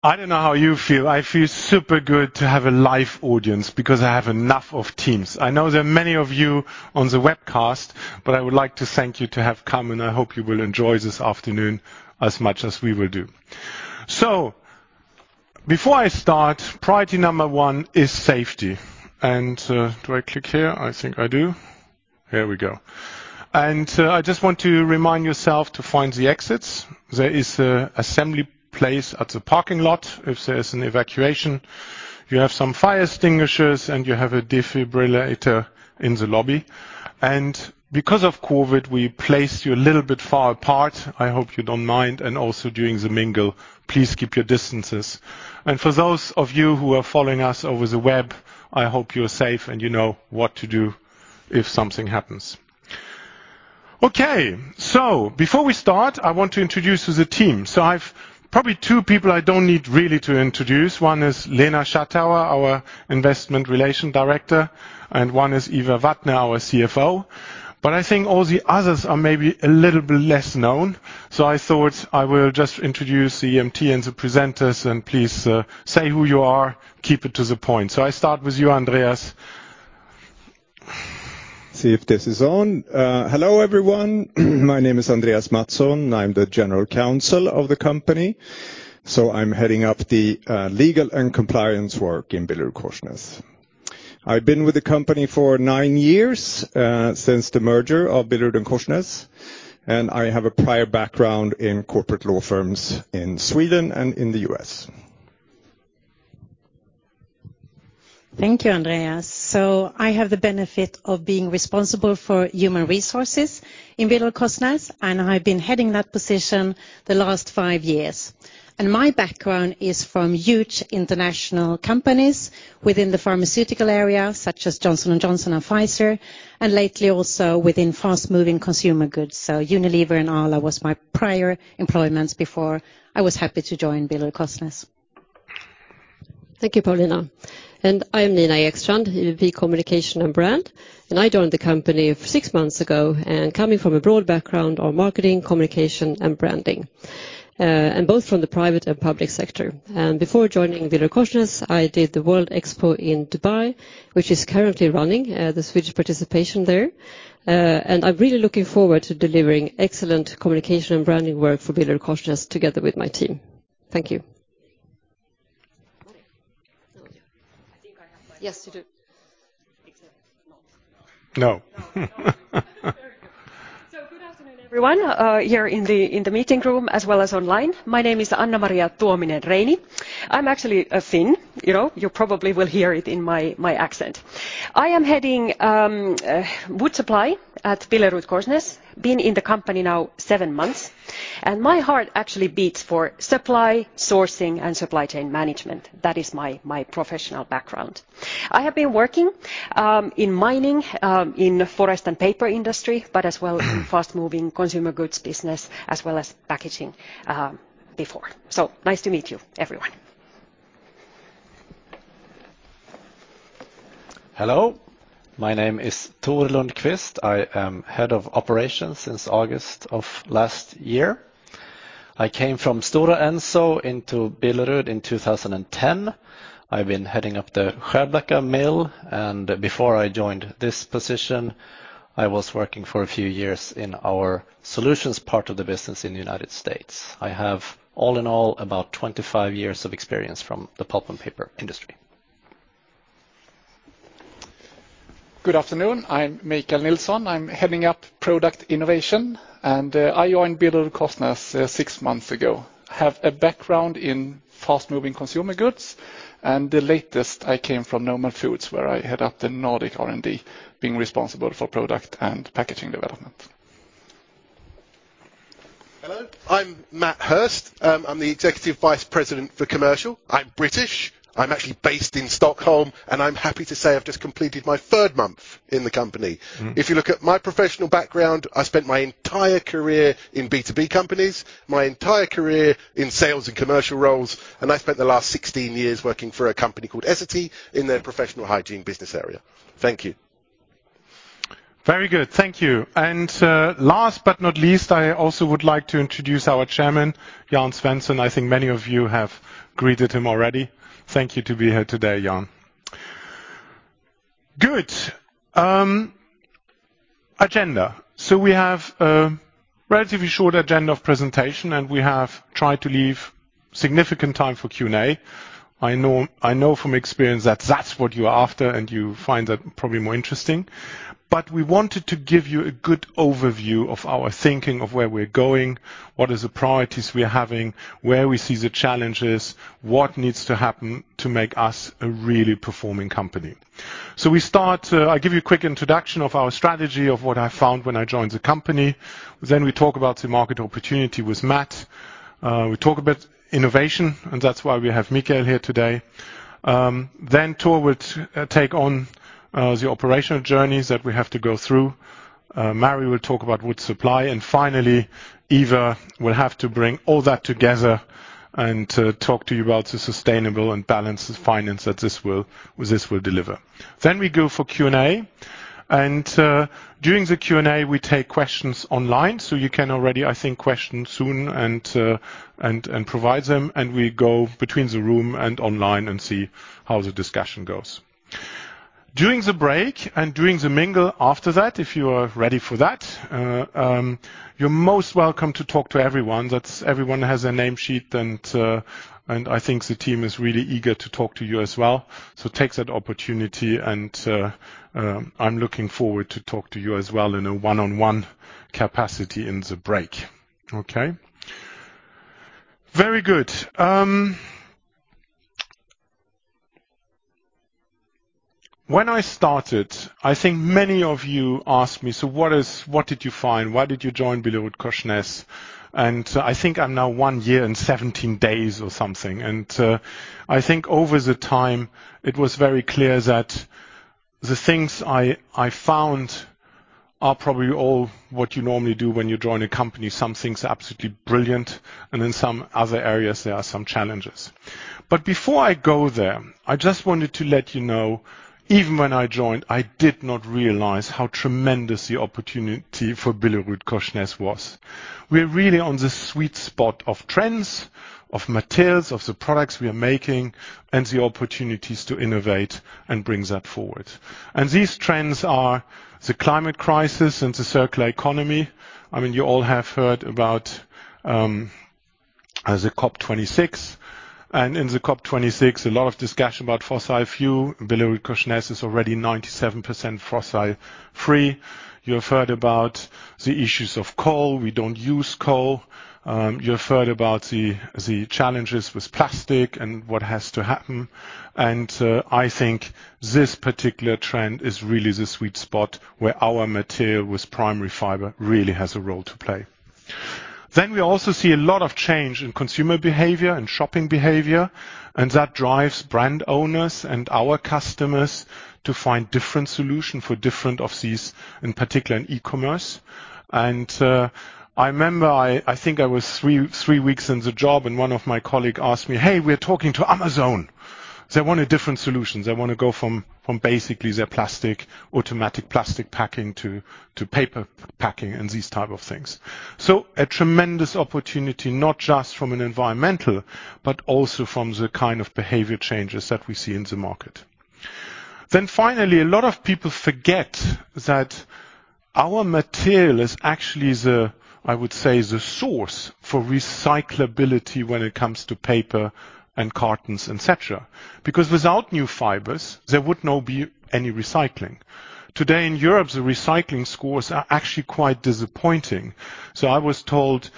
I don't know how you feel. I feel super good to have a live audience because I have enough of Teams. I know there are many of you on the webcast, but I would like to thank you to have come, and I hope you will enjoy this afternoon as much as we will do. Before I start, priority number one is safety. Do I click here? I think I do. Here we go. I just want to remind yourself to find the exits. There is an assembly place at the parking lot if there's an evacuation. You have some fire extinguishers, and you have a defibrillator in the lobby. Because of COVID, we placed you a little bit far apart. I hope you don't mind. Also during the mingle, please keep your distances. For those of you who are following us over the web, I hope you are safe, and you know what to do if something happens. Okay. Before we start, I want to introduce you to the team. I've probably two people I don't need really to introduce. One is Lena Schattauer, our Director Investor Relations, and one is Ivar Vatne, our CFO. I think all the others are maybe a little bit less known, so I thought I will just introduce the MT and the presenters and please, say who you are, keep it to the point. I start with you, Andreas. See if this is on. Hello, everyone. My name is Andreas Mattsson. I'm the general counsel of the company. I'm heading up the legal and compliance work in BillerudKorsnäs. I've been with the company for nine years since the merger of Billerud and Korsnäs, and I have a prior background in corporate law firms in Sweden and in the U.S. Thank you, Andreas. I have the benefit of being responsible for human resources in BillerudKorsnäs, and I've been heading that position the last five years. My background is from huge international companies within the pharmaceutical area, such as Johnson & Johnson and Pfizer, and lately also within fast-moving consumer goods. Unilever and Arla was my prior employments before I was happy to join BillerudKorsnäs. Thank you, Paulina. I am Nina Ekstrand, VP Communication and Brand, and I joined the company six months ago, and coming from a broad background on marketing, communication, and branding, and both from the private and public sector. Before joining Billerud, I did the World Expo in Dubai, which is currently running, the Swedish participation there. I'm really looking forward to delivering excellent communication and branding work for Billerud together with my team. Thank you. I think I have my- Yes, you do. Except it's small. No. No. Very good. Good afternoon, everyone, here in the meeting room as well as online. My name is Anna-Maria Tuominen-Reini. I'm actually a Finn. You know, you probably will hear it in my accent. I am heading wood supply at BillerudKorsnäs. Been in the company now seven months, and my heart actually beats for supply, sourcing, and supply chain management. That is my professional background. I have been working in mining in forest and paper industry, but as well as fast-moving consumer goods business as well as packaging before. Nice to meet you, everyone. Hello. My name is Tor Lundqvist. I am Head of Operations since August of last year. I came from Stora Enso into Billerud in 2010. I've been heading up the Skärblacka mill, and before I joined this position, I was working for a few years in our solutions part of the business in the United States. I have, all in all, about 25 years of experience from the pulp and paper industry. Good afternoon. I'm Mikael Nilsson. I'm heading up product innovation, and I joined BillerudKorsnäs six months ago. I have a background in fast-moving consumer goods, and the last I came from Nomad Foods, where I head up the Nordic R&D, being responsible for product and packaging development. Hello, I'm Matthew Hirst. I'm the Executive Vice President for Commercial. I'm British. I'm actually based in Stockholm, and I'm happy to say I've just completed my third month in the company. Mm-hmm. If you look at my professional background, I spent my entire career in B2B companies, my entire career in sales and commercial roles, and I spent the last 16 years working for a company called Essity in their professional hygiene business area. Thank you. Very good. Thank you. Last but not least, I also would like to introduce our chairman, Jan Svensson. I think many of you have greeted him already. Thank you to be here today, Jan. Good. Agenda. We have a relatively short agenda of presentation, and we have tried to leave significant time for Q&A. I know from experience that that's what you're after, and you find that probably more interesting. We wanted to give you a good overview of our thinking of where we're going, what is the priorities we are having, where we see the challenges, what needs to happen to make us a really performing company. We start. I'll give you a quick introduction of our strategy of what I found when I joined the company. Then we talk about the market opportunity with Matt. We talk about innovation, and that's why we have Mikael here today. Tor will take on the operational journeys that we have to go through. Mari will talk about wood supply. Finally, Eva will have to bring all that together and talk to you about the sustainable and balanced finance that this will deliver. We go for Q&A. During the Q&A we take questions online so you can already, I think, ask questions soon and provide them, and we go between the room and online and see how the discussion goes. During the break and during the mingle after that, if you are ready for that, you're most welcome to talk to everyone. That is, everyone has a name sheet, and I think the team is really eager to talk to you as well. Take that opportunity and, I'm looking forward to talk to you as well in a one-on-one capacity in the break. Okay? Very good. When I started, I think many of you asked me, "What did you find? Why did you join BillerudKorsnäs?" I think I'm now 1 year and 17 days or something. I think over the time it was very clear that the things I found are probably all what you normally do when you join a company. Some things are absolutely brilliant, and in some other areas, there are some challenges. Before I go there, I just wanted to let you know, even when I joined, I did not realize how tremendous the opportunity for BillerudKorsnäs was. We're really on the sweet spot of trends, of materials, of the products we are making, and the opportunities to innovate and bring that forward. These trends are the climate crisis and the circular economy. I mean, you all have heard about the COP 26, and in the COP 26, a lot of discussion about fossil fuel. BillerudKorsnäs is already 97% fossil-free. You have heard about the issues of coal. We don't use coal. You have heard about the challenges with plastic and what has to happen. I think this particular trend is really the sweet spot where our material with primary fiber really has a role to play. We also see a lot of change in consumer behavior and shopping behavior, and that drives brand owners and our customers to find different solution for different of these, in particular in e-commerce. I remember, I think I was three weeks in the job and one of my colleague asked me, "Hey, we're talking to Amazon. They want a different solution. They wanna go from basically their plastic, automatic plastic packing to paper packing and these type of things." A tremendous opportunity, not just from an environmental, but also from the kind of behavior changes that we see in the market. Finally, a lot of people forget that our material is actually the, I would say, the source for recyclability when it comes to paper and cartons, et cetera. Because without new fibers, there would not be any recycling. Today, in Europe, the recycling scores are actually quite disappointing. I was told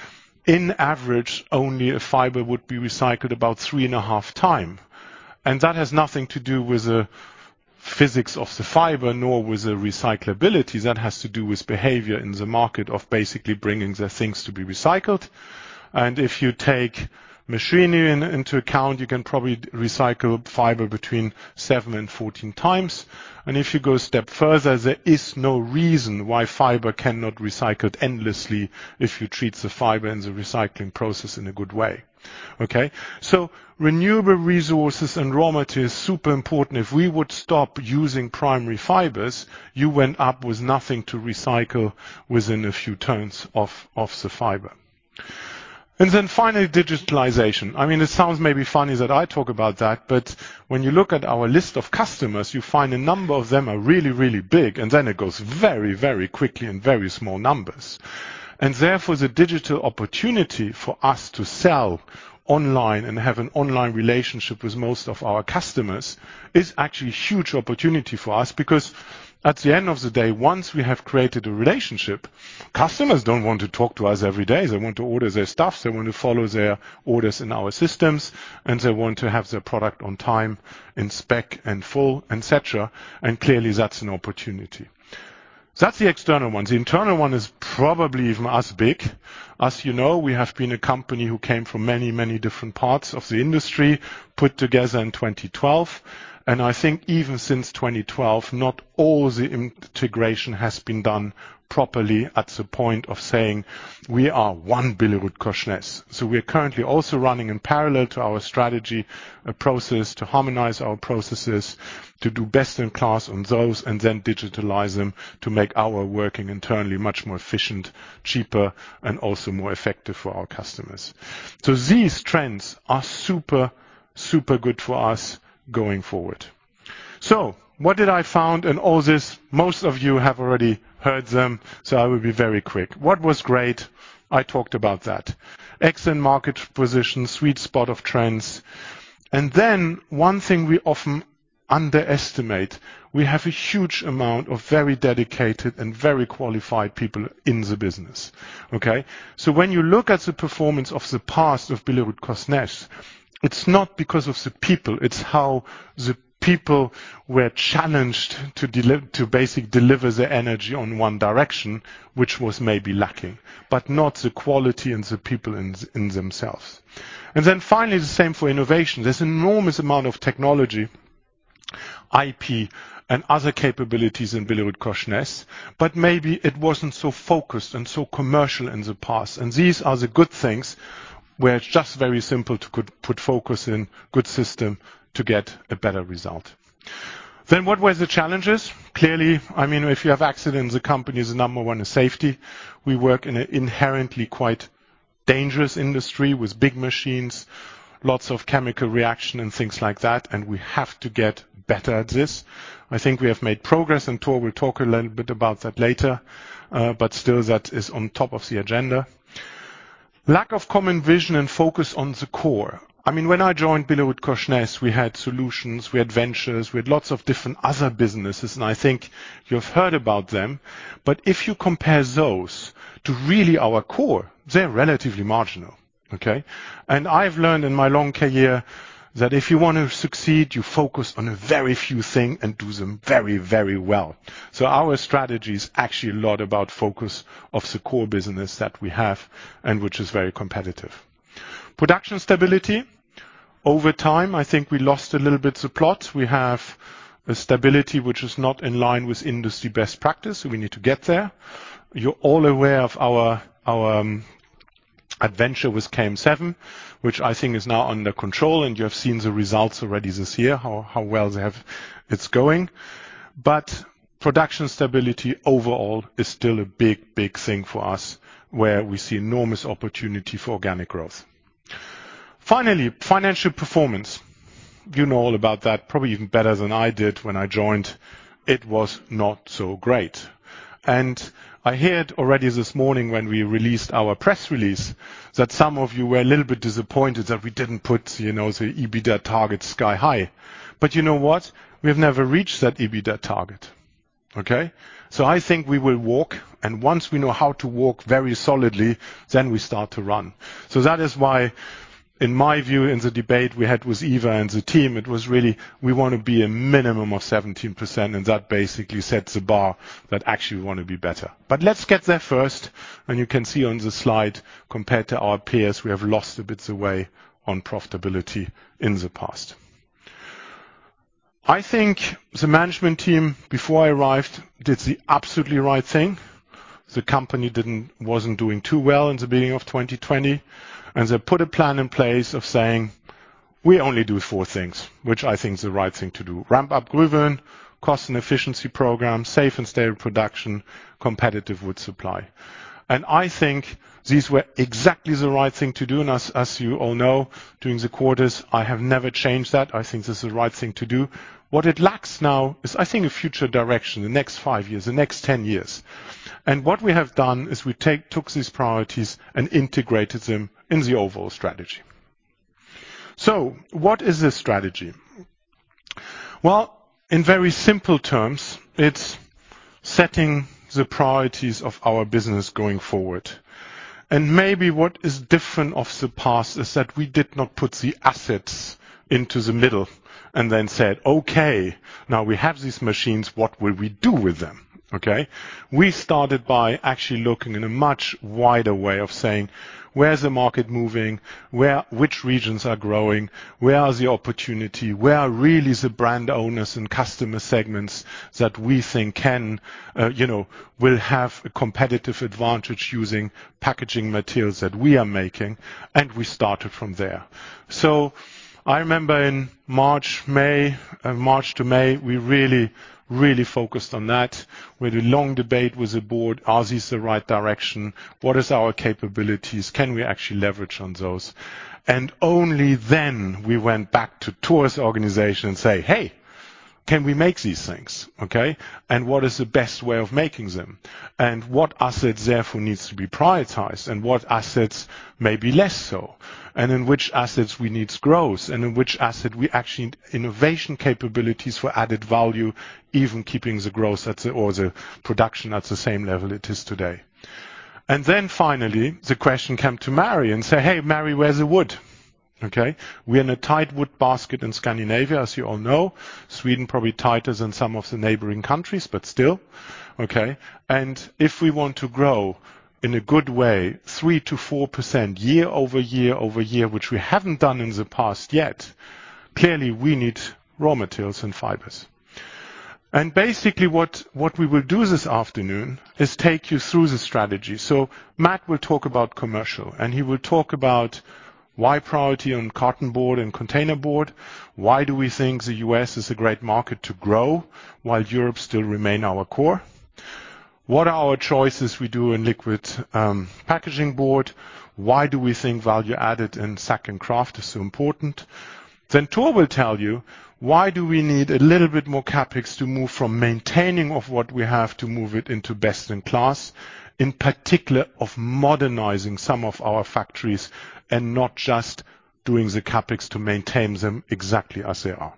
in average, only a fiber would be recycled about 3.5 times. That has nothing to do with the physics of the fiber nor with the recyclability. That has to do with behavior in the market of basically bringing the things to be recycled. If you take machinery into account, you can probably recycle fiber between 7 and 14 times. If you go a step further, there is no reason why fiber cannot recycle endlessly if you treat the fiber and the recycling process in a good way. Okay? Renewable resources and raw material is super important. If we would stop using primary fibers, you end up with nothing to recycle within a few turns of the fiber. Finally, digitalization. I mean, it sounds maybe funny that I talk about that, but when you look at our list of customers, you find a number of them are really, really big, and then it goes very, very quickly in very small numbers. Therefore, the digital opportunity for us to sell online and have an online relationship with most of our customers is actually huge opportunity for us. Because at the end of the day, once we have created a relationship, customers don't want to talk to us every day. They want to order their stuff. They want to follow their orders in our systems, and they want to have their product on time in spec and full, et cetera. Clearly, that's an opportunity. That's the external one. The internal one is probably even as big. As you know, we have been a company who came from many, many different parts of the industry, put together in 2012. I think even since 2012, not all the integration has been done properly at the point of saying, "We are one BillerudKorsnäs." We are currently also running in parallel to our strategy a process to harmonize our processes, to do best-in-class on those, and then digitalize them to make our working internally much more efficient, cheaper, and also more effective for our customers. These trends are super good for us going forward. What did I found in all this? Most of you have already heard them, so I will be very quick. What was great? I talked about that. Excellent market position, sweet spot of trends. One thing we often underestimate, we have a huge amount of very dedicated and very qualified people in the business. Okay? When you look at the performance of the past of BillerudKorsnäs, it's not because of the people, it's how the people were challenged to basically deliver the energy on one direction, which was maybe lacking, but not the quality and the people in themselves. Finally, the same for innovation. There's enormous amount of technology, IP, and other capabilities in BillerudKorsnäs, but maybe it wasn't so focused and so commercial in the past. These are the good things where it's just very simple to put focus in good system to get a better result. What were the challenges? Clearly, I mean, if you have accidents, the company's number one is safety. We work in an inherently quite dangerous industry with big machines, lots of chemical reaction and things like that, and we have to get better at this. I think we have made progress, and Tor will talk a little bit about that later. Still, that is on top of the agenda. Lack of common vision and focus on the core. I mean, when I joined BillerudKorsnäs, we had solutions, we had ventures, we had lots of different other businesses, and I think you've heard about them. If you compare those to really our core, they're relatively marginal, okay? I've learned in my long career that if you want to succeed, you focus on a very few thing and do them very, very well. Our strategy is actually a lot about focus of the core business that we have and which is very competitive. Production stability. Over time, I think we lost a little bit the plot. We have a stability which is not in line with industry best practice, so we need to get there. You're all aware of our adventure with KM7, which I think is now under control, and you have seen the results already this year, how well it's going. Production stability overall is still a big thing for us, where we see enormous opportunity for organic growth. Finally, financial performance. You know all about that, probably even better than I did when I joined. It was not so great. I heard already this morning when we released our press release that some of you were a little bit disappointed that we didn't put, you know, the EBITDA target sky-high. You know what? We've never reached that EBITDA target. Okay? I think we will walk, and once we know how to walk very solidly, then we start to run. That is why, in my view, in the debate we had with Ivar and the team, it was really, we wanna be a minimum of 17%, and that basically sets the bar that actually we wanna be better. Let's get there first. You can see on the slide, compared to our peers, we have lost a bit the way on profitability in the past. I think the management team, before I arrived, did the absolutely right thing. The company wasn't doing too well in the beginning of 2020, and they put a plan in place of saying, "We only do four things," which I think is the right thing to do. Ramp up Gruvön, cost and efficiency program, safe and stable production, competitive wood supply. I think these were exactly the right thing to do. As you all know, during the quarters, I have never changed that. I think this is the right thing to do. What it lacks now is, I think, a future direction, the next five years, the next ten years. What we have done is we took these priorities and integrated them in the overall strategy. What is this strategy? Well, in very simple terms, it's setting the priorities of our business going forward. Maybe what is different of the past is that we did not put the assets into the middle and then said, "Okay, now we have these machines, what will we do with them?" Okay? We started by actually looking in a much wider way of saying, "Where is the market moving? Which regions are growing? Where are the opportunity? Where are really the brand owners and customer segments that we think can, you know, will have a competitive advantage using packaging materials that we are making?" We started from there. I remember in March to May, we really, really focused on that. We had a long debate with the board. Is this the right direction? What is our capabilities? Can we actually leverage on those? Only then we went back to Tor's organization and say, "Hey, can we make these things?" Okay? What is the best way of making them? What assets therefore needs to be prioritized and what assets maybe less so? In which assets we need growth and in which asset we actually have innovation capabilities for added value, even keeping the growth or the production at the same level it is today. Then finally, the question came to Mari and said, "Hey, Mari, where's the wood?" Okay. We're in a tight wood basket in Scandinavia, as you all know. Sweden probably tighter than some of the neighboring countries, but still. Okay. If we want to grow in a good way, 3%-4% year-over-year, which we haven't done in the past yet, clearly we need raw materials and fibers. Basically, what we will do this afternoon is take you through the strategy. Matt will talk about commercial, and he will talk about why priority on cartonboard and containerboard. Why do we think the U.S. is a great market to grow while Europe still remains our core? What are our choices we do in liquid packaging board? Why do we think value added in Sack and Kraft is so important? Tor will tell you why we need a little bit more CapEx to move from maintaining what we have to move it into best in class, in particular modernizing some of our factories and not just doing the CapEx to maintain them exactly as they are.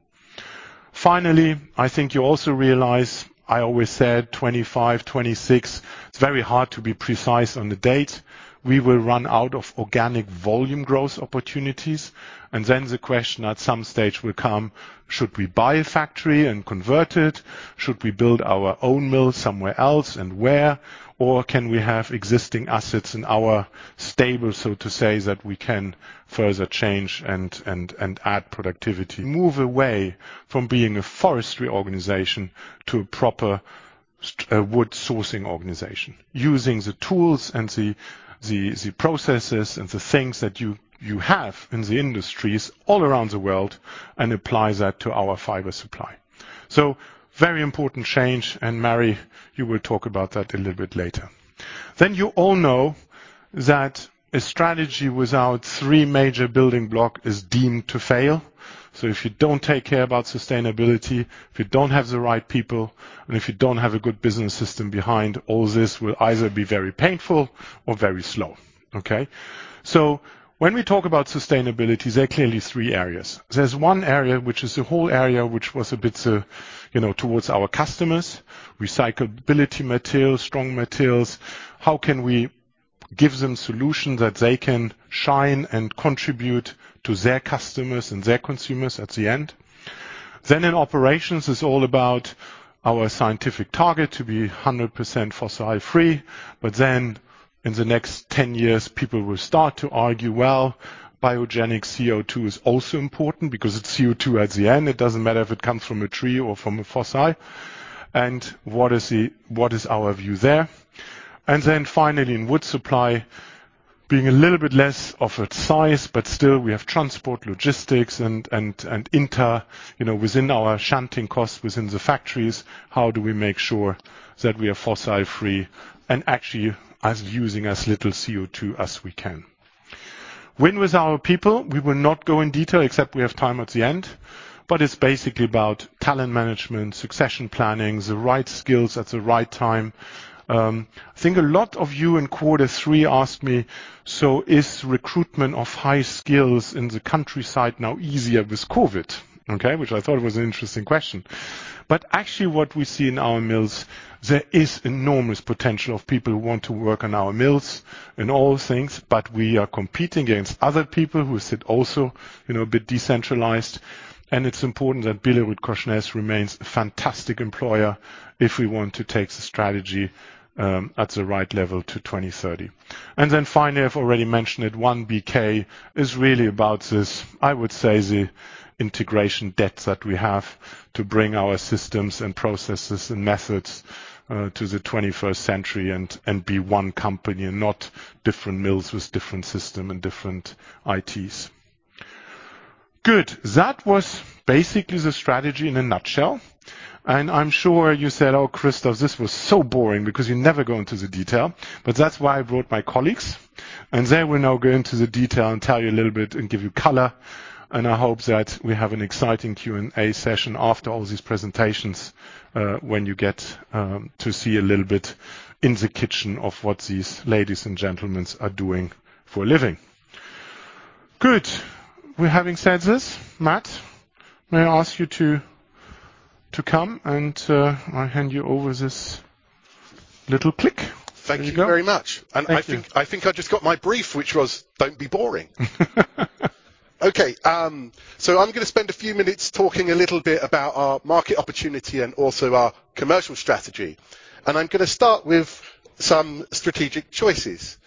Finally, I think you also realize I always said 25, 26. It's very hard to be precise on the date. We will run out of organic volume growth opportunities. The question at some stage will come, should we buy a factory and convert it? Should we build our own mill somewhere else, and where? Can we have existing assets in our stable, so to say, that we can further change and add productivity, move away from being a forestry organization to a proper wood sourcing organization. Using the tools and the processes and the things that you have in the industries all around the world and apply that to our fiber supply. Very important change, and Mari, you will talk about that a little bit later. You all know that a strategy without three major building block is deemed to fail. If you don't take care about sustainability, if you don't have the right people, and if you don't have a good business system behind, all this will either be very painful or very slow. Okay. When we talk about sustainability, there are clearly three areas. There's one area which is the whole area which was a bit towards our customers, recyclable materials, strong materials. How can we give them solutions that they can shine and contribute to their customers and their consumers at the end? In operations, it's all about our scientific target to be 100% fossil free, but in the next 10 years, people will start to argue, well, biogenic CO2 is also important because it's CO2 at the end. It doesn't matter if it comes from a tree or from a fossil. What is our view there? In wood supply, being a little bit less of a size, but still we have transport, logistics and inter, you know, within our shunting costs, within the factories, how do we make sure that we are fossil free and actually using as little CO2 as we can. Win with our people, we will not go in detail, except we have time at the end, but it's basically about talent management, succession planning, the right skills at the right time. I think a lot of you in quarter three asked me, "So is recruitment of high skills in the countryside now easier with COVID?" Okay? Which I thought was an interesting question. Actually what we see in our mills, there is enormous potential of people who want to work in our mills and all things, but we are competing against other people who sit also, you know, a bit decentralized. It's important that BillerudKorsnäs remains a fantastic employer if we want to take the strategy at the right level to 2030. Then finally, I've already mentioned it, OneBK is really about this, I would say, the integration debts that we have to bring our systems and processes and methods to the 21st century and be one company and not different mills with different system and different ITs. Good. That was basically the strategy in a nutshell. I'm sure you said, "Oh, Christoph, this was so boring because you never go into the detail." That's why I brought my colleagues. They will now go into the detail and tell you a little bit and give you color. I hope that we have an exciting Q&A session after all these presentations, when you get to see a little bit in the kitchen of what these ladies and gentlemen are doing for a living. Good. Having said this, Matt, may I ask you to come and I hand you over this little click. Thank you very much. There you go. Thank you. I think I just got my brief, which was, "Don't be boring." Okay, I'm gonna spend a few minutes talking a little bit about our market opportunity and also our commercial strategy. I'm gonna start with some strategic choices.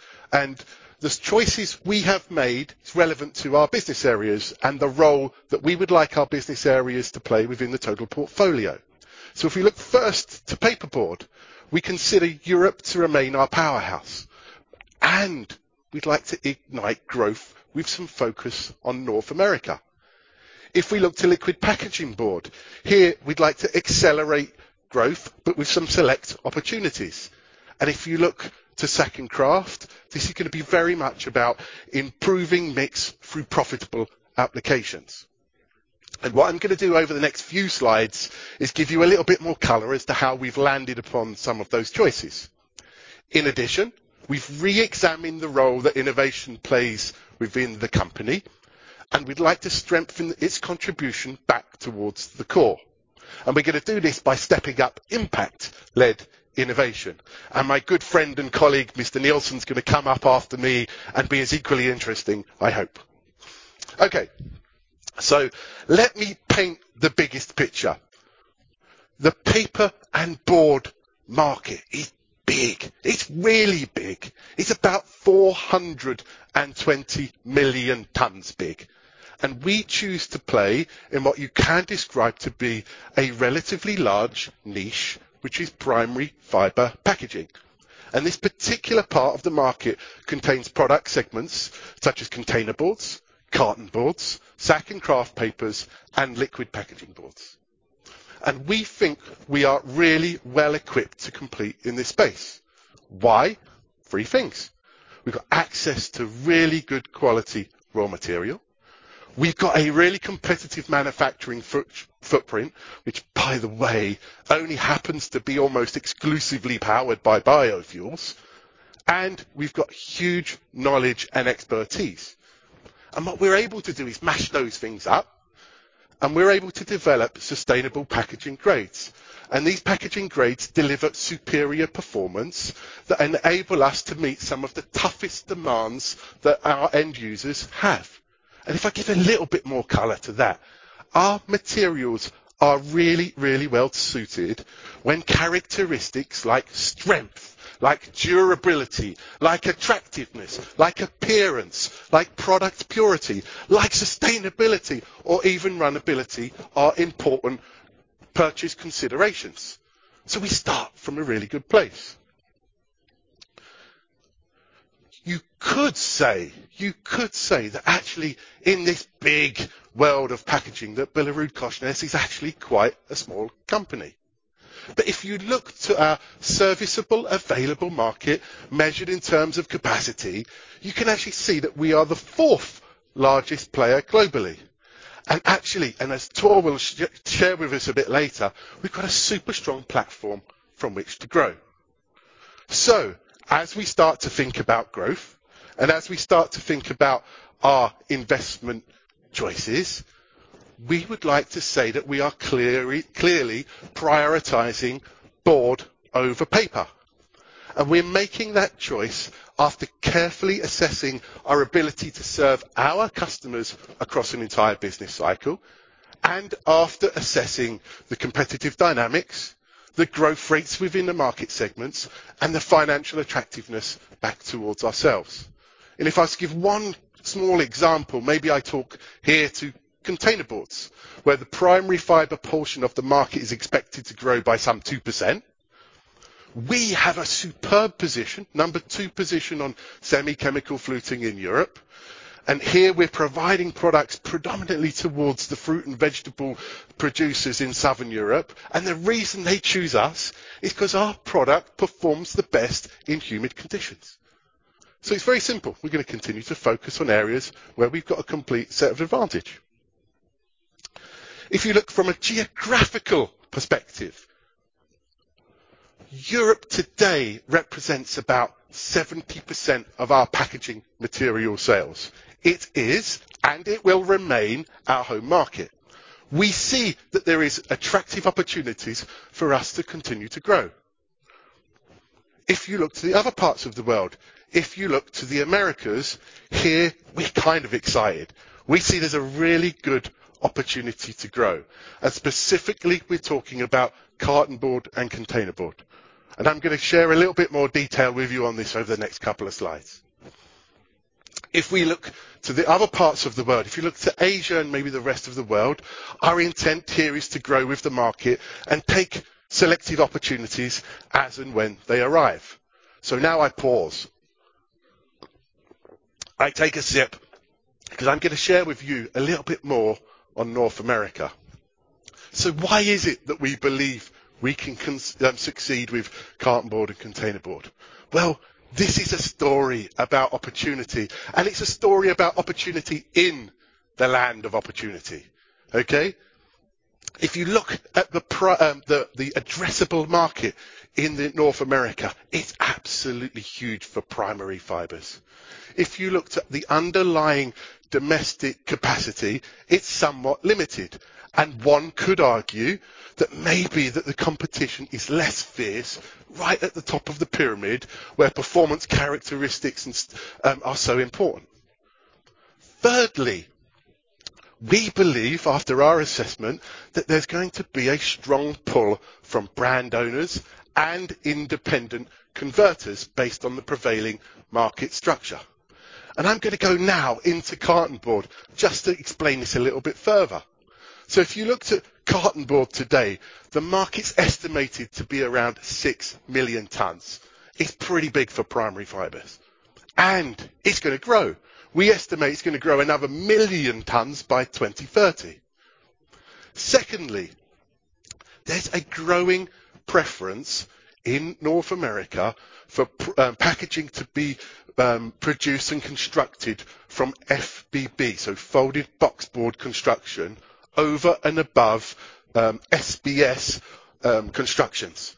The choices we have made is relevant to our business areas and the role that we would like our business areas to play within the total portfolio. If we look first to Paperboard, we consider Europe to remain our powerhouse. We'd like to ignite growth with some focus on North America. If we look to Liquid Packaging Board, here, we'd like to accelerate growth, but with some select opportunities. If you look to Sack and Kraft, this is gonna be very much about improving mix through profitable applications. What I'm gonna do over the next few slides is give you a little bit more color as to how we've landed upon some of those choices. In addition, we've reexamined the role that innovation plays within the company, and we'd like to strengthen its contribution back towards the core. We're gonna do this by stepping up impact-led innovation. My good friend and colleague, Mr. Nilsson, is gonna come up after me and be as equally interesting, I hope. Okay, so let me paint the biggest picture. The paper and board market is big. It's really big. It's about 420 million tons big. We choose to play in what you can describe to be a relatively large niche, which is primary fiber packaging. This particular part of the market contains product segments such as containerboard, cartonboard, sack and kraft papers, and liquid packaging board. We think we are really well-equipped to compete in this space. Why? Three things. We've got access to really good quality raw material. We've got a really competitive manufacturing footprint, which, by the way, only happens to be almost exclusively powered by biofuels. We've got huge knowledge and expertise. What we're able to do is mash those things up, and we're able to develop sustainable packaging grades. These packaging grades deliver superior performance that enable us to meet some of the toughest demands that our end users have. If I give a little bit more color to that, our materials are really, really well suited when characteristics like strength, like durability, like attractiveness, like appearance, like product purity, like sustainability or even runnability are important purchase considerations. We start from a really good place. You could say that actually in this big world of packaging that Billerud is actually quite a small company. If you look to our serviceable addressable market measured in terms of capacity, you can actually see that we are the fourth largest player globally. Actually, and as Tor will share with us a bit later, we've got a super strong platform from which to grow. As we start to think about growth, and as we start to think about our investment choices, we would like to say that we are clearly prioritizing board over paper. We're making that choice after carefully assessing our ability to serve our customers across an entire business cycle and after assessing the competitive dynamics, the growth rates within the market segments, and the financial attractiveness back towards ourselves. If I was to give one small example, maybe I talk here to container boards, where the primary fiber portion of the market is expected to grow by some 2%. We have a superb position, number 2 position on semi-chemical fluting in Europe. Here we're providing products predominantly towards the fruit and vegetable producers in Southern Europe. The reason they choose us is 'cause our product performs the best in humid conditions. It's very simple. We're gonna continue to focus on areas where we've got a complete set of advantage. If you look from a geographical perspective, Europe today represents about 70% of our packaging material sales. It is, and it will remain our home market. We see that there is attractive opportunities for us to continue to grow. If you look to the other parts of the world, if you look to the Americas, here we're kind of excited. We see there's a really good opportunity to grow. Specifically, we're talking about cartonboard and containerboard. I'm gonna share a little bit more detail with you on this over the next couple of slides. If we look to the other parts of the world, if you look to Asia and maybe the rest of the world, our intent here is to grow with the market and take selective opportunities as and when they arrive. Now I pause. I take a sip because I'm gonna share with you a little bit more on North America. Why is it that we believe we can succeed with cartonboard and containerboard? Well, this is a story about opportunity, and it's a story about opportunity in the land of opportunity. Okay? If you look at the addressable market in North America, it's absolutely huge for primary fibers. If you looked at the underlying domestic capacity, it's somewhat limited, and one could argue that maybe that the competition is less fierce right at the top of the pyramid, where performance characteristics are so important. Thirdly, we believe after our assessment that there's going to be a strong pull from brand owners and independent converters based on the prevailing market structure. I'm gonna go now into cartonboard just to explain this a little bit further. If you looked at cartonboard today, the market's estimated to be around 6 million tons. It's pretty big for primary fibers, and it's gonna grow. We estimate it's gonna grow another 1 million tons by 2030. Secondly, there's a growing preference in North America for packaging to be produced and constructed from FBB, so folding boxboard construction over and above SBS constructions.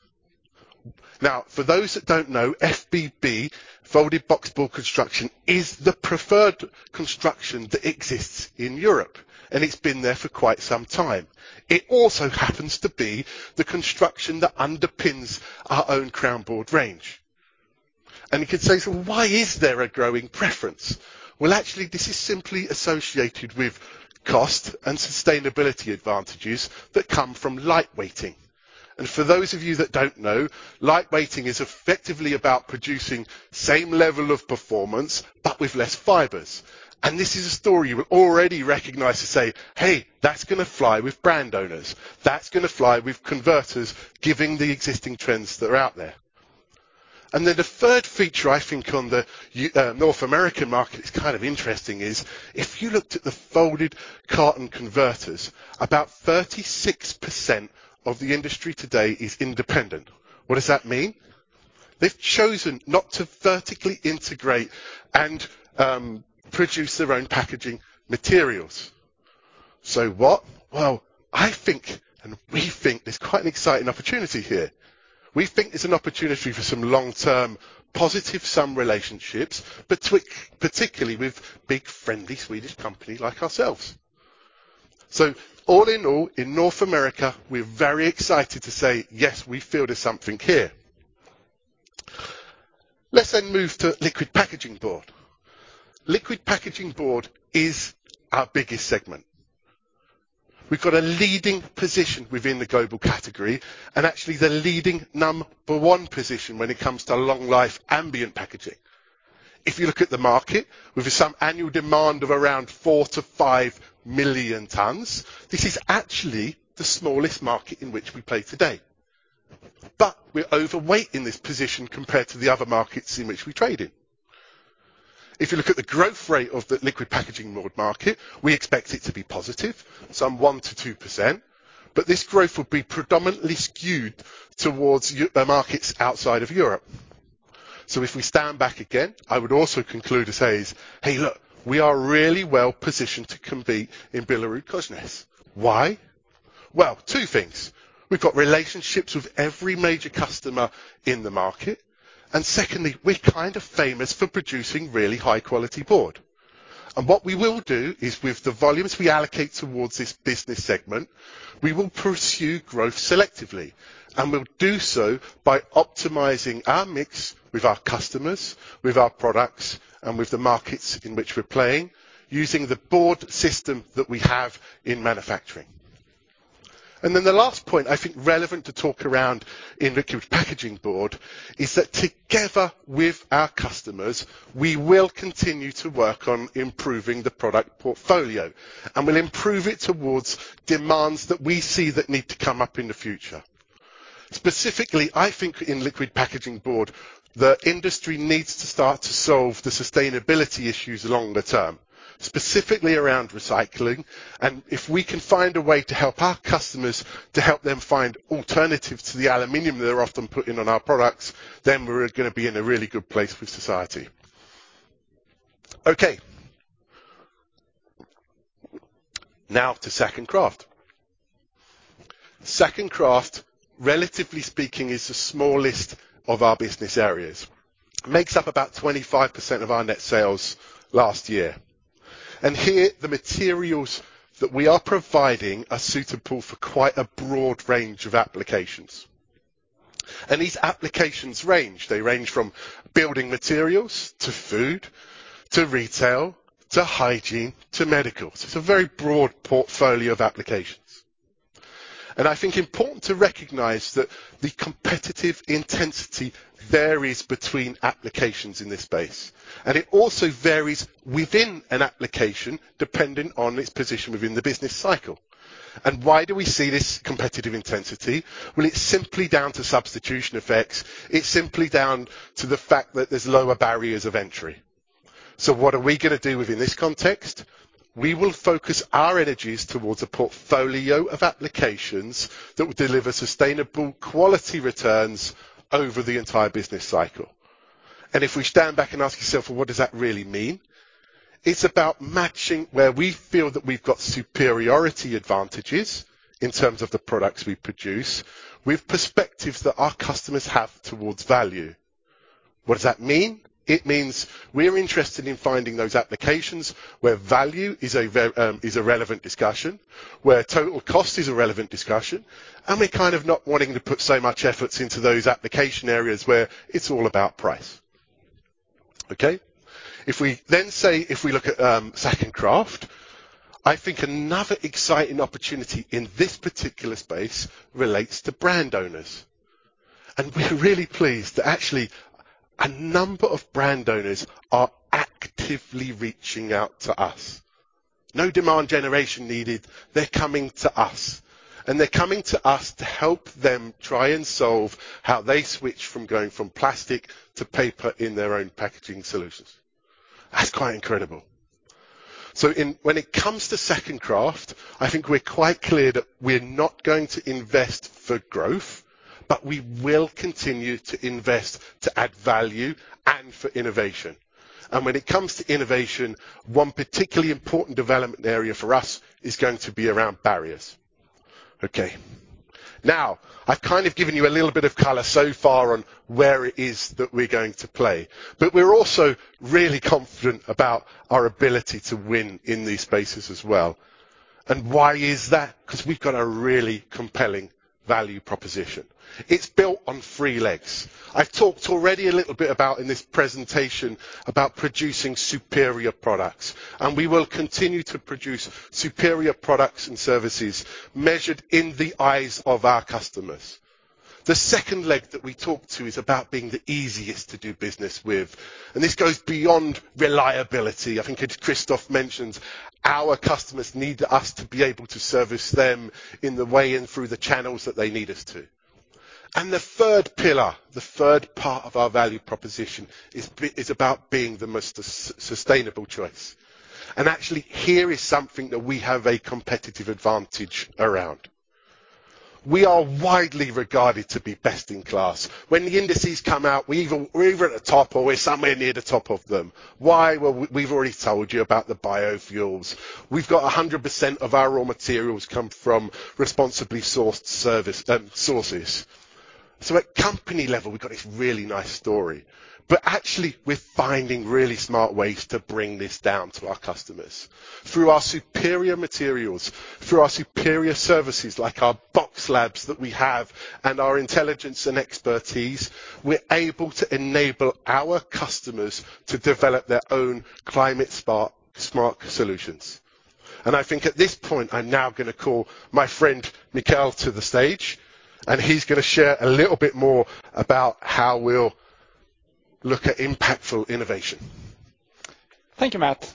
Now, for those that don't know, FBB, folding boxboard construction, is the preferred construction that exists in Europe, and it's been there for quite some time. It also happens to be the construction that underpins our own CrownBoard range. You could say, "So why is there a growing preference?" Well, actually, this is simply associated with cost and sustainability advantages that come from light weighting. For those of you that don't know, light weighting is effectively about producing same level of performance, but with less fibers. This is a story we already recognize to say, "Hey, that's gonna fly with brand owners. That's gonna fly with converters given the existing trends that are out there." Then the third feature I think on the North American market is kind of interesting is if you looked at the folded carton converters, about 36% of the industry today is independent. What does that mean? They've chosen not to vertically integrate and produce their own packaging materials. So what? Well, I think, and we think there's quite an exciting opportunity here. We think there's an opportunity for some long-term positive sum relationships, particularly with big friendly Swedish companies like ourselves. All in all, in North America, we're very excited to say, "Yes, we feel there's something here." Let's move to liquid packaging board. Liquid packaging board is our biggest segment. We've got a leading position within the global category, and actually the leading number one position when it comes to long-life ambient packaging. If you look at the market, with some annual demand of around 4-5 million tons, this is actually the smallest market in which we play today. We're overweight in this position compared to the other markets in which we trade in. If you look at the growth rate of the liquid packaging board market, we expect it to be positive, some 1%-2%, but this growth will be predominantly skewed towards the markets outside of Europe. If we stand back again, I would also conclude to say is, "Hey, look, we are really well positioned to compete in BillerudKorsnäs." Why? Well, two things. We've got relationships with every major customer in the market. Secondly, we're kind of famous for producing really high-quality board. What we will do is with the volumes we allocate towards this business segment, we will pursue growth selectively, and we'll do so by optimizing our mix with our customers, with our products, and with the markets in which we're playing using the board system that we have in manufacturing. The last point, I think relevant to talk around in Liquid Packaging Board is that together with our customers, we will continue to work on improving the product portfolio, and we'll improve it towards demands that we see that need to come up in the future. Specifically, I think in Liquid Packaging Board, the industry needs to start to solve the sustainability issues in the long term, specifically around recycling. If we can find a way to help our customers to help them find alternatives to the aluminum they're often putting on our products, then we're gonna be in a really good place for society. Okay. Now to Sack and Kraft. Sack and Kraft, relatively speaking, is the smallest of our business areas. Makes up about 25% of our net sales last year. Here, the materials that we are providing are suitable for quite a broad range of applications. These applications range from building materials to food, to retail, to hygiene, to medical. It's a very broad portfolio of applications. I think it's important to recognize that the competitive intensity varies between applications in this space. It also varies within an application depending on its position within the business cycle. Why do we see this competitive intensity? Well, it's simply down to substitution effects. It's simply down to the fact that there's lower barriers of entry. What are we gonna do within this context? We will focus our energies towards a portfolio of applications that will deliver sustainable quality returns over the entire business cycle. If we stand back and ask yourself, "Well, what does that really mean?" It's about matching where we feel that we've got superiority advantages in terms of the products we produce with perspectives that our customers have towards value. What does that mean? It means we're interested in finding those applications where value is a relevant discussion, where total cost is a relevant discussion, and we're kind of not wanting to put so much efforts into those application areas where it's all about price. Okay? If we then say if we look at Sack and Kraft, I think another exciting opportunity in this particular space relates to brand owners. We're really pleased that actually a number of brand owners are actively reaching out to us. No demand generation needed. They're coming to us. They're coming to us to help them try and solve how they switch from going from plastic to paper in their own packaging solutions. That's quite incredible. When it comes to Sack and Kraft, I think we're quite clear that we're not going to invest for growth, but we will continue to invest to add value and for innovation. When it comes to innovation, one particularly important development area for us is going to be around barriers. Okay. Now, I've kind of given you a little bit of color so far on where it is that we're going to play, but we're also really confident about our ability to win in these spaces as well. Why is that? 'Cause we've got a really compelling value proposition. It's built on three legs. I've talked already a little bit about in this presentation about producing superior products, and we will continue to produce superior products and services measured in the eyes of our customers. The second leg that we talk to is about being the easiest to do business with, and this goes beyond reliability. I think as Christoph mentions, our customers need us to be able to service them in the way and through the channels that they need us to. The third pillar, the third part of our value proposition, is about being the most sustainable choice. Actually, here is something that we have a competitive advantage around. We are widely regarded to be best in class. When the indices come out, we're either at the top or we're somewhere near the top of them. Why? Well, we've already told you about the biofuels. We've got 100% of our raw materials come from responsibly sourced sustainable sources. At company level, we've got this really nice story. Actually, we're finding really smart ways to bring this down to our customers. Through our superior materials, through our superior services, like our BoxLab that we have, and our intelligence and expertise. We're able to enable our customers to develop their own climate-smart solutions. I think at this point, I'm now gonna call my friend Mikael to the stage, and he's gonna share a little bit more about how we'll look at impactful innovation. Thank you, Matt.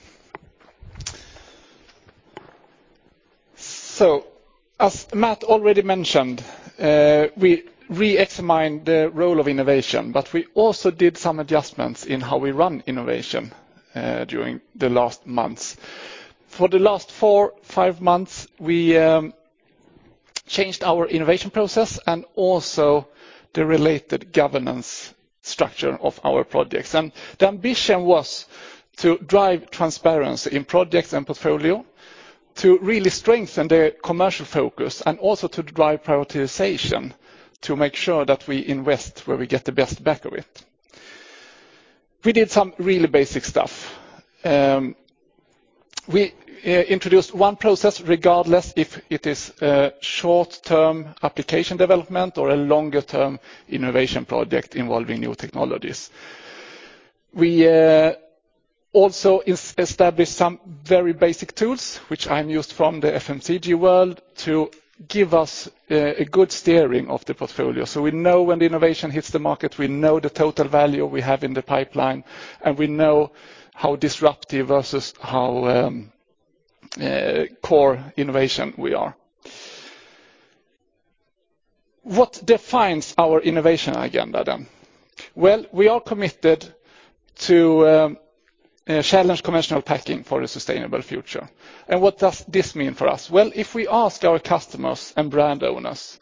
As Matt already mentioned, we re-examined the role of innovation, but we also did some adjustments in how we run innovation during the last months. For the last four, five months, we changed our innovation process and also the related governance structure of our projects. The ambition was to drive transparency in projects and portfolio, to really strengthen the commercial focus, and also to drive prioritization to make sure that we invest where we get the best bang for it. We did some really basic stuff. We introduced one process, regardless if it is a short-term application development or a longer-term innovation project involving new technologies. We also established some very basic tools, which I'm used to from the FMCG world, to give us a good steering of the portfolio. We know when the innovation hits the market, we know the total value we have in the pipeline, and we know how disruptive versus how core innovation we are. What defines our innovation agenda then? Well, we are committed to challenge conventional packaging for a sustainable future. What does this mean for us? Well, if we ask our customers and brand owners,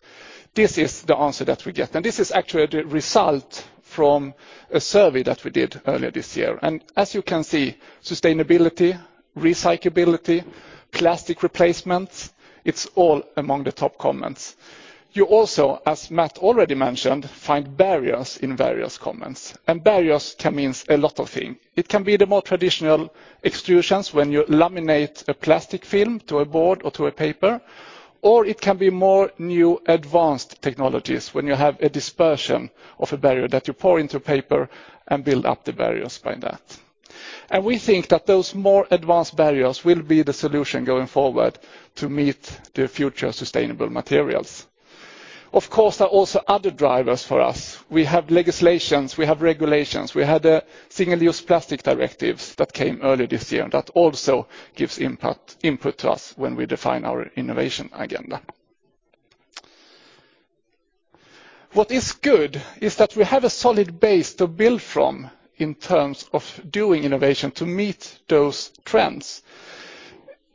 this is the answer that we get. This is actually the result from a survey that we did earlier this year. As you can see, sustainability, recyclability, plastic replacements, it's all among the top comments. You also, as Matt already mentioned, find barriers in various comments, and barriers can mean a lot of things. It can be the more traditional extrusions when you laminate a plastic film to a board or to a paper, or it can be more new advanced technologies when you have a dispersion of a barrier that you pour into paper and build up the barriers by that. We think that those more advanced barriers will be the solution going forward to meet the future sustainable materials. Of course, there are also other drivers for us. We have legislations. We have regulations. We had a Single-Use Plastics Directive that came earlier this year that also gives input to us when we define our innovation agenda. What is good is that we have a solid base to build from in terms of doing innovation to meet those trends.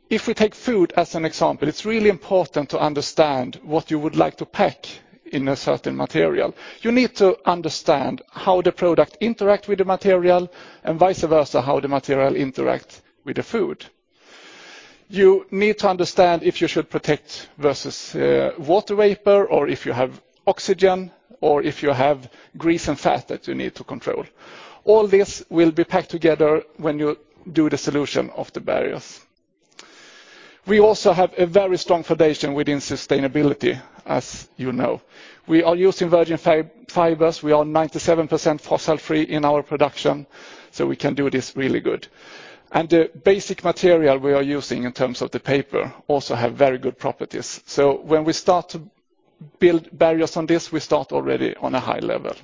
If we take food as an example, it's really important to understand what you would like to pack in a certain material. You need to understand how the product interact with the material and vice versa, how the material interact with the food. You need to understand if you should protect versus water vapor, or if you have oxygen, or if you have grease and fat that you need to control. All this will be packed together when you do the solution of the barriers. We also have a very strong foundation within sustainability, as you know. We are using virgin fibers. We are 97% fossil-free in our production, so we can do this really good. The basic material we are using in terms of the paper also have very good properties. When we start to build barriers on this, we start already on a high level.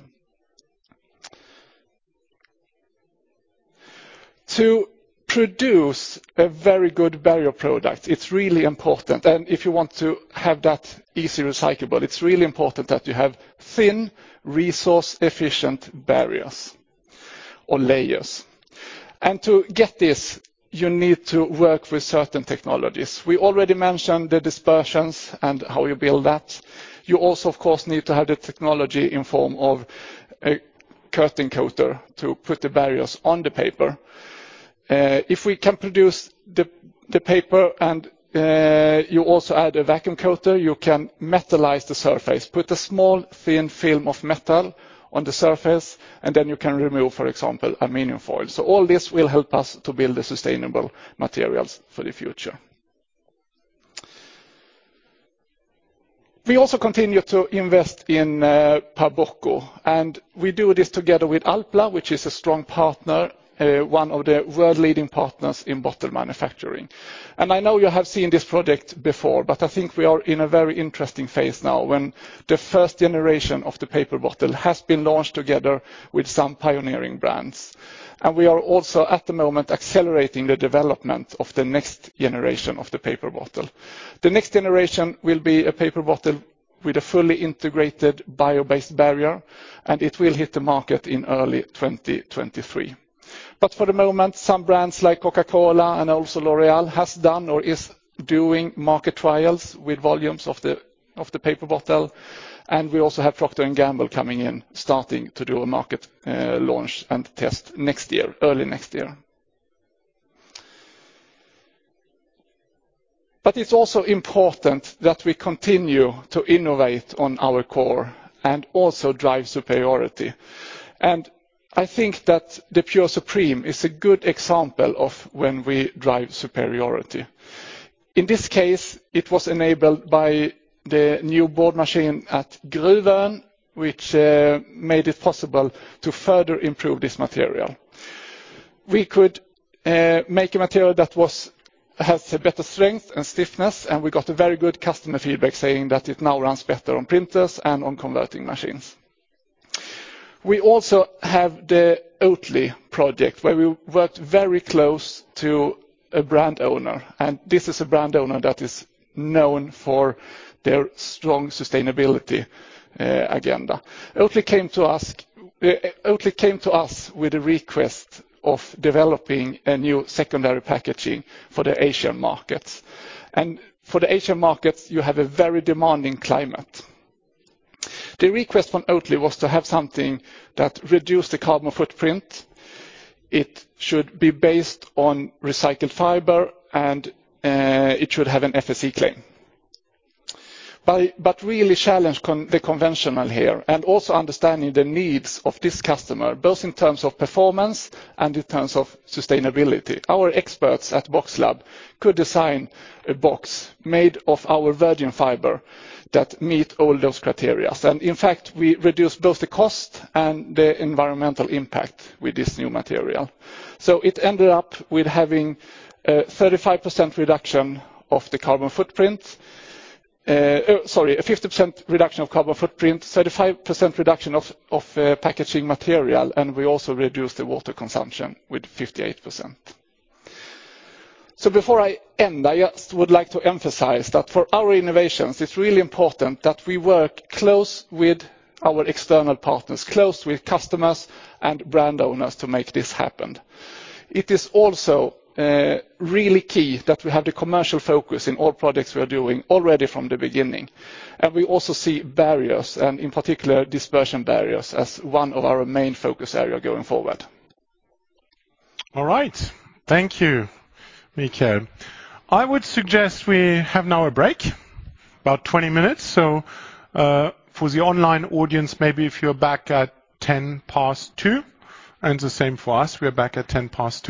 To produce a very good barrier product, it's really important, and if you want to have that easy recyclable, it's really important that you have thin, resource, efficient barriers or layers. To get this, you need to work with certain technologies. We already mentioned the dispersions and how you build that. You also, of course, need to have the technology in form of a curtain coater to put the barriers on the paper. If we can produce the paper and you also add a vacuum coater, you can metallize the surface, put a small thin film of metal on the surface, and then you can remove, for example, aluminum foil. All this will help us to build the sustainable materials for the future. We also continue to invest in Paboco, and we do this together with ALPLA, which is a strong partner, one of the world-leading partners in bottle manufacturing. I know you have seen this product before, but I think we are in a very interesting phase now when the first generation of the paper bottle has been launched together with some pioneering brands. We are also, at the moment, accelerating the development of the next generation of the paper bottle. The next generation will be a paper bottle with a fully integrated bio-based barrier, and it will hit the market in early 2023. For the moment, some brands like Coca-Cola and also L'Oréal has done or is doing market trials with volumes of the paper bottle. We also have Procter & Gamble coming in, starting to do a market launch and test next year, early next year. It's also important that we continue to innovate on our core and also drive superiority. I think that the Pure Supreme is a good example of when we drive superiority. In this case, it was enabled by the new board machine at Gruvön, which made it possible to further improve this material. We could make a material that has a better strength and stiffness, and we got a very good customer feedback saying that it now runs better on printers and on converting machines. We also have the Oatly project, where we worked very closely with a brand owner, and this is a brand owner that is known for their strong sustainability agenda. Oatly came to us with a request of developing a new secondary packaging for the Asian markets. For the Asian markets, you have a very demanding climate. The request from Oatly was to have something that reduced the carbon footprint. It should be based on recycled fiber, and it should have an FSC claim. Really challenged the conventional here, and also understanding the needs of this customer, both in terms of performance and in terms of sustainability. Our experts at BoxLab could design a box made of our virgin fiber that meet all those criterias. In fact, we reduced both the cost and the environmental impact with this new material. It ended up with having 35% reduction of the carbon footprint. Sorry, a 50% reduction of carbon footprint, 35% reduction of packaging material, and we also reduced the water consumption with 58%. Before I end, I just would like to emphasize that for our innovations, it's really important that we work close with our external partners, close with customers and brand owners to make this happen. It is also really key that we have the commercial focus in all projects we are doing already from the beginning. We also see barriers, and in particular dispersion barriers, as one of our main focus area going forward. All right. Thank you, Mikael. I would suggest we have now a break, about 20 minutes. For the online audience, maybe if you're back at 2:10 P.M., and the same for us, we are back at 2:10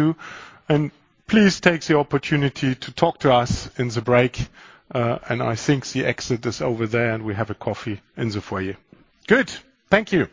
P.M. Please take the opportunity to talk to us in the break, and I think the exit is over there, and we have a coffee in the foyer. Good. Thank you.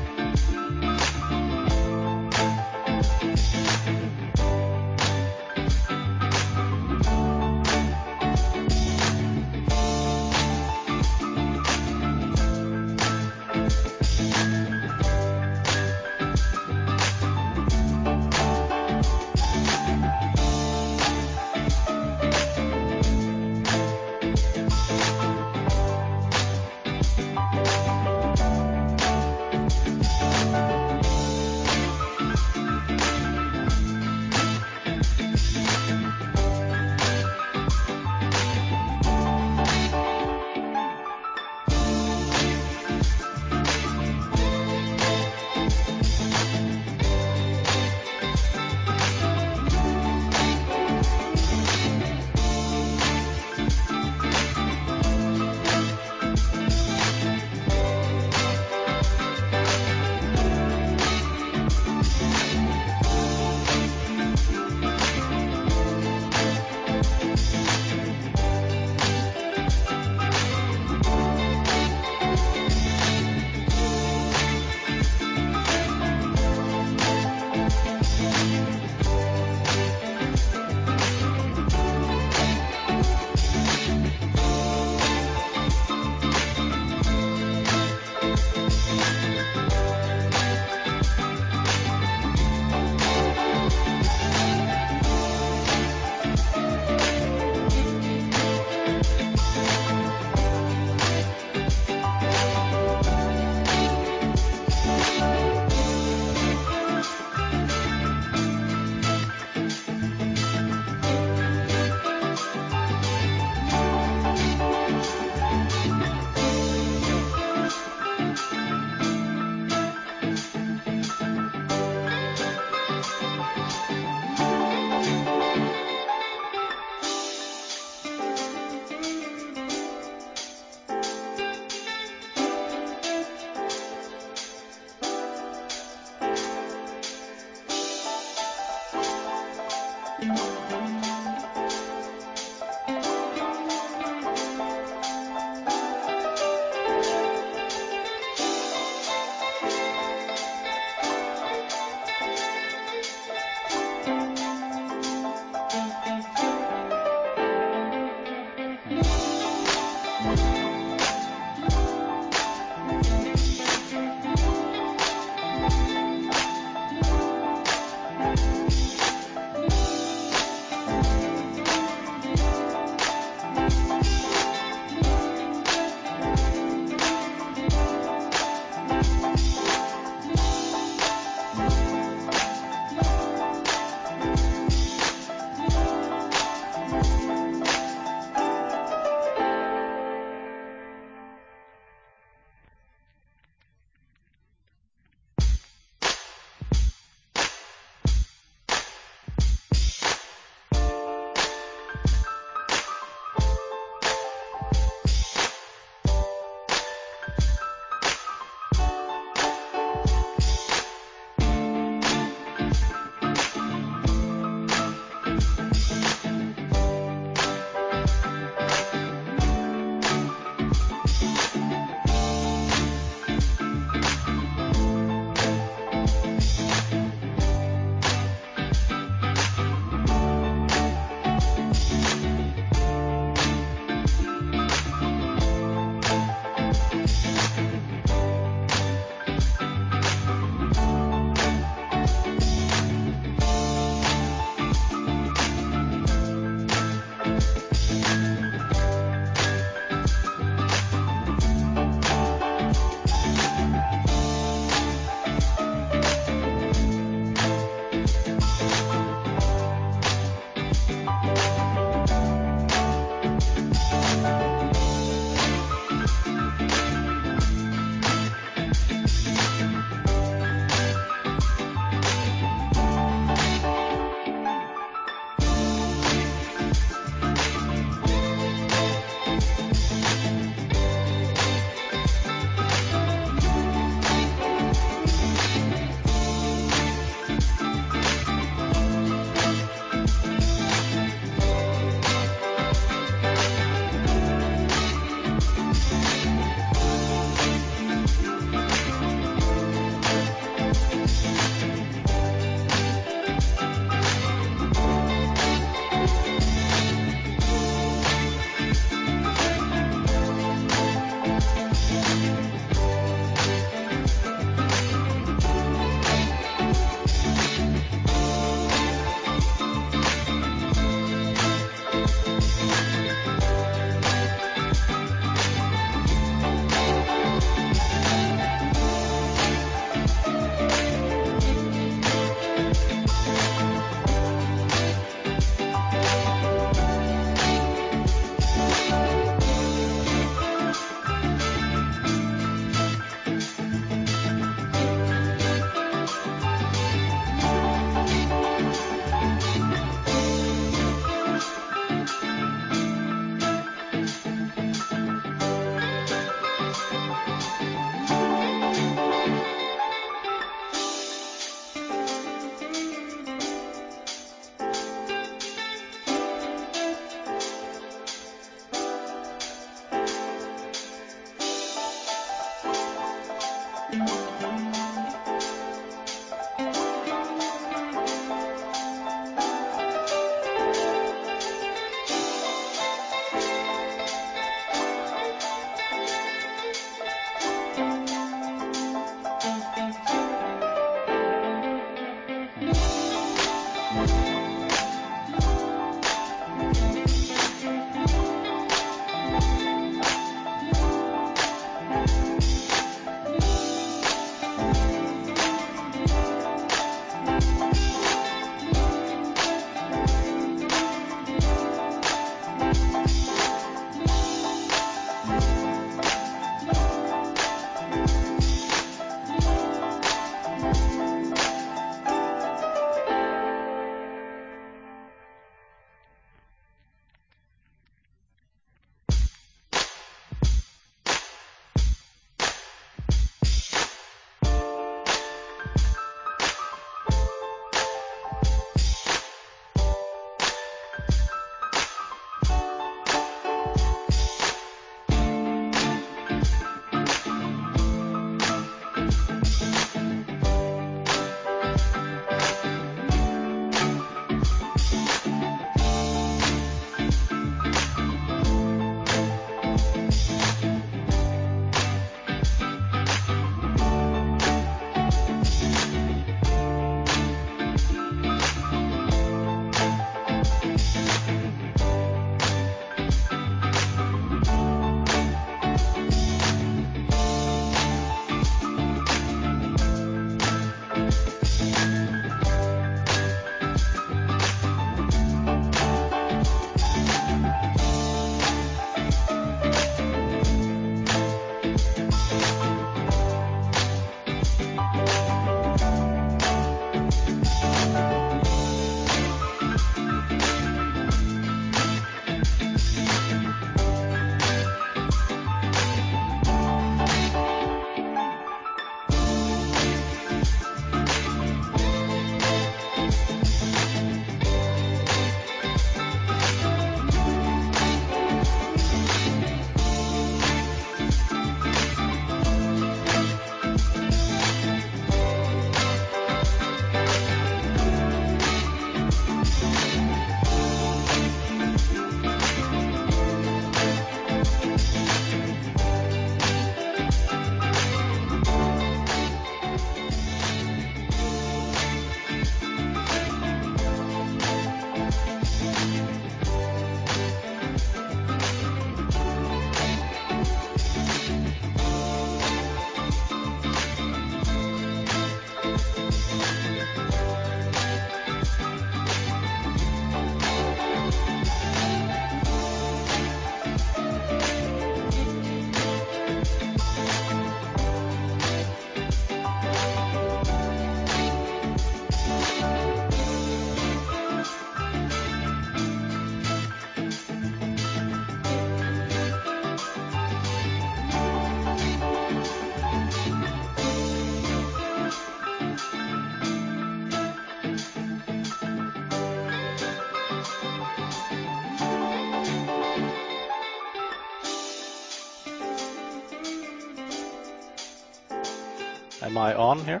Am I on here?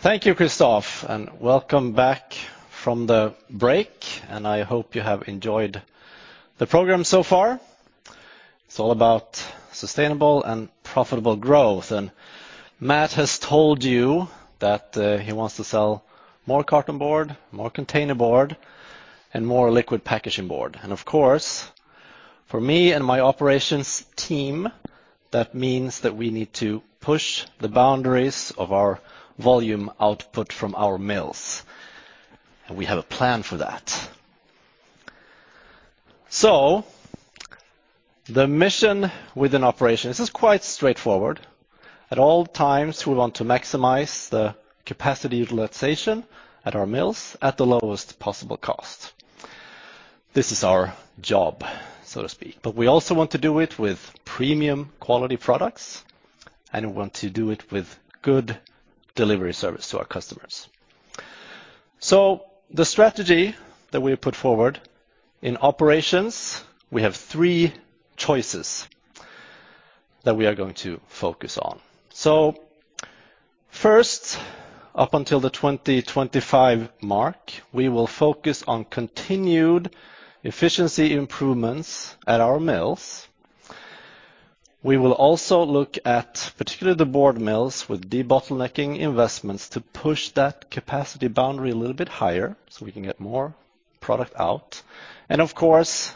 Thank you, Christoph, and welcome back from the break, and I hope you have enjoyed the program so far. It's all about sustainable and profitable growth, and Matt has told you that, he wants to sell more cartonboard, more containerboard, and more liquid packaging board. Of course, for me and my operations team, that means that we need to push the boundaries of our volume output from our mills. We have a plan for that. The mission within operations, this is quite straightforward. At all times, we want to maximize the capacity utilization at our mills at the lowest possible cost. This is our job, so to speak. We also want to do it with premium quality products, and we want to do it with good delivery service to our customers. The strategy that we put forward in operations, we have three choices that we are going to focus on. First, up until the 2025 mark, we will focus on continued efficiency improvements at our mills. We will also look at particularly the board mills with debottlenecking investments to push that capacity boundary a little bit higher so we can get more product out. Of course,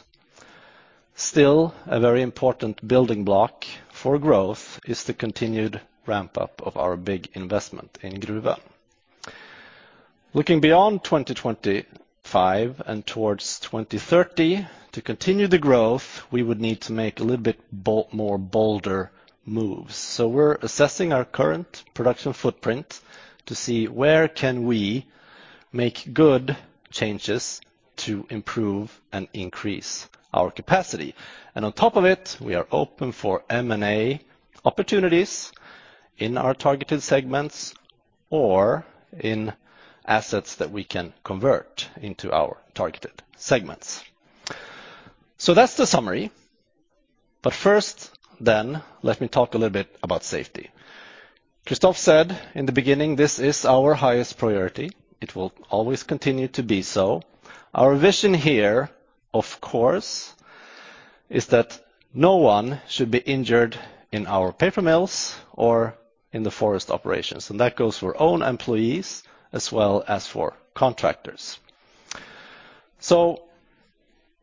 still a very important building block for growth is the continued ramp-up of our big investment in Gruvön. Looking beyond 2025 and towards 2030, to continue the growth, we would need to make a little bit more bolder moves. We're assessing our current production footprint to see where can we make good changes to improve and increase our capacity. On top of it, we are open for M&A opportunities in our targeted segments or in assets that we can convert into our targeted segments. That's the summary. First then, let me talk a little bit about safety. Christoph said in the beginning, this is our highest priority. It will always continue to be so. Our vision here, of course, is that no one should be injured in our paper mills or in the forest operations, and that goes for own employees as well as for contractors.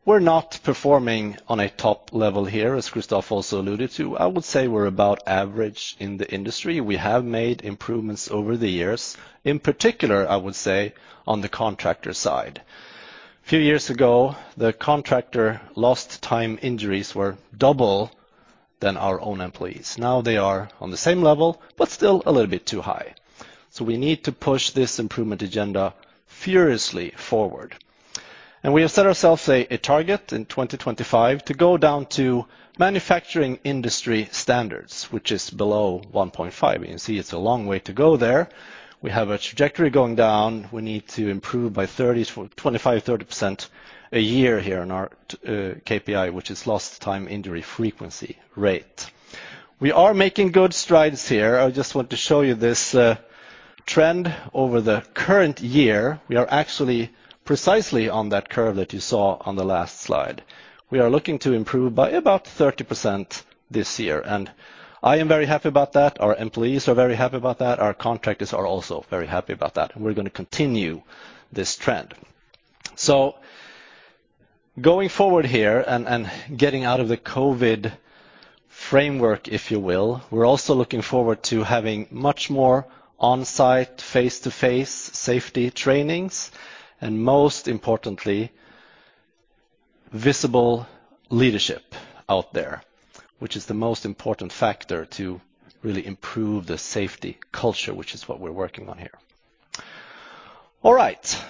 We're not performing on a top level here, as Christoph also alluded to. I would say we're about average in the industry. We have made improvements over the years, in particular, I would say, on the contractor side. A few years ago, the contractor lost time injuries were double than our own employees. Now they are on the same level, but still a little bit too high. We need to push this improvement agenda furiously forward. We have set ourselves a target in 2025 to go down to manufacturing industry standards, which is below 1.5. You can see it's a long way to go there. We have a trajectory going down. We need to improve by 25%-30% a year here on our KPI, which is lost time injury frequency rate. We are making good strides here. I just want to show you this trend over the current year. We are actually precisely on that curve that you saw on the last slide. We are looking to improve by about 30% this year, and I am very happy about that. Our employees are very happy about that. Our contractors are also very happy about that, and we're gonna continue this trend. Going forward here and getting out of the COVID framework, if you will, we're also looking forward to having much more on-site face-to-face safety trainings, and most importantly, visible leadership out there, which is the most important factor to really improve the safety culture, which is what we're working on here. All right,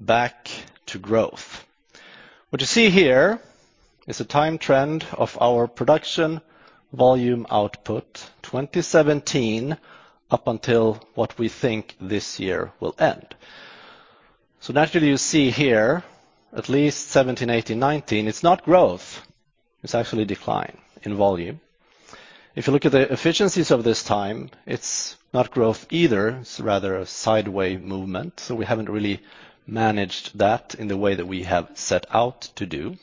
back to growth. What you see here is a time trend of our production volume output, 2017 up until what we think this year will end. Naturally, you see here at least 2017, 2018, 2019, it's not growth, it's actually decline in volume. If you look at the efficiencies of this time, it's not growth either. It's rather a sideways movement. We haven't really managed that in the way that we have set out to do.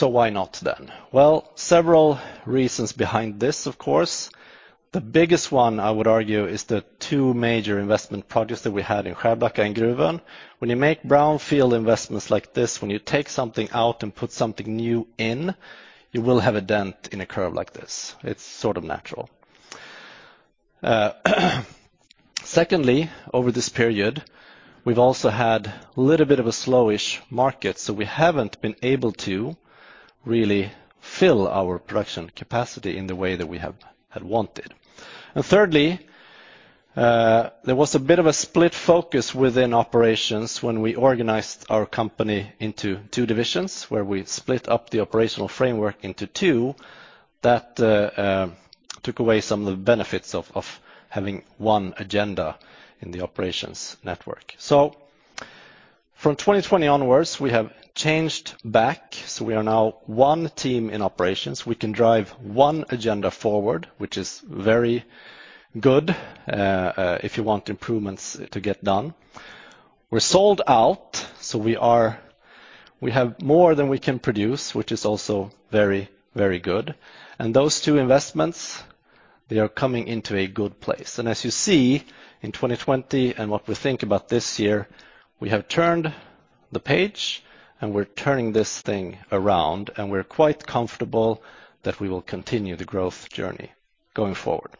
Why not then? Well, several reasons behind this, of course. The biggest one, I would argue, is the two major investment projects that we had in Skärblacka and Gruvön. When you make brownfield investments like this, when you take something out and put something new in, you will have a dent in a curve like this. It's sort of natural. Secondly, over this period, we've also had a little bit of a slowish market, so we haven't been able to really fill our production capacity in the way that we had wanted. Thirdly, there was a bit of a split focus within operations when we organized our company into two divisions, where we split up the operational framework into two, that took away some of the benefits of having one agenda in the operations network. From 2020 onwards, we have changed back, so we are now one team in operations. We can drive one agenda forward, which is very good if you want improvements to get done. We're sold out, so we have more than we can produce, which is also very, very good. Those two investments, they are coming into a good place. As you see in 2020 and what we think about this year, we have turned the page and we're turning this thing around, and we're quite comfortable that we will continue the growth journey going forward.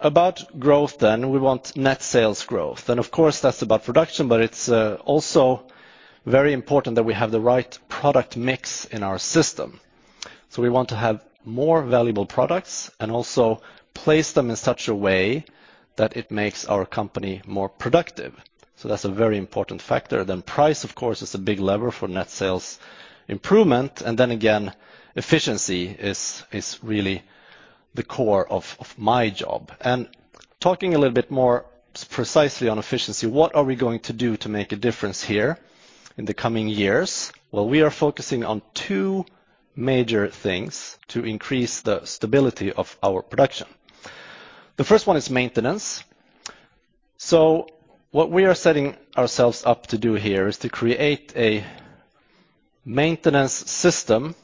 About growth then, we want net sales growth. Of course, that's about production, but it's also very important that we have the right product mix in our system. We want to have more valuable products and also place them in such a way that it makes our company more productive. That's a very important factor. Price, of course, is a big lever for net sales improvement. Efficiency is really the core of my job. Talking a little bit more precisely on efficiency, what are we going to do to make a difference here in the coming years? Well, we are focusing on two major things to increase the stability of our production. The first one is maintenance. What we are setting ourselves up to do here is to create a maintenance system,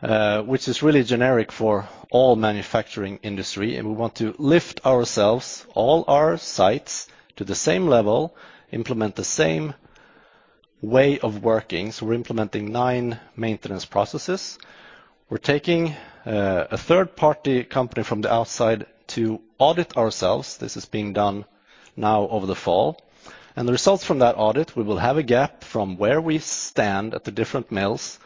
which is really generic for all manufacturing industry, and we want to lift ourselves, all our sites to the same level, implement the same way of working. We're implementing nine maintenance processes. We're taking a third-party company from the outside to audit ourselves. This is being done now over the fall. The results from that audit, we will have a gap from where we stand at the different mills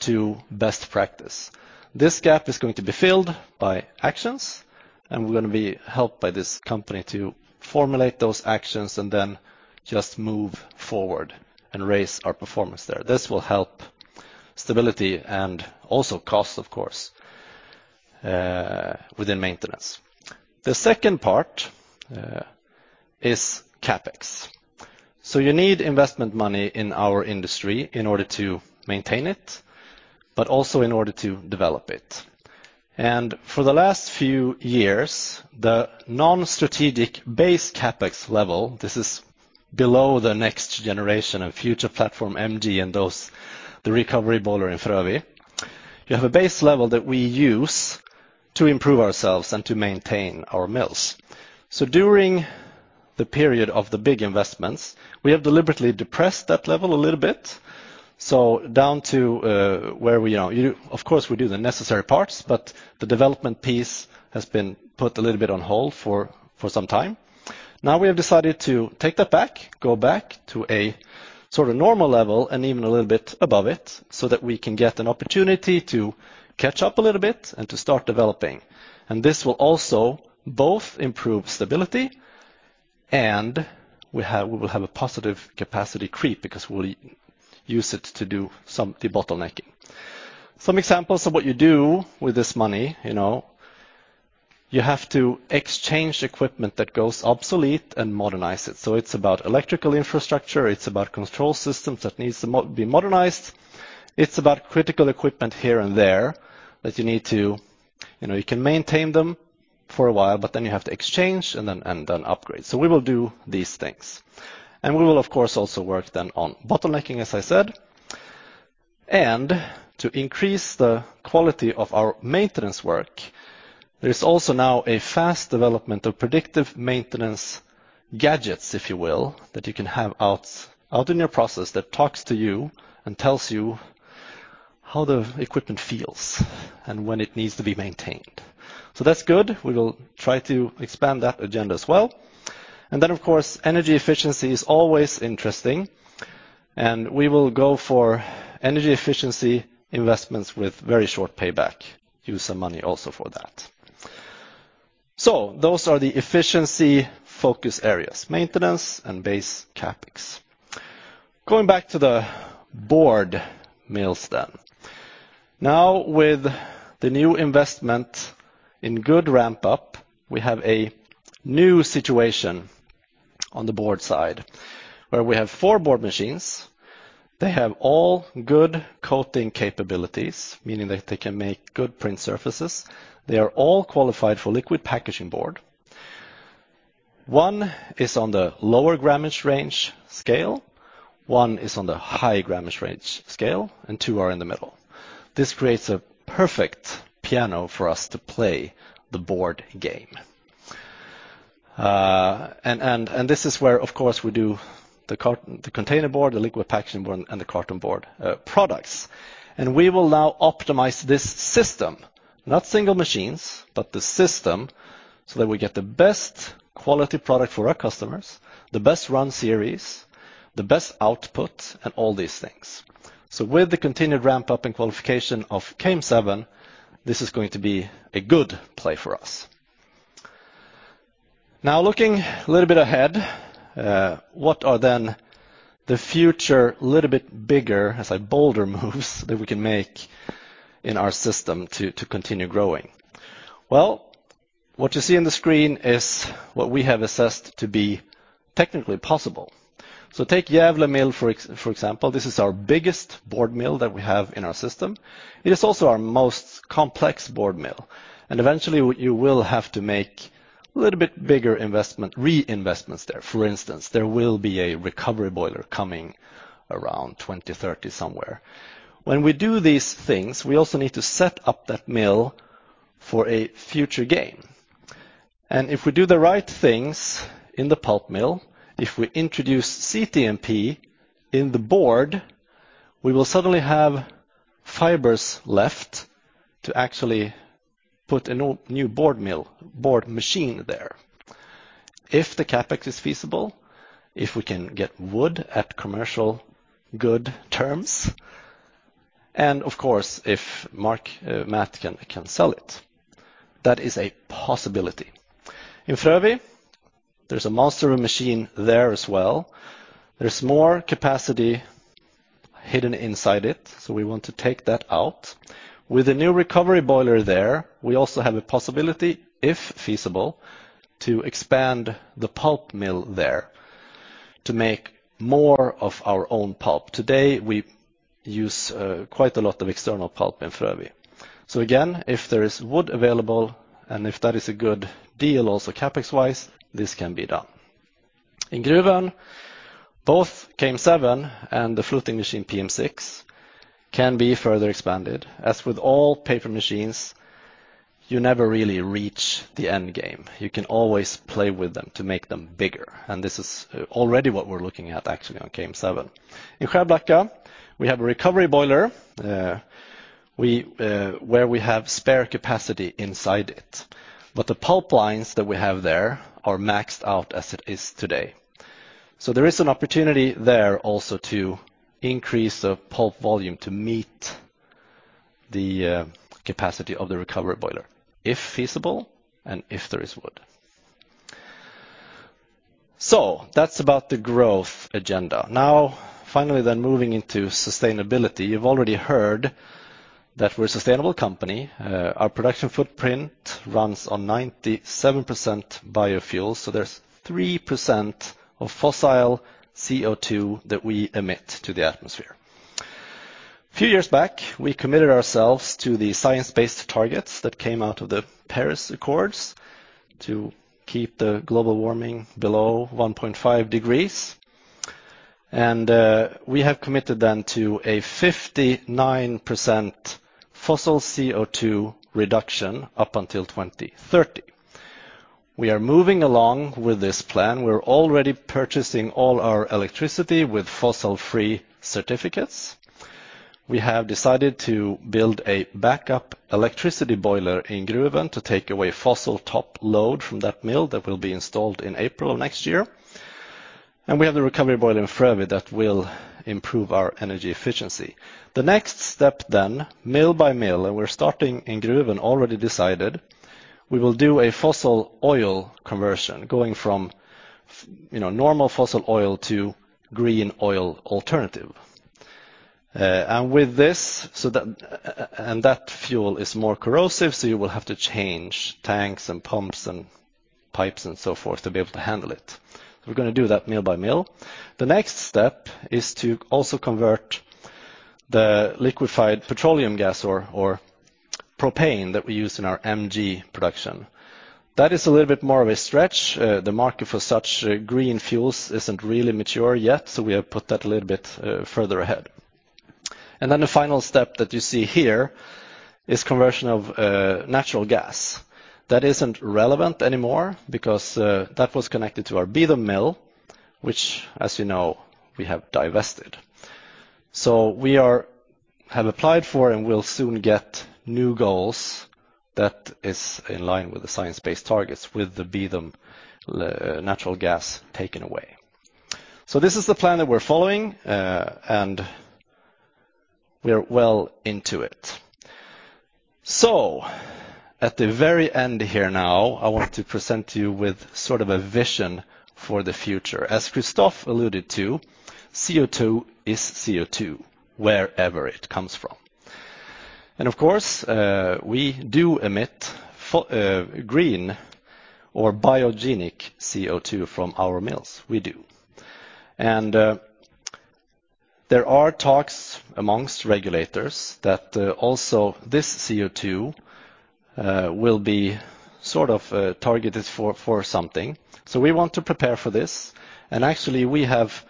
to best practice. This gap is going to be filled by actions, and we're gonna be helped by this company to formulate those actions and then just move forward and raise our performance there. This will help stability and also costs, of course, within maintenance. The second part is CapEx. You need investment money in our industry in order to maintain it, but also in order to develop it. For the last few years, the non-strategic base CapEx level, this is below the next generation of future platform MG and those, the recovery boiler in Frövi. You have a base level that we use to improve ourselves and to maintain our mills. During the period of the big investments, we have deliberately depressed that level a little bit. Down to where we, you know, of course, we do the necessary parts, but the development piece has been put a little bit on hold for some time. Now we have decided to take that back, go back to a sort of normal level and even a little bit above it, so that we can get an opportunity to catch up a little bit and to start developing. This will also both improve stability, and we will have a positive capacity creep because we'll use it to do some debottlenecking. Some examples of what you do with this money, you know, you have to exchange equipment that goes obsolete and modernize it. It's about electrical infrastructure, it's about control systems that needs to be modernized. It's about critical equipment here and there that you need to, you know, you can maintain them for a while, but then you have to exchange and then upgrade. We will do these things. We will of course also work then on bottlenecking, as I said. To increase the quality of our maintenance work, there is also now a fast development of predictive maintenance gadgets, if you will, that you can have out in your process that talks to you and tells you how the equipment feels and when it needs to be maintained. That's good. We will try to expand that agenda as well. Of course, energy efficiency is always interesting, and we will go for energy efficiency investments with very short payback, use some money also for that. Those are the efficiency focus areas, maintenance and base CapEx. Going back to the board mills then. Now with the new investment in good ramp up, we have a new situation on the board side where we have four board machines. They have all good coating capabilities, meaning that they can make good print surfaces. They are all qualified for liquid packaging board. One is on the lower grammage range scale, one is on the high grammage range scale, and two are in the middle. This creates a perfect piano for us to play the board game. This is where, of course, we do the container board, the liquid packaging board, and the carton board products. We will now optimize this system, not single machines, but the system, so that we get the best quality product for our customers, the best run series, the best output, and all these things. With the continued ramp-up and qualification of KM7, this is going to be a good play for us. Now looking a little bit ahead, what are the future, a little bit bigger, bolder moves that we can make in our system to continue growing? Well, what you see on the screen is what we have assessed to be technically possible. Take Gävle Mill, for example. This is our biggest board mill that we have in our system. It is also our most complex board mill. Eventually, you will have to make a little bit bigger investment, reinvestments there. For instance, there will be a recovery boiler coming around 2030 somewhere. When we do these things, we also need to set up that mill for a future gain. If we do the right things in the pulp mill, if we introduce CTMP in the board, we will suddenly have fibers left to actually put a new board machine there. If the CapEx is feasible, if we can get wood at commercial good terms, and of course, if Matt can sell it, that is a possibility. In Frövi, there's a master machine there as well. There's more capacity hidden inside it, so we want to take that out. With the new recovery boiler there, we also have a possibility, if feasible, to expand the pulp mill there to make more of our own pulp. Today, we use quite a lot of external pulp in Frövi. Again, if there is wood available and if that is a good deal also CapEx-wise, this can be done. In Gruvön, both KM7 and the fluting machine PM6 can be further expanded. As with all paper machines, you never really reach the end game. You can always play with them to make them bigger. This is already what we're looking at actually on KM7. In Skärblacka, we have a recovery boiler where we have spare capacity inside it. The pulp lines that we have there are maxed out as it is today. There is an opportunity there also to increase the pulp volume to meet the capacity of the recovery boiler, if feasible and if there is wood. That's about the growth agenda. Now, finally, moving into sustainability. You've already heard that we're a sustainable company. Our production footprint runs on 97% biofuels, so there's 3% of fossil CO2 that we emit to the atmosphere. A few years back, we committed ourselves to the Science Based Targets that came out of the Paris Accords to keep the global warming below 1.5 degrees. We have committed to a 59% fossil CO2 reduction up until 2030. We are moving along with this plan. We're already purchasing all our electricity with fossil-free certificates. We have decided to build a backup electricity boiler in Gruvön to take away fossil top load from that mill that will be installed in April of next year. We have the recovery boiler in Frövi that will improve our energy efficiency. The next step, mill by mill, and we're starting in Gruvön, already decided, we will do a fossil oil conversion going from you know, normal fossil oil to green oil alternative. And with this, so that that fuel is more corrosive, so you will have to change tanks and pumps and pipes and so forth to be able to handle it. We're gonna do that mill by mill. The next step is to also convert the liquefied petroleum gas or propane that we use in our MG production. That is a little bit more of a stretch. The market for such green fuels isn't really mature yet, so we have put that a little bit further ahead. The final step that you see here is conversion of natural gas. That isn't relevant anymore because that was connected to our Beetham mill, which as you know, we have divested. We have applied for and will soon get new goals that is in line with the Science Based Targets with the Bedum natural gas taken away. This is the plan that we're following, and we're well into it. At the very end here now, I want to present you with sort of a vision for the future. As Christoph alluded to, CO2 is CO2 wherever it comes from. Of course, we do emit green or biogenic CO2 from our mills. We do. There are talks amongst regulators that also this CO2 will be sort of targeted for something. We want to prepare for this. Actually, we have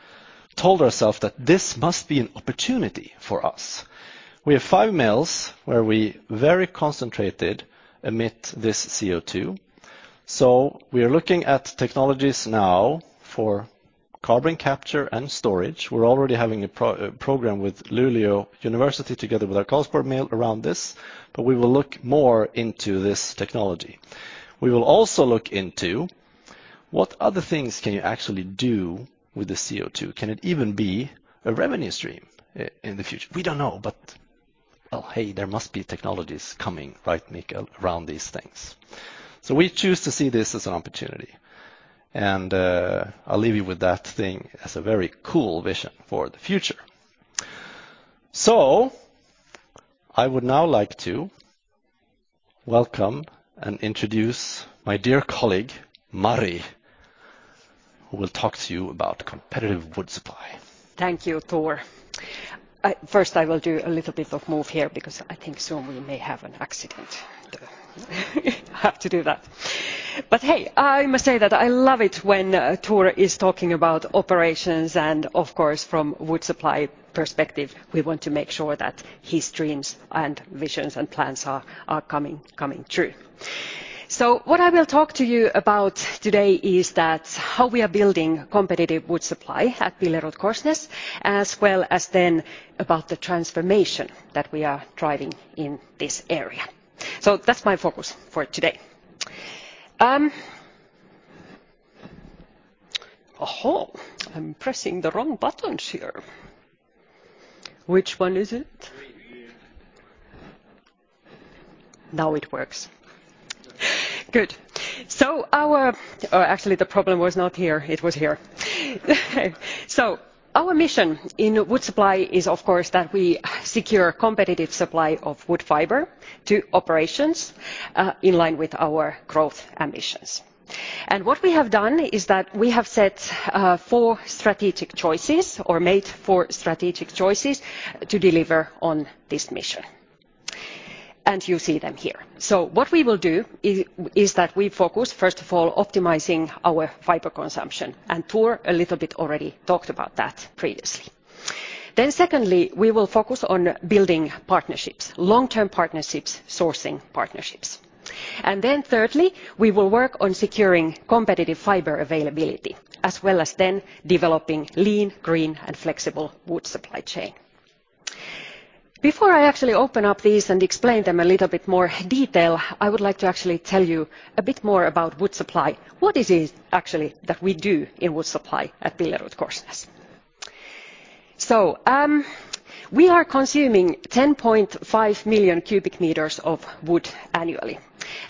told ourselves that this must be an opportunity for us. We have five mills where we very concentrated emit this CO2. We are looking at technologies now for carbon capture and storage. We're already having a program with Luleå University together with our Karlsborg mill around this, but we will look more into this technology. We will also look into what other things can you actually do with the CO2. Can it even be a revenue stream in the future? We don't know, but, well, hey, there must be technologies coming, right, Mikael, around these things. We choose to see this as an opportunity, and I'll leave you with that thing as a very cool vision for the future. I would now like to welcome and introduce my dear colleague, Mari, who will talk to you about competitive wood supply. Thank you, Tor. First I will do a little bit of move here because I think soon we may have an accident. Have to do that. Hey, I must say that I love it when Tor is talking about operations and of course from wood supply perspective, we want to make sure that his dreams and visions and plans are coming true. What I will talk to you about today is that how we are building competitive wood supply at BillerudKorsnäs, as well as then about the transformation that we are driving in this area. That's my focus for today. I'm pressing the wrong buttons here. Which one is it? Green. Now it works. Good. Actually, the problem was not here, it was here. Our mission in wood supply is of course that we secure competitive supply of wood fiber to operations in line with our growth ambitions. What we have done is that we have set four strategic choices or made four strategic choices to deliver on this mission. You see them here. What we will do is that we focus, first of all, on optimizing our fiber consumption, and Tor a little bit already talked about that previously. Secondly, we will focus on building partnerships, long-term partnerships, sourcing partnerships. Thirdly, we will work on securing competitive fiber availability, as well as then developing lean, green, and flexible wood supply chain. Before I actually open up these and explain them a little bit more detail, I would like to actually tell you a bit more about wood supply. What is it actually that we do in wood supply at Billerud? We are consuming 10.5 million cubic meters of wood annually,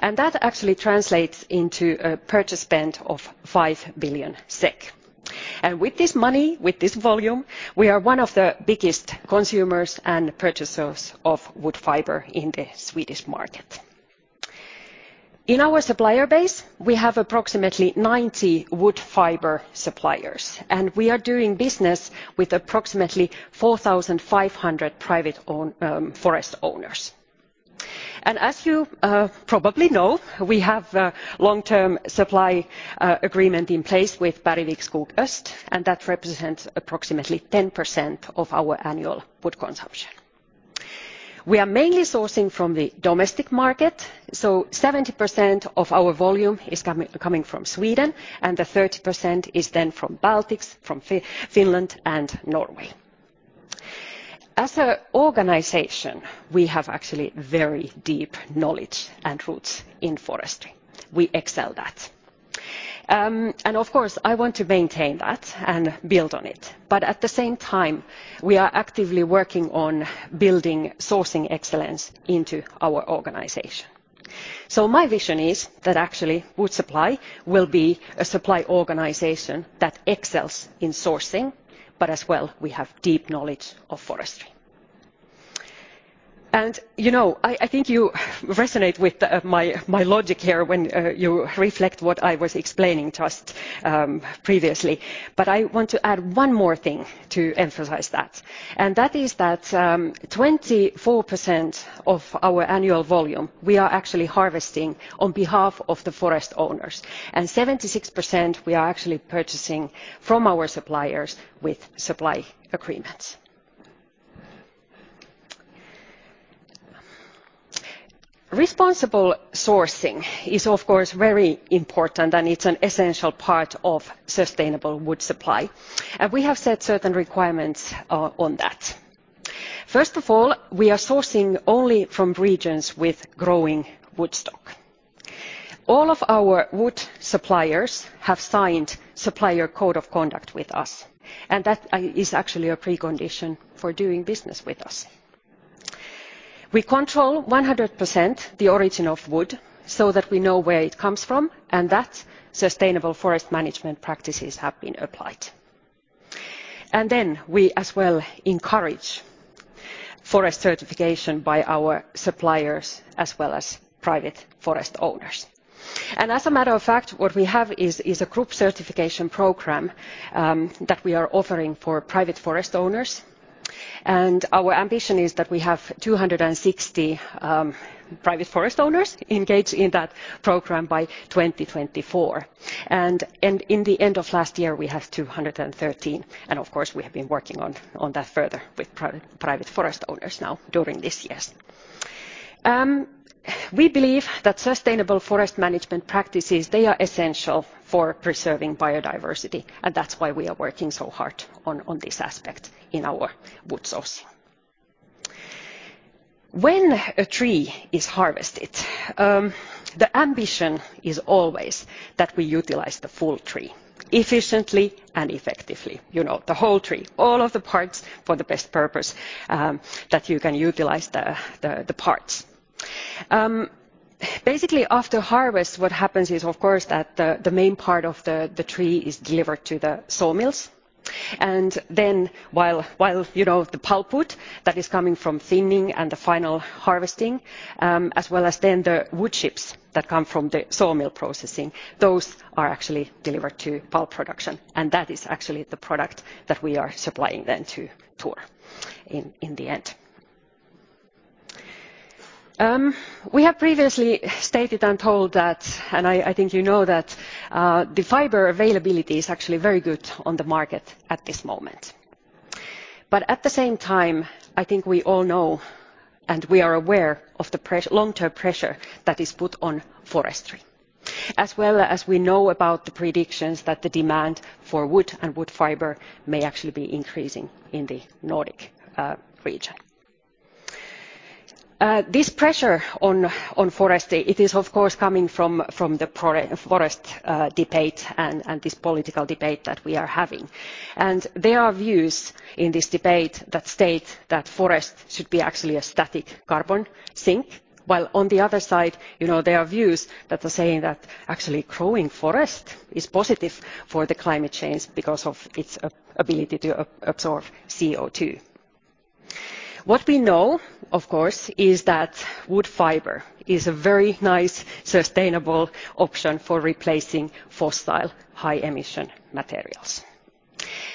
and that actually translates into a purchase spend of 5 billion SEK. With this money, with this volume, we are one of the biggest consumers and purchasers of wood fiber in the Swedish market. In our supplier base, we have approximately 90 wood fiber suppliers, and we are doing business with approximately 4,500 privately owned forest owners. As you probably know, we have a long-term supply agreement in place with Bergvik Skog Öst, and that represents approximately 10% of our annual wood consumption. We are mainly sourcing from the domestic market, so 70% of our volume is coming from Sweden, and the 30% is then from Baltics, from Finland and Norway. As an organization, we have actually very deep knowledge and roots in forestry. We excel that. Of course, I want to maintain that and build on it. At the same time, we are actively working on building sourcing excellence into our organization. My vision is that actually Wood Supply will be a supply organization that excels in sourcing, but as well we have deep knowledge of forestry. You know, I think you resonate with my logic here when you reflect what I was explaining just previously. I want to add one more thing to emphasize that. That is that, 24% of our annual volume, we are actually harvesting on behalf of the forest owners, and 76% we are actually purchasing from our suppliers with supply agreements. Responsible sourcing is of course very important, and it's an essential part of sustainable wood supply, and we have set certain requirements on that. First of all, we are sourcing only from regions with growing wood stock. All of our wood suppliers have signed Supplier Code of Conduct with us, and that is actually a precondition for doing business with us. We control 100% the origin of wood so that we know where it comes from and that sustainable forest management practices have been applied. Then we as well encourage forest certification by our suppliers as well as private forest owners. As a matter of fact, what we have is a group certification program that we are offering for private forest owners. Our ambition is that we have 260 private forest owners engaged in that program by 2024. In the end of last year, we have 213, and of course, we have been working on that further with private forest owners now during this year. We believe that sustainable forest management practices they are essential for preserving biodiversity, and that's why we are working so hard on this aspect in our wood sourcing. When a tree is harvested, the ambition is always that we utilize the full tree efficiently and effectively. You know, the whole tree, all of the parts for the best purpose that you can utilize the parts. Basically, after harvest, what happens is, of course, that the main part of the tree is delivered to the sawmills. While you know the pulpwood that is coming from thinning and the final harvesting, as well as then the wood chips that come from the sawmill processing, those are actually delivered to pulp production, and that is actually the product that we are supplying then to Tor in the end. We have previously stated and told that, and I think you know that, the fiber availability is actually very good on the market at this moment. At the same time, I think we all know, and we are aware of the long-term pressure that is put on forestry, as well as we know about the predictions that the demand for wood and wood fiber may actually be increasing in the Nordic region. This pressure on forestry, it is, of course, coming from the forest debate and this political debate that we are having. There are views in this debate that state that forest should be actually a static carbon sink, while on the other side, you know, there are views that are saying that actually growing forest is positive for the climate change because of its ability to absorb CO2. What we know, of course, is that wood fiber is a very nice sustainable option for replacing fossil high emission materials.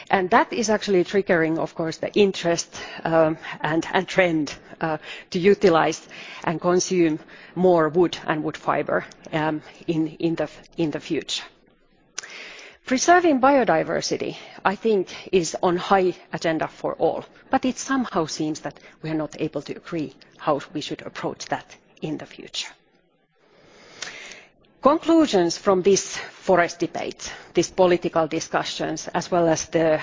That is actually triggering, of course, the interest and trend to utilize and consume more wood and wood fiber in the future. Preserving biodiversity, I think, is high on the agenda for all, but it somehow seems that we are not able to agree how we should approach that in the future. Conclusions from this forest debate, these political discussions, as well as the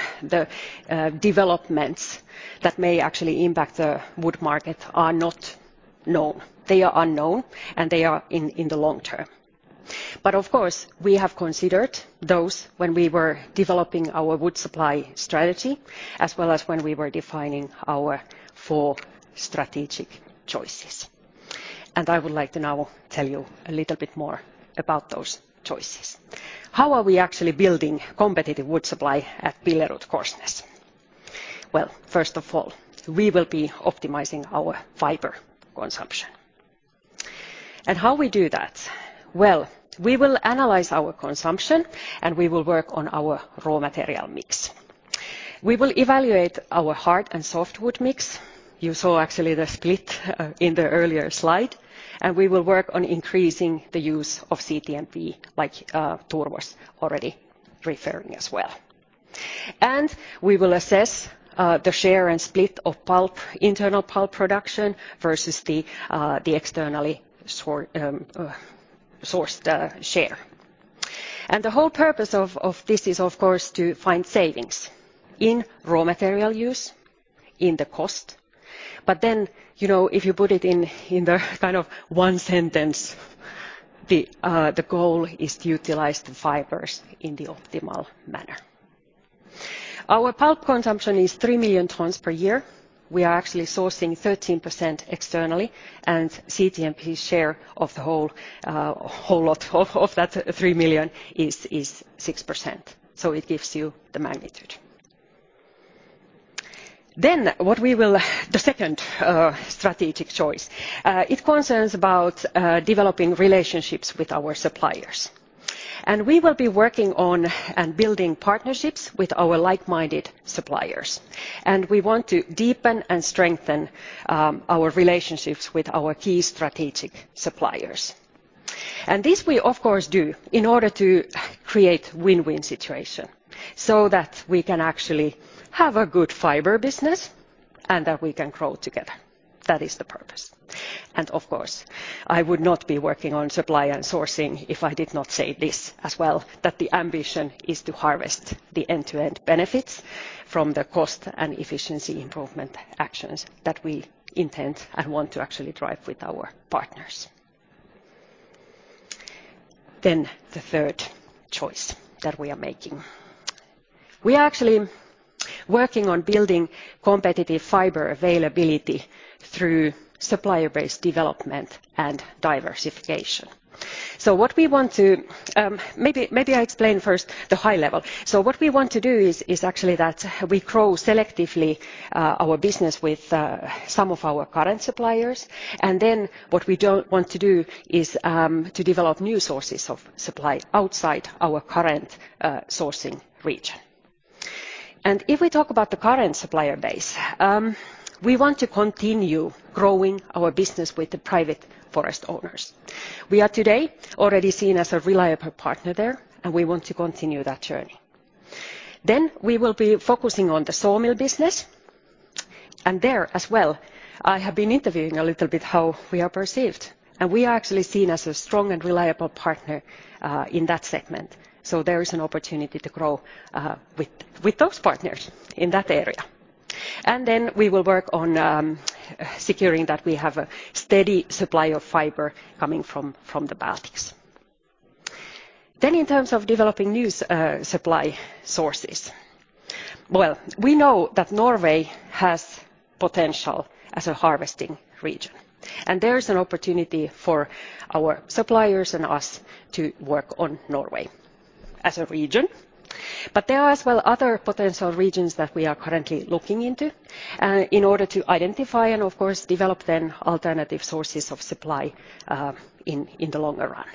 developments that may actually impact the wood market are not known. They are unknown, and they are in the long term. Of course, we have considered those when we were developing our wood supply strategy, as well as when we were defining our four strategic choices. I would like to now tell you a little bit more about those choices. How are we actually building competitive wood supply at BillerudKorsnäs? Well, first of all, we will be optimizing our fiber consumption. How we do that? Well, we will analyze our consumption, and we will work on our raw material mix. We will evaluate our hard and softwood mix. You saw actually the split in the earlier slide, and we will work on increasing the use of CTMP, like, Tor was already referring as well. We will assess the share and split of pulp, internal pulp production versus the externally sourced share. The whole purpose of this is, of course, to find savings in raw material use, in the cost. You know, if you put it in the kind of one sentence, the goal is to utilize the fibers in the optimal manner. Our pulp consumption is 3 million tons per year. We are actually sourcing 13% externally, and CTMP's share of the whole lot of that 3 million is 6%, so it gives you the magnitude. The second strategic choice concerns about developing relationships with our suppliers. We will be working on and building partnerships with our like-minded suppliers. We want to deepen and strengthen our relationships with our key strategic suppliers. This we of course do in order to create win-win situation, so that we can actually have a good fiber business and that we can grow together. That is the purpose. Of course, I would not be working on supply and sourcing if I did not say this as well, that the ambition is to harvest the end-to-end benefits from the cost and efficiency improvement actions that we intend and want to actually drive with our partners. The third choice that we are making we are actually working on building competitive fiber availability through supplier-based development and diversification. What we want to, maybe I explain first the high level. What we want to do is actually that we grow selectively, our business with, some of our current suppliers. Then what we don't want to do is, to develop new sources of supply outside our current, sourcing region. If we talk about the current supplier base, we want to continue growing our business with the private forest owners. We are today already seen as a reliable partner there, and we want to continue that journey. We will be focusing on the sawmill business. There as well, I have been interviewing a little bit how we are perceived, and we are actually seen as a strong and reliable partner in that segment. There is an opportunity to grow with those partners in that area. We will work on securing that we have a steady supply of fiber coming from the Baltics. In terms of developing new supply sources. Well, we know that Norway has potential as a harvesting region, and there is an opportunity for our suppliers and us to work on Norway as a region. There are as well other potential regions that we are currently looking into, in order to identify and of course develop then alternative sources of supply, in the longer run.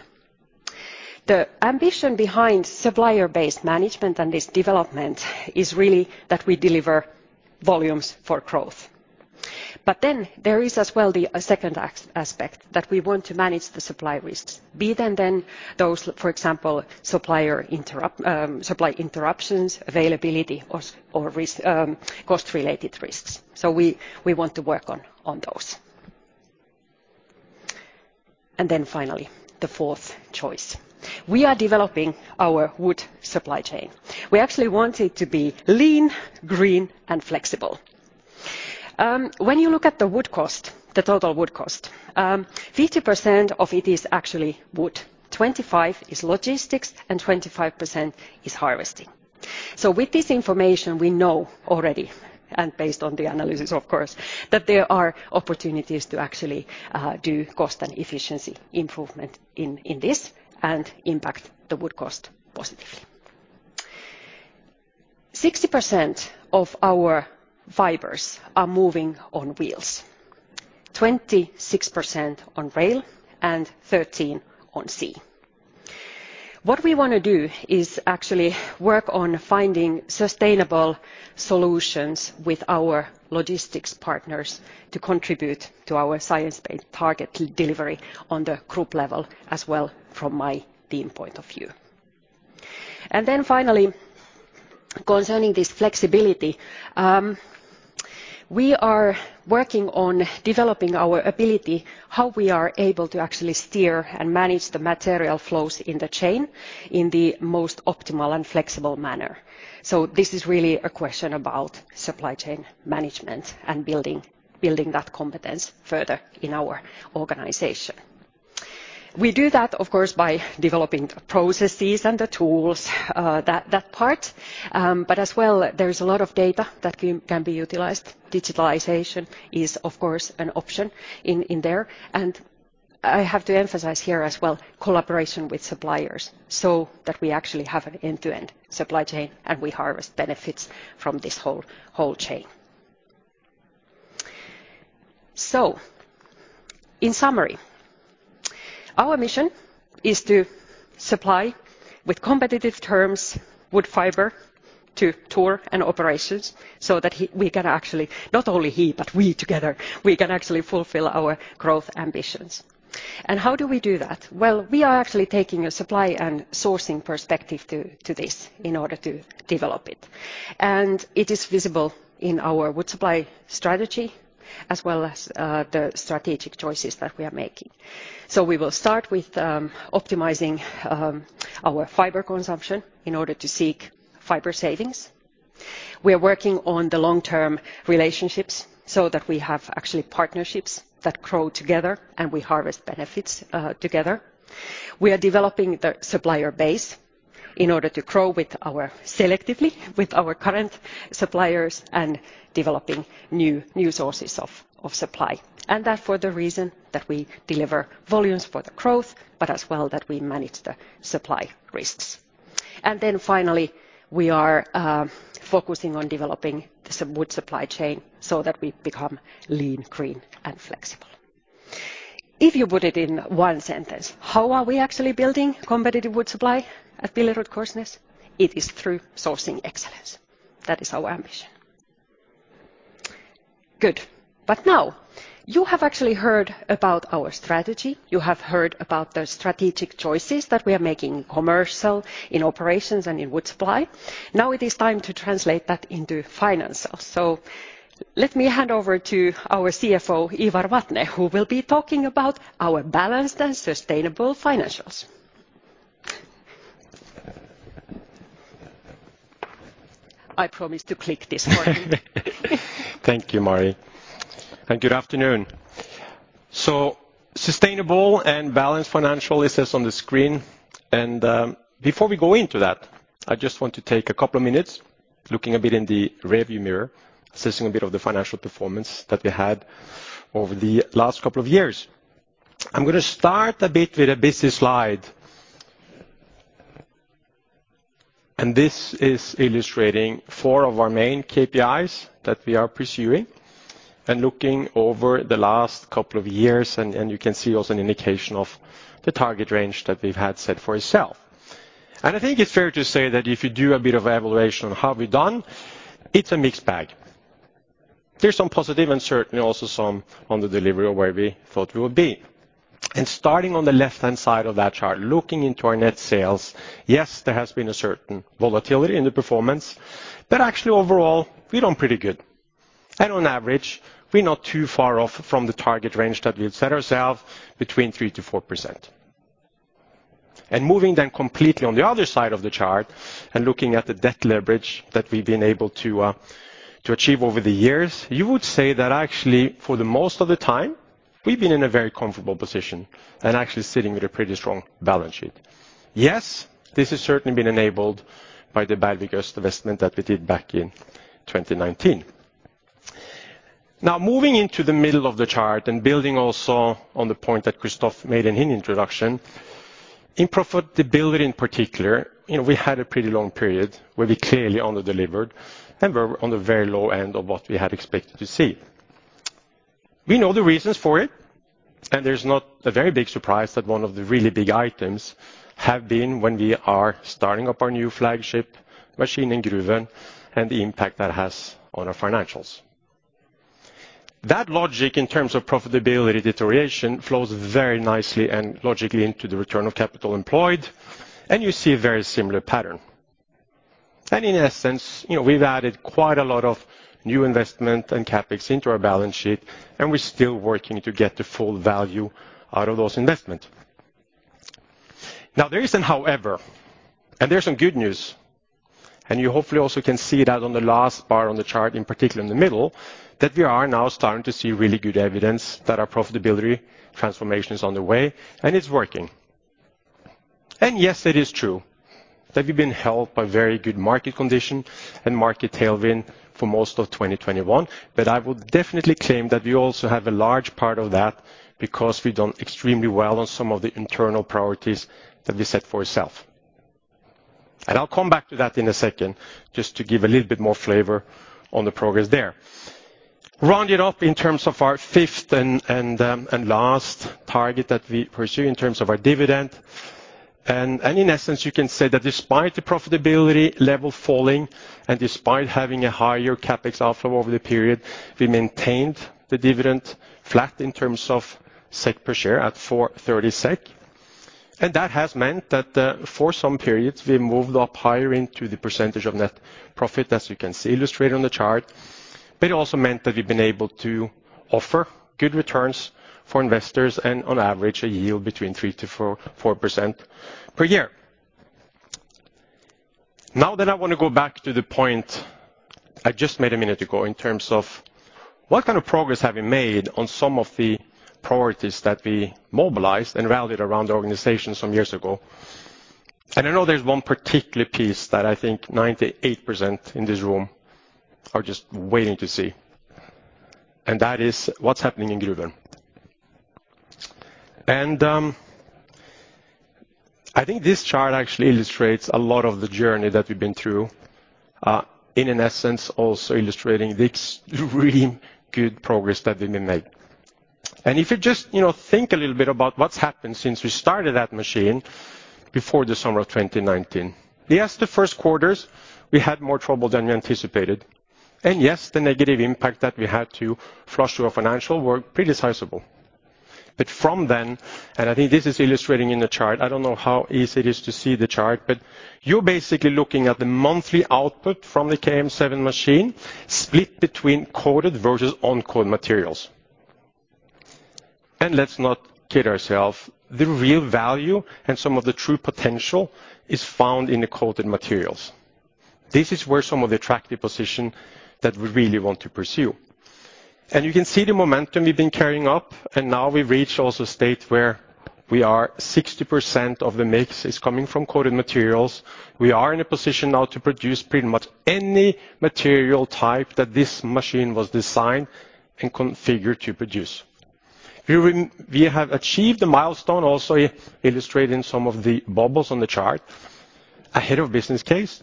The ambition behind supplier-based management and this development is really that we deliver volumes for growth. There is as well the second aspect, that we want to manage the supply risks, be them then those, for example, supply interruptions, availability or supply risk, cost-related risks. We want to work on those. Finally, the fourth choice, we are developing our wood supply chain. We actually want it to be lean, green, and flexible. When you look at the wood cost, 50% of it is actually wood, 25% is logistics, and 25% is harvesting. With this information, we know already, and based on the analysis of course, that there are opportunities to actually do cost and efficiency improvement in this and impact the wood cost positively. 60% of our fibers are moving on wheels, 26% on rail, and 13% on sea. What we wanna do is actually work on finding sustainable solutions with our logistics partners to contribute to our Science Based Targets delivery on the group level as well from my team point of view. Then finally, concerning this flexibility, we are working on developing our ability, how we are able to actually steer and manage the material flows in the chain in the most optimal and flexible manner. This is really a question about supply chain management and building that competence further in our organization. We do that, of course, by developing the processes and the tools that part. As well, there is a lot of data that can be utilized. Digitalization is of course an option in there. I have to emphasize here as well collaboration with suppliers, so that we actually have an end-to-end supply chain, and we harvest benefits from this whole chain. In summary, our mission is to supply with competitive terms wood fiber to Tor and Operations, so that we can actually, not only he, but we together, we can actually fulfill our growth ambitions. How do we do that? Well, we are actually taking a supply and sourcing perspective to this in order to develop it. It is visible in our wood supply strategy as well as the strategic choices that we are making. We will start with optimizing our fiber consumption in order to seek fiber savings. We are working on the long-term relationships so that we have actually partnerships that grow together, and we harvest benefits together. We are developing the supplier base in order to grow with our selectively, with our current suppliers, and developing new sources of supply. That for the reason that we deliver volumes for the growth, but as well that we manage the supply risks. Finally, we are focusing on developing the wood supply chain so that we become lean, green, and flexible. If you put it in one sentence, how are we actually building competitive wood supply at BillerudKorsnäs? It is through sourcing excellence. That is our ambition. Good. Now, you have actually heard about our strategy. You have heard about the strategic choices that we are making commercial in operations and in wood supply. Now it is time to translate that into financials. Let me hand over to our CFO, Ivar Vatne, who will be talking about our balanced and sustainable financials. I promise to click this for you. Thank you, Mari. Good afternoon. Sustainable and balanced financial, it says on the screen. Before we go into that, I just want to take a couple of minutes looking a bit in the rearview mirror, assessing a bit of the financial performance that we had over the last couple of years. I'm gonna start a bit with a busy slide. This is illustrating four of our main KPIs that we are pursuing and looking over the last couple of years, and you can see also an indication of the target range that we've had set for ourselves. I think it's fair to say that if you do a bit of evaluation on how we've done, it's a mixed bag. There's some positive and certainly also some on the delivery of where we thought we would be. Starting on the left-hand side of that chart, looking into our net sales, yes, there has been a certain volatility in the performance, but actually overall, we've done pretty good. On average, we're not too far off from the target range that we've set ourselves between 3%-4%. Moving then completely on the other side of the chart and looking at the debt leverage that we've been able to achieve over the years, you would say that actually for the most of the time, we've been in a very comfortable position and actually sitting with a pretty strong balance sheet. Yes, this has certainly been enabled by the Bergvik investment that we did back in 2019. Now, moving into the middle of the chart and building also on the point that Christoph made in his introduction, in profitability in particular, you know, we had a pretty long period where we clearly under-delivered, and we're on the very low end of what we had expected to see. We know the reasons for it, and there's not a very big surprise that one of the really big items have been when we are starting up our new flagship machine in Gruvön and the impact that has on our financials. That logic in terms of profitability deterioration flows very nicely and logically into the return of capital employed, and you see a very similar pattern. In essence, you know, we've added quite a lot of new investment and CapEx into our balance sheet, and we're still working to get the full value out of those investment. Now there isn't, however, and there's some good news, and you hopefully also can see that on the last bar on the chart, in particular in the middle, that we are now starting to see really good evidence that our profitability transformation is on the way, and it's working. Yes, it is true that we've been helped by very good market conditions and market tailwind for most of 2021. I would definitely claim that we also have a large part of that because we've done extremely well on some of the internal priorities that we set for ourselves. I'll come back to that in a second, just to give a little bit more flavor on the progress there. Rounding up in terms of our fifth and last target that we pursue in terms of our dividend, in essence, you can say that despite the profitability level falling and despite having a higher CapEx outflow over the period, we maintained the dividend flat in terms of SEK per share at 4.30 SEK. That has meant that for some periods, we moved up higher into the percentage of net profit, as you can see illustrated on the chart. It also meant that we've been able to offer good returns for investors and on average, a yield between 3%-4% per year. Now then I want to go back to the point I just made a minute ago in terms of what kind of progress have we made on some of the priorities that we mobilized and rallied around the organization some years ago. I know there's one particular piece that I think 98% in this room are just waiting to see, and that is what's happening in Gruvön. I think this chart actually illustrates a lot of the journey that we've been through, and in essence, also illustrating the extremely good progress that we made. If you just, you know, think a little bit about what's happened since we started that machine before the summer of 2019. Yes, the first quarters, we had more trouble than we anticipated. Yes, the negative impact that we had to flush through our financial were pretty sizable. From then, and I think this is illustrated in the chart. I don't know how easy it is to see the chart, but you're basically looking at the monthly output from the KM7 machine split between coated versus uncoated materials. Let's not kid ourselves, the real value and some of the true potential is found in the coated materials. This is where some of the attractive position that we really want to pursue. You can see the momentum we've been carrying up, and now we reach also state where we are 60% of the mix is coming from coated materials. We are in a position now to produce pretty much any material type that this machine was designed and configured to produce. We have achieved the milestone also illustrating some of the bubbles on the chart ahead of business case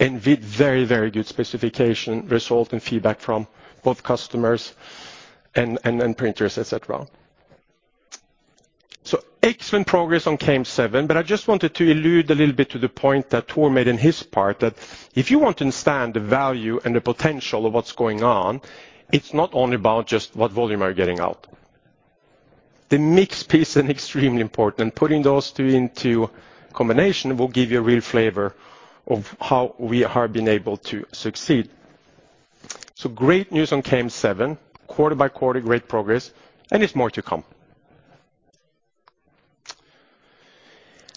and with very, very good specification result and feedback from both customers and printers, et cetera. Excellent progress on KM7, I just wanted to allude a little bit to the point that Tor made in his part, that if you want to understand the value and the potential of what's going on, it's not only about just what volume you're getting out. The mix piece is extremely important. Putting those two into combination will give you a real flavor of how we have been able to succeed. Great news on KM7, quarter by quarter, great progress, and it's more to come.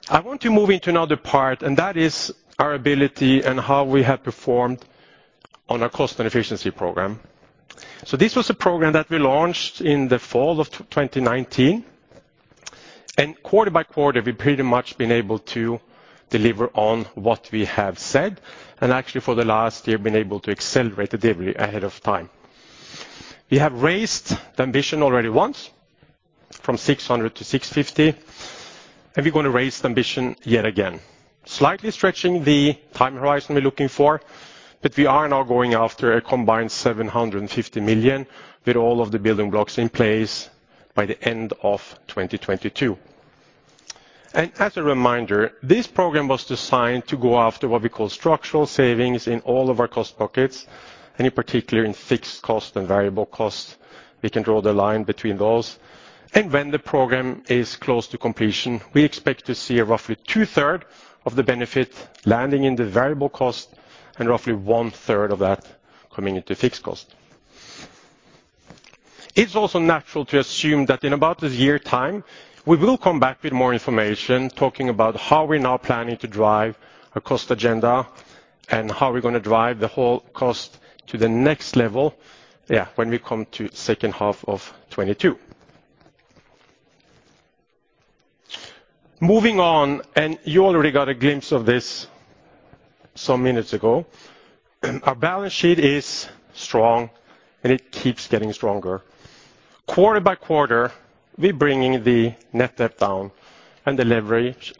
I want to move into another part, and that is our ability and how we have performed on our cost and efficiency program. This was a program that we launched in the fall of 2019. Quarter- by- quarter, we've pretty much been able to deliver on what we have said, and actually for the last year, been able to accelerate the delivery ahead of time. We have raised the ambition already once from 600 to 650, and we're going to raise the ambition yet again. Slightly stretching the time horizon we're looking for, but we are now going after a combined 750 million with all of the building blocks in place by the end of 2022. As a reminder, this program was designed to go after what we call structural savings in all of our cost pockets, and in particular, in fixed cost and variable costs. We can draw the line between those. When the program is close to completion, we expect to see roughly two-thirds of the benefit landing in the variable cost and roughly one-third of that coming into fixed cost. It's also natural to assume that in about a year's time, we will come back with more information talking about how we're now planning to drive our cost agenda and how we're gonna drive the whole cost to the next level, yeah, when we come to second half of 2022. Moving on, you already got a glimpse of this some minutes ago. Our balance sheet is strong, and it keeps getting stronger. Quarter by quarter, we're bringing the net debt down and the leverage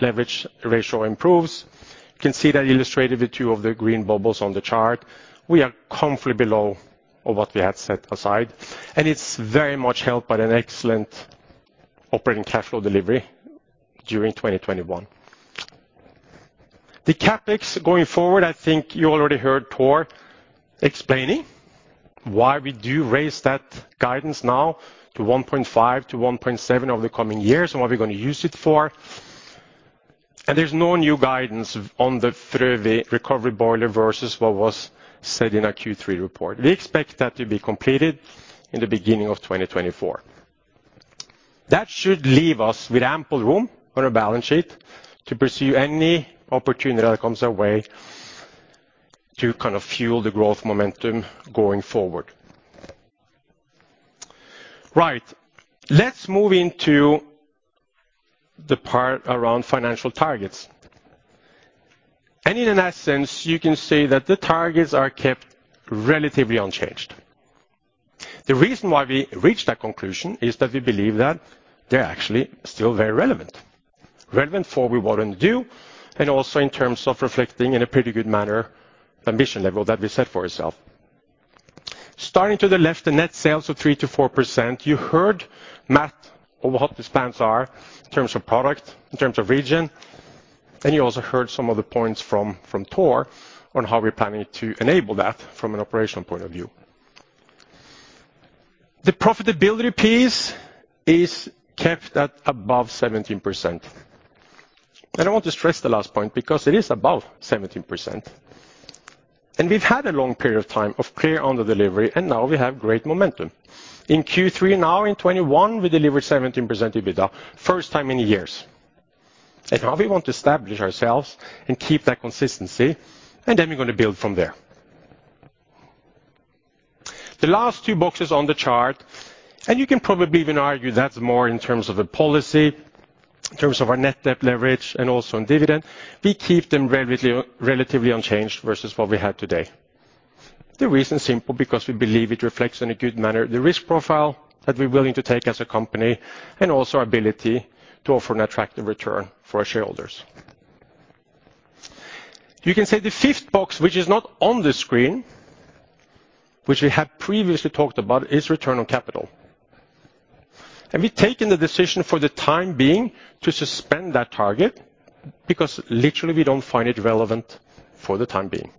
ratio improves. You can see that illustrated with two of the green bubbles on the chart. We are comfortably below what we had set aside, and it's very much helped by an excellent operating cash flow delivery during 2021. The CapEx going forward, I think you already heard Tor explaining why we do raise that guidance now to 1.5-1.7 over the coming years and what we're gonna use it for. There's no new guidance on the Frövi recovery boiler versus what was said in our Q3 report. We expect that to be completed in the beginning of 2024. That should leave us with ample room on our balance sheet to pursue any opportunity that comes our way to kind of fuel the growth momentum going forward. Right. Let's move into the part around financial targets. In that sense, you can say that the targets are kept relatively unchanged. The reason why we reached that conclusion is that we believe that they're actually still very relevant. Relevant for what we want to do, and also in terms of reflecting in a pretty good manner the ambition level that we set for ourself. Starting to the left, the net sales of 3%-4%. You heard Matt over what the spans are in terms of product, in terms of region, and you also heard some of the points from Tor on how we're planning to enable that from an operational point of view. The profitability piece is kept at above 17%. I want to stress the last point because it is above 17%. We've had a long period of time of clear under delivery, and now we have great momentum. In Q3 2021, we delivered 17% EBITDA, first time in years. Now we want to establish ourselves and keep that consistency, and then we're gonna build from there. The last two boxes on the chart, and you can probably even argue that's more in terms of a policy, in terms of our net debt leverage, and also in dividend. We keep them relatively unchanged versus what we have today. The reason's simple, because we believe it reflects in a good manner the risk profile that we're willing to take as a company and also our ability to offer an attractive return for our shareholders. You can say the fifth box, which is not on the screen, which we have previously talked about, is return on capital. We've taken the decision for the time being to suspend that target because literally we don't find it relevant for the time being.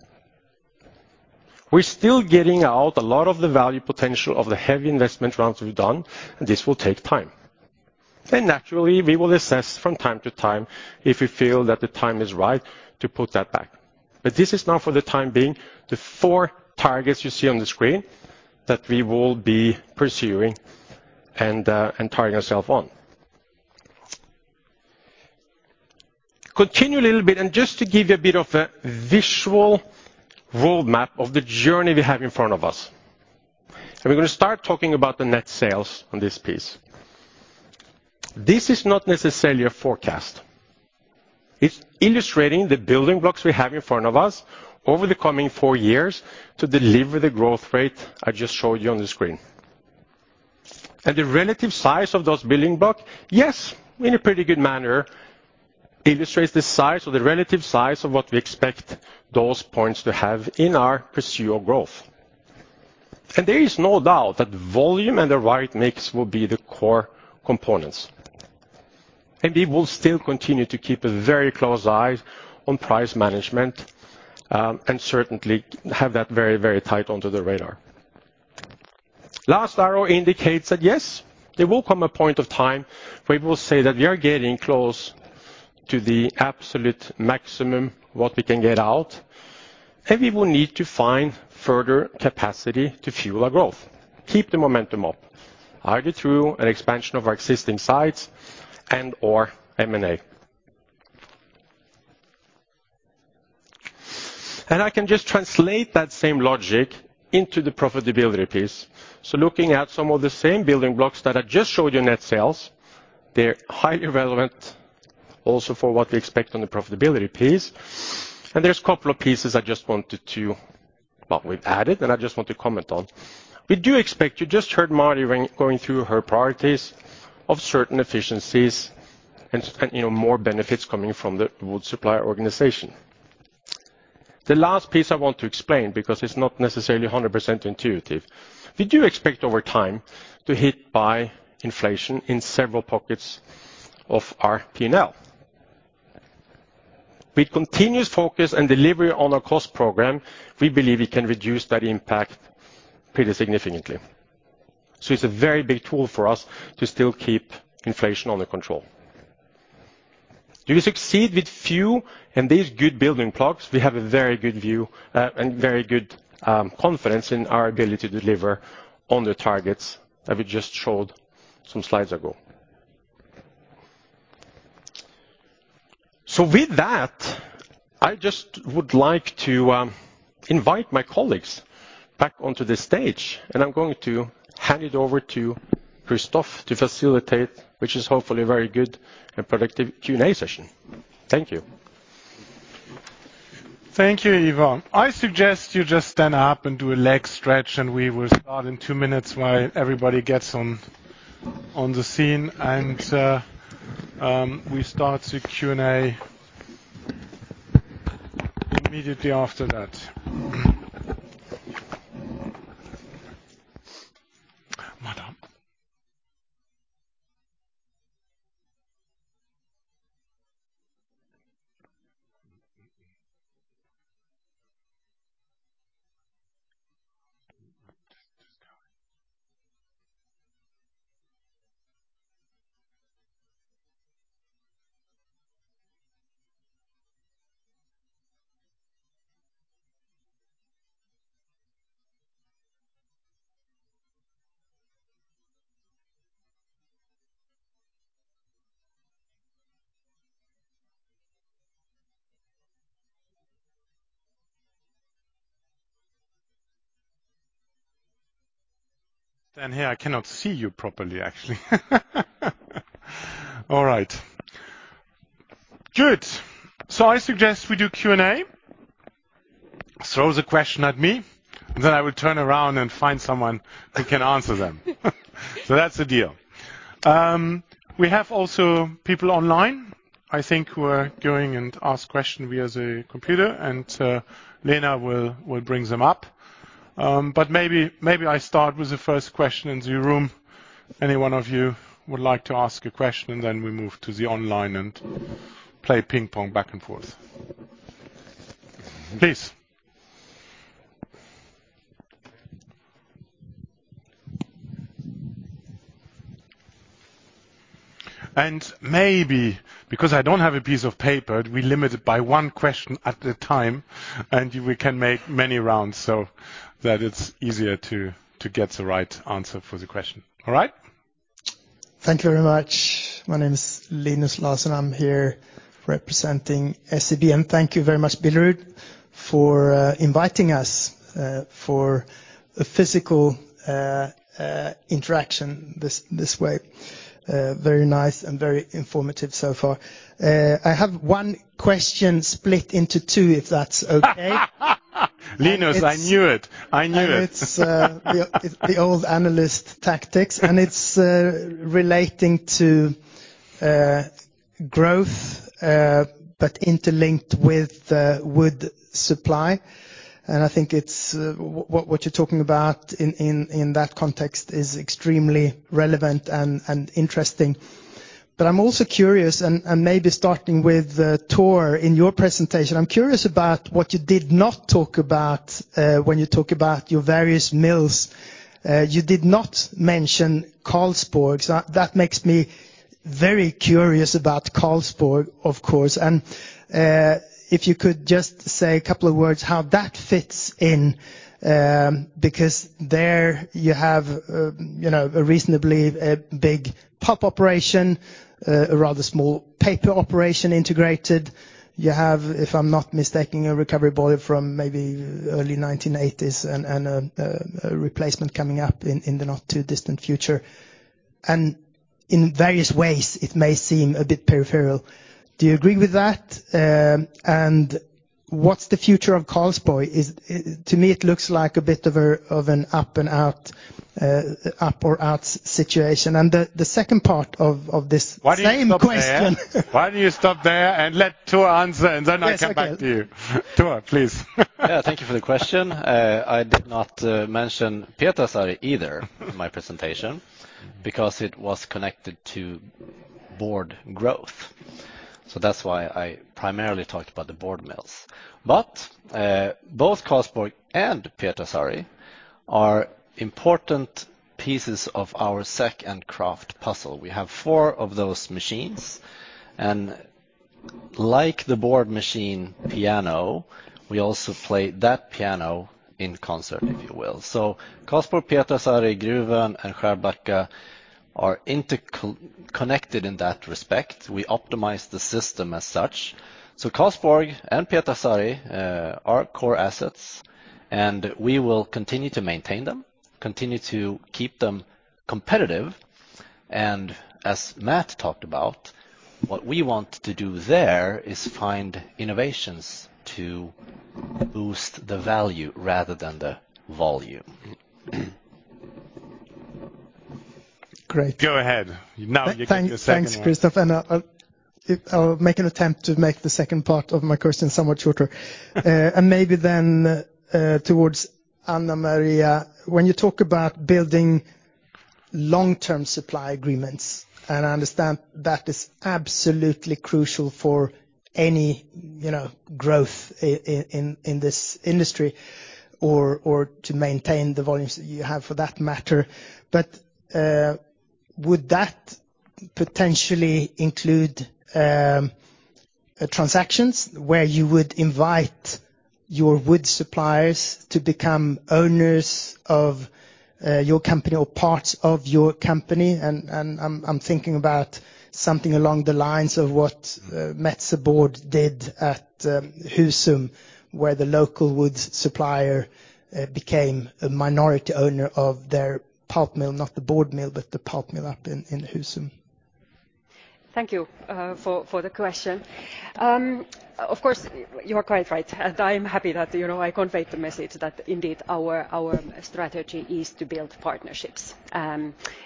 We're still getting out a lot of the value potential of the heavy investment rounds we've done, and this will take time. Naturally, we will assess from time to time if we feel that the time is right to put that back. This is now for the time being the four targets you see on the screen that we will be pursuing and target ourself on. Continue a little bit, and just to give you a bit of a visual roadmap of the journey we have in front of us. We're gonna start talking about the net sales on this piece. This is not necessarily a forecast. It's illustrating the building blocks we have in front of us over the coming four years to deliver the growth rate I just showed you on the screen. The relative size of those building block, yes, in a pretty good manner illustrates the size or the relative size of what we expect those points to have in our pursuit of growth. There is no doubt that volume and the right mix will be the core components. We will still continue to keep a very close eye on price management, and certainly have that very, very tight onto the radar. Last arrow indicates that yes, there will come a point of time where we will say that we are getting close to the absolute maximum what we can get out, and we will need to find further capacity to fuel our growth, keep the momentum up, either through an expansion of our existing sites and/or M&A. I can just translate that same logic into the profitability piece. Looking at some of the same building blocks that I just showed you in net sales, they're highly relevant also for what we expect on the profitability piece. There's a couple of pieces. Well, we've added, and I just want to comment on. We do expect, you just heard Mari going through her priorities of certain efficiencies and you know, more benefits coming from the wood supply organization. The last piece I want to explain, because it's not necessarily 100% intuitive. We do expect over time to be hit by inflation in several pockets of our P&L. With continuous focus and delivery on our cost program, we believe we can reduce that impact pretty significantly. It's a very big tool for us to still keep inflation under control. Do we succeed with OneBK and these good building blocks? We have a very good view and very good confidence in our ability to deliver on the targets that we just showed some slides ago. With that, I just would like to invite my colleagues back onto the stage, and I'm going to hand it over to Christoph to facilitate, which is hopefully a very good and productive Q&A session. Thank you. Thank you, Ivar. I suggest you just stand up and do a leg stretch, and we will start in two minutes while everybody gets on the scene, and we start the Q&A immediately after that. Madam. Stand here, I cannot see you properly, actually. All right, good. I suggest we do Q&A. Throw the question at me, then I will turn around and find someone who can answer them. That's the deal. We have also people online, I think who are going to ask questions via the computer, and Lena will bring them up. Maybe I start with the first question in the room. Any one of you would like to ask a question, and then we move to the online and play ping-pong back and forth. Please. Maybe, because I don't have a piece of paper, we limit it by one question at a time, and we can make many rounds so that it's easier to get the right answer for the question. All right? Thank you very much. My name is Linus Larsson. I'm here representing SEB. Thank you very much, Billerud, for inviting us for a physical interaction this way. Very nice and very informative so far. I have one question split into two, if that's okay. Linus, I knew it. I knew it. It's the old analyst tactics, and it's relating to growth but interlinked with wood supply. I think what you're talking about in that context is extremely relevant and interesting. I'm also curious and maybe starting with Tor, in your presentation, I'm curious about what you did not talk about when you talk about your various mills. You did not mention Karlsborg. That makes me very curious about Karlsborg, of course. If you could just say a couple of words how that fits in, because there you have, you know, a reasonably big pulp operation, a rather small paper operation integrated. You have, if I'm not mistaken, a recovery boiler from maybe early 1980s and a replacement coming up in the not too distant future. In various ways, it may seem a bit peripheral. Do you agree with that? What's the future of Karlsborg? To me, it looks like a bit of an up or out situation. The second part of this same question Why don't you stop there? Why don't you stop there and let Tor answer, and then I come back to you? Yes, okay. Tor, please. Yeah, thank you for the question. I did not mention Pietarsaari either in my presentation because it was connected to board growth. That's why I primarily talked about the board mills. Both Karlsborg and Pietarsaari are important pieces of our sack and kraft puzzle. We have four of those machines. Like the board machine piano, we also play that piano in concert, if you will. Karlsborg, Pietarsaari, Gruvön, and Skärblacka are interconnected in that respect. We optimize the system as such. Karlsborg and Pietarsaari are core assets, and we will continue to maintain them, continue to keep them competitive. As Matt talked about, what we want to do there is find innovations to boost the value rather than the volume. Great Go ahead. Now you get your second one. Thanks, Christoph. I'll make an attempt to make the second part of my question somewhat shorter. Maybe then towards Anna-Maria, when you talk about building long-term supply agreements, and I understand that is absolutely crucial for any, you know, growth in this industry or to maintain the volumes that you have for that matter. But would that potentially include transactions where you would invite your wood suppliers to become owners of your company or parts of your company? I'm thinking about something along the lines of what Metsä Board did at Husum, where the local wood supplier became a minority owner of their pulp mill, not the board mill, but the pulp mill up in Husum. Thank you for the question. Of course, you are quite right, and I'm happy that, you know, I conveyed the message that indeed our strategy is to build partnerships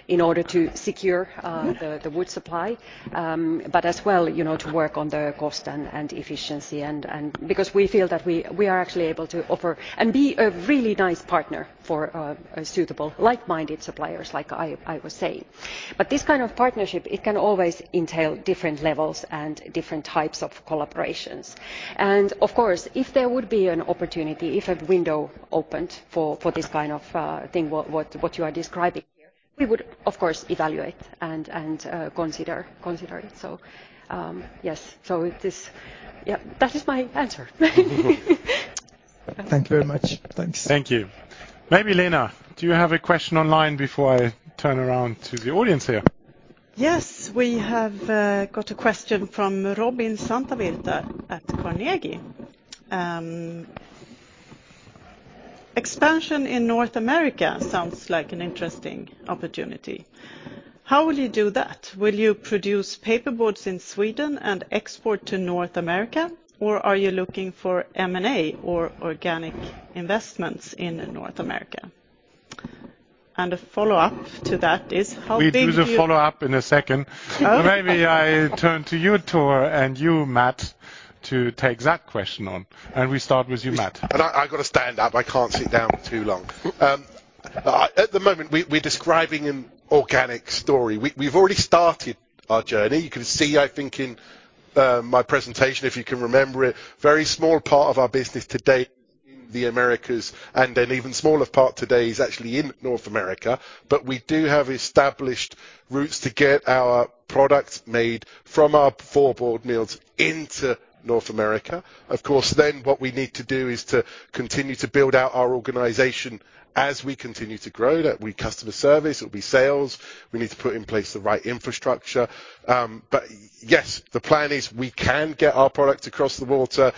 in order to secure the wood supply, but as well, you know, to work on the cost and efficiency and because we feel that we are actually able to offer and be a really nice partner for a suitable like-minded suppliers, like I was saying. This kind of partnership, it can always entail different levels and different types of collaborations. Of course, if there would be an opportunity, if a window opened for this kind of thing, what you are describing here, we would of course evaluate and consider it. Yes. This. Yeah, that is my answer. Thank you very much. Thanks. Thank you. Maybe Lena, do you have a question online before I turn around to the audience here? Yes. We have got a question from Robin Santavirta at Carnegie. Expansion in North America sounds like an interesting opportunity. How will you do that? Will you produce paperboards in Sweden and export to North America, or are you looking for M&A or organic investments in North America? A follow-up to that is, how big do you- We'll do the follow-up in a second. Oh. Maybe I turn to you, Tor, and you, Matt, to take that question on, and we start with you, Matt. I gotta stand up. I can't sit down too long. At the moment, we're describing an organic story. We've already started our journey. You can see, I think in my presentation, if you can remember it, very small part of our business today in the Americas and an even smaller part today is actually in North America. But we do have established routes to get our products made from our four board mills into North America. Of course, then what we need to do is to continue to build out our organization as we continue to grow. That'll be customer service. It'll be sales. We need to put in place the right infrastructure. Yes, the plan is we can get our product across the water.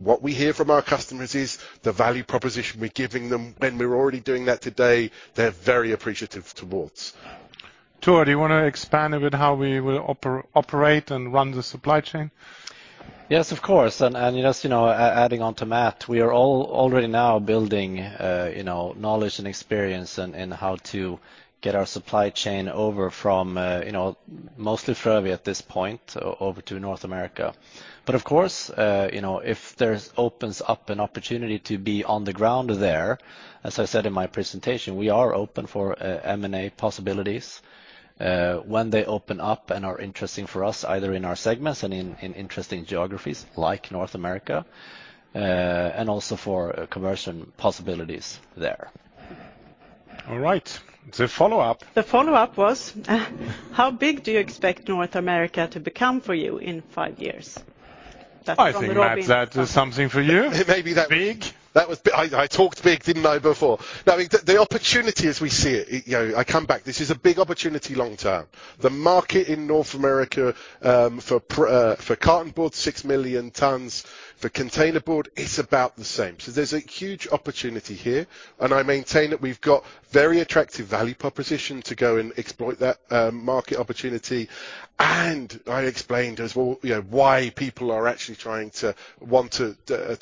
What we hear from our customers is the value proposition we're giving them, and we're already doing that today. They're very appreciative towards. Tor, do you wanna expand a bit how we will operate and run the supply chain? Yes, of course, just, you know, adding on to Matt, we are all already now building, you know, knowledge and experience in how to get our supply chain over from, you know, mostly Frövi at this point over to North America. Of course, you know, if there opens up an opportunity to be on the ground there, as I said in my presentation, we are open for M&A possibilities, when they open up and are interesting for us, either in our segments and in interesting geographies like North America, and also for conversion possibilities there. All right. The follow-up. The follow-up was, how big do you expect North America to become for you in five years? That's from Robin- I think that is something for you. It may be that- Big. That was big. I talked big, didn't I, before? Now the opportunity as we see it, you know, I come back. This is a big opportunity long-term. The market in North America for cartonboard, 6 million tons, for containerboard, it's about the same. There's a huge opportunity here, and I maintain that we've got very attractive value proposition to go and exploit that market opportunity. I explained as well, you know, why people are actually trying to want to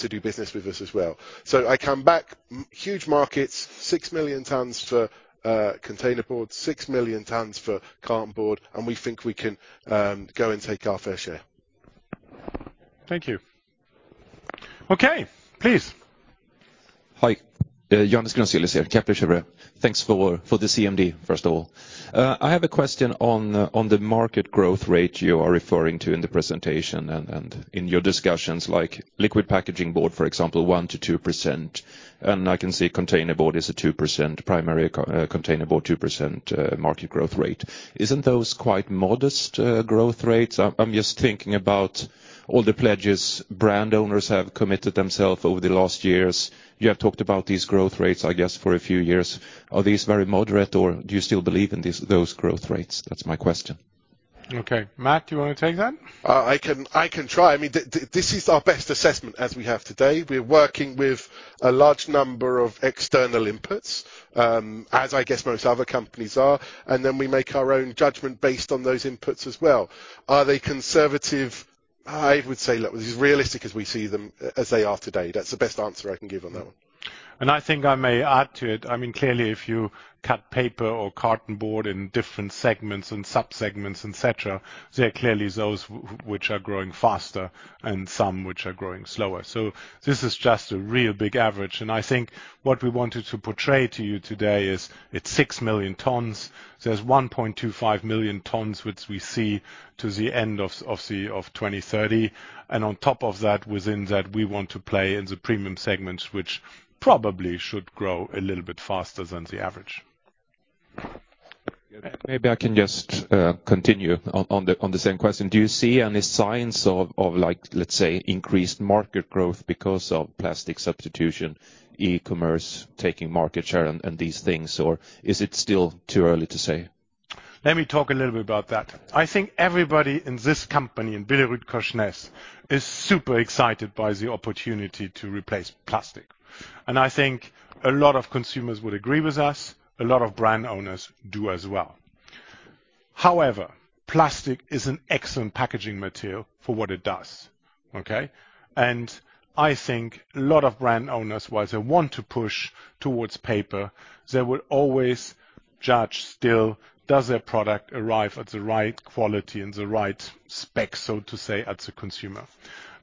do business with us as well. I come back, huge markets, 6 million tons for containerboard, 6 million tons for cartonboard, and we think we can go and take our fair share. Thank you. Okay. Please. Hi. Johannes Grunselius here, Kepler Cheuvreux. Thanks for the CMD, first of all. I have a question on the market growth rate you are referring to in the presentation and in your discussions, like liquid packaging board, for example, 1%-2%. I can see containerboard is a 2% market growth rate. Isn't those quite modest growth rates? I'm just thinking about all the pledges brand owners have committed themselves over the last years. You have talked about these growth rates, I guess, for a few years. Are these very moderate or do you still believe in these growth rates? That's my question. Okay. Matt, do you wanna take that? I can try. I mean, this is our best assessment as we have today. We're working with a large number of external inputs, as I guess most other companies are, and then we make our own judgment based on those inputs as well. Are they conservative? I would say that was as realistic as we see them as they are today. That's the best answer I can give on that one. I think I may add to it. I mean, clearly, if you cut paper or cartonboard in different segments and sub-segments, et cetera, there are clearly those which are growing faster and some which are growing slower. So this is just a real big average. I think what we wanted to portray to you today is it's 6 million tons. There's 1.25 million tons, which we see to the end of 2030. On top of that, within that, we want to play in the premium segments, which probably should grow a little bit faster than the average. Maybe I can just continue on the same question. Do you see any signs of like, let's say, increased market growth because of plastic substitution, e-commerce taking market share and these things? Or is it still too early to say? Let me talk a little bit about that. I think everybody in this company, in BillerudKorsnäs, is super excited by the opportunity to replace plastic. I think a lot of consumers would agree with us. A lot of brand owners do as well. However, plastic is an excellent packaging material for what it does. Okay? I think a lot of brand owners, whilst they want to push towards paper, they will always judge still, does their product arrive at the right quality and the right spec, so to say, at the consumer.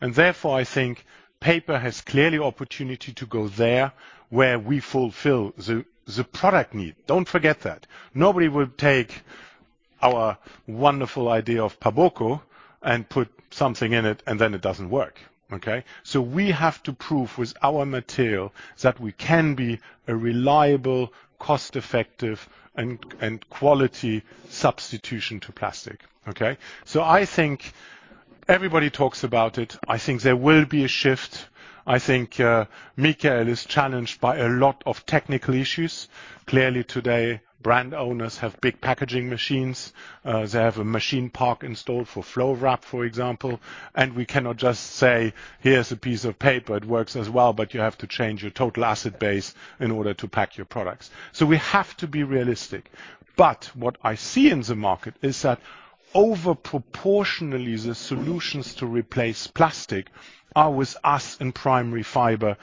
Therefore, I think paper has clearly opportunity to go there where we fulfill the product need. Don't forget that. Nobody will take our wonderful idea of Paboco and put something in it, and then it doesn't work. Okay? We have to prove with our material that we can be a reliable, cost-effective and quality substitution to plastic. Okay? I think everybody talks about it. I think there will be a shift. I think Mikael is challenged by a lot of technical issues. Clearly today, brand owners have big packaging machines. They have a machine park installed for flow wrap, for example. We cannot just say, "Here's a piece of paper. It works as well, but you have to change your total asset base in order to pack your products." We have to be realistic. What I see in the market is that over proportionally, the solutions to replace plastic are with us in primary fiber,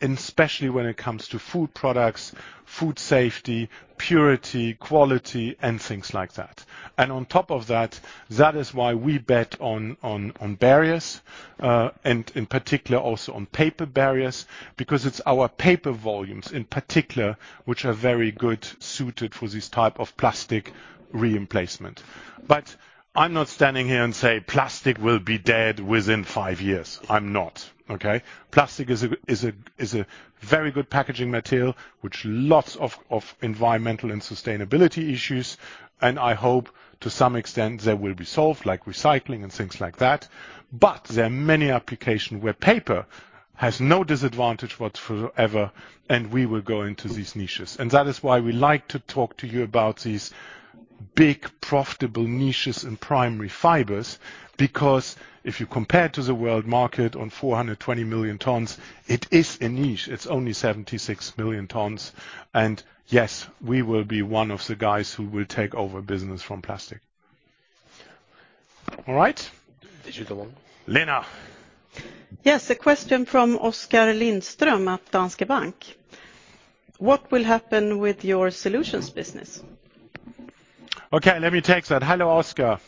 and especially when it comes to food products, food safety, purity, quality, and things like that. On top of that is why we bet on barriers, and in particular also on paper barriers, because it's our paper volumes in particular, which are very good suited for this type of plastic replacement. But I'm not standing here and say, "Plastic will be dead within five years." I'm not. Okay? Plastic is a very good packaging material with lots of environmental and sustainability issues, and I hope to some extent they will be solved, like recycling and things like that. But there are many applications where paper has no disadvantage whatsoever, and we will go into these niches. That is why we like to talk to you about these big, profitable niches in primary fibers, because if you compare to the world market on 420 million tons, it is a niche. It's only 76 million tons. Yes, we will be one of the guys who will take over business from plastic. All right. Digital. Lena. Yes, a question from Oskar Lindström at Danske Bank. What will happen with your solutions business? Okay, let me take that. Hello, Oskar.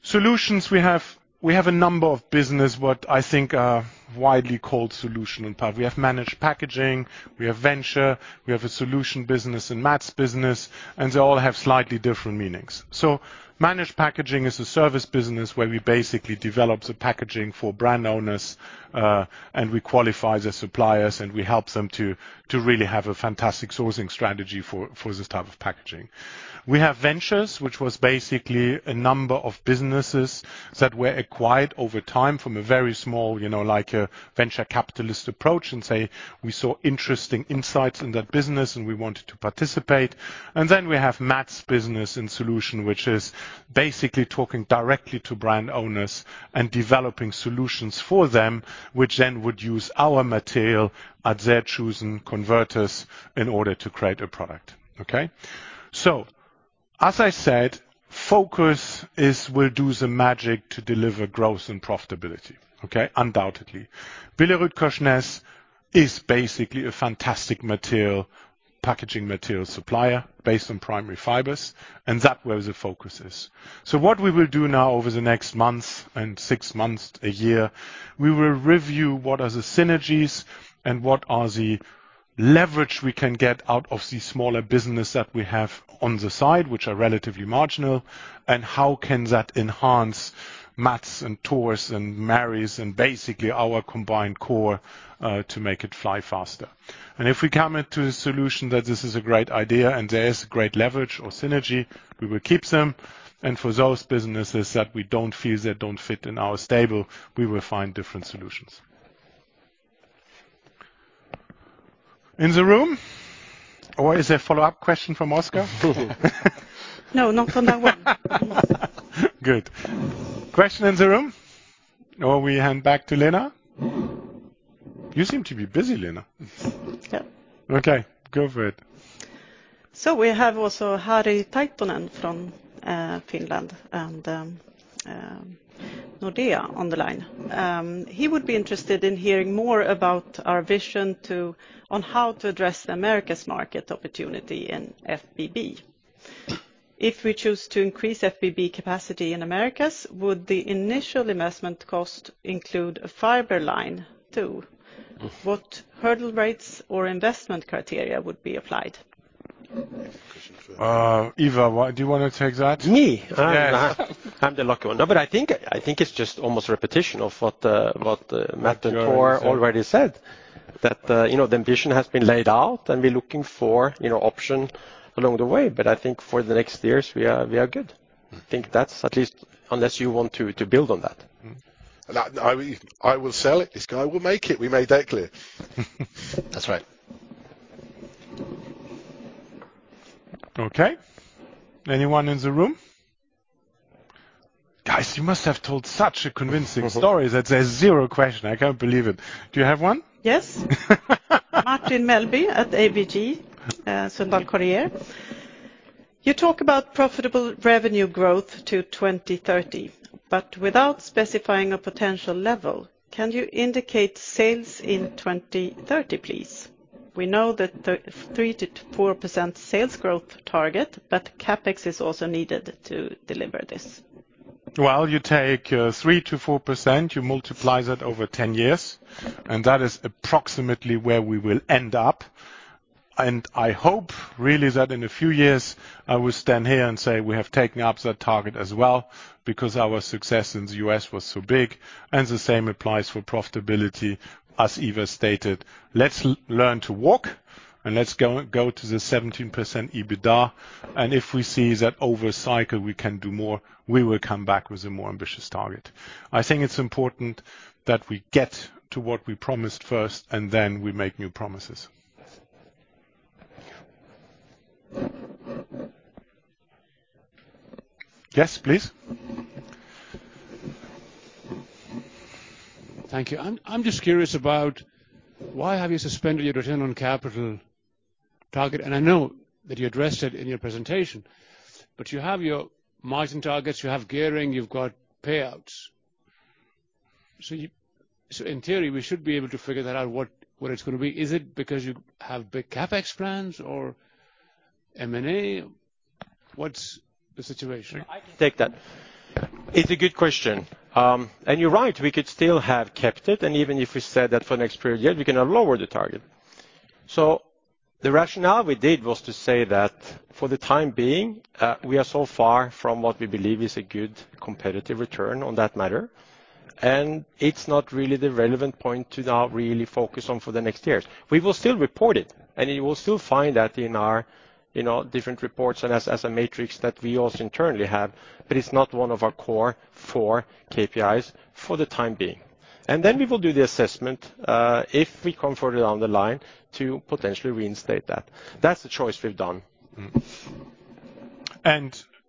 Solutions we have, we have a number of businesses what I think are widely called solutions in part. We have managed packaging, we have venture, we have a solution business and Mats business, and they all have slightly different meanings. Managed packaging is a service business where we basically develop the packaging for brand owners, and we qualify the suppliers, and we help them to really have a fantastic sourcing strategy for this type of packaging. We have ventures, which was basically a number of businesses that were acquired over time from a very small, you know, like a venture capitalist approach and say we saw interesting insights in that business and we wanted to participate. Then we have Mats business and solution, which is basically talking directly to brand owners and developing solutions for them, which then would use our material at their chosen converters in order to create a product. Okay? As I said, focus is we'll do the magic to deliver growth and profitability, okay? Undoubtedly. BillerudKorsnäs is basically a fantastic material, packaging material supplier based on primary fibers, and that's where the focus is. What we will do now over the next months and six months, a year, we will review what are the synergies and what are the leverage we can get out of the smaller business that we have on the side, which are relatively marginal, and how can that enhance Mats and Tor's and Mari's and basically our combined core to make it fly faster. If we come into a solution that this is a great idea and there is great leverage or synergy, we will keep them. For those businesses that we don't feel fit in our stable, we will find different solutions. In the room? Or is there a follow-up question from Oskar? No, not for now. Good. Question in the room? Or we hand back to Lena. You seem to be busy, Lena. Yeah. Okay, go for it. We have also Harri Taittonen from Finland and Nordea on the line. He would be interested in hearing more about our vision on how to address the Americas market opportunity in FBB. If we choose to increase FBB capacity in Americas, would the initial investment cost include a fiber line, too? What hurdle rates or investment criteria would be applied? Ivar, do you wanna take that? Me? Yes. I'm the lucky one. No, I think it's just almost repetition of what Matt and Tor already said, that you know, the ambition has been laid out and we're looking for, you know, option along the way. I think for the next years, we are good. I think that's at least unless you want to build on that. I will sell it. This guy will make it. We made that clear. That's right. Okay. Anyone in the room? Guys, you must have told such a convincing story that there's zero question. I can't believe it. Do you have one? Yes. Martin Melbye at ABG Sundal Collier. You talk about profitable revenue growth to 2030, but without specifying a potential level. Can you indicate sales in 2030, please? We know that the 3%-4% sales growth target, but CapEx is also needed to deliver this. Well, you take, 3%-4%, you multiply that over 10 years, and that is approximately where we will end up. I hope really that in a few years, I will stand here and say, we have taken up that target as well because our success in the U.S. was so big, and the same applies for profitability. As Ivar stated, let's learn to walk and let's go to the 17% EBITDA. If we see that over a cycle, we can do more, we will come back with a more ambitious target. I think it's important that we get to what we promised first, and then we make new promises. Yes, please. Thank you. I'm just curious about why have you suspended your return on capital target? I know that you addressed it in your presentation, but you have your margin targets, you have gearing, you've got payouts. So in theory, we should be able to figure that out, what it's gonna be. Is it because you have big CapEx plans or M&A? What's the situation? I can take that. It's a good question. You're right, we could still have kept it, and even if we said that for next period, yet we cannot lower the target. The rationale we did was to say that for the time being, we are so far from what we believe is a good competitive return on that matter. It's not really the relevant point to now really focus on for the next years. We will still report it, and you will still find that in our, you know, different reports and a matrix that we also internally have, but it's not one of our core four KPIs for the time being. Then we will do the assessment, if we come further down the line to potentially reinstate that. That's the choice we've done.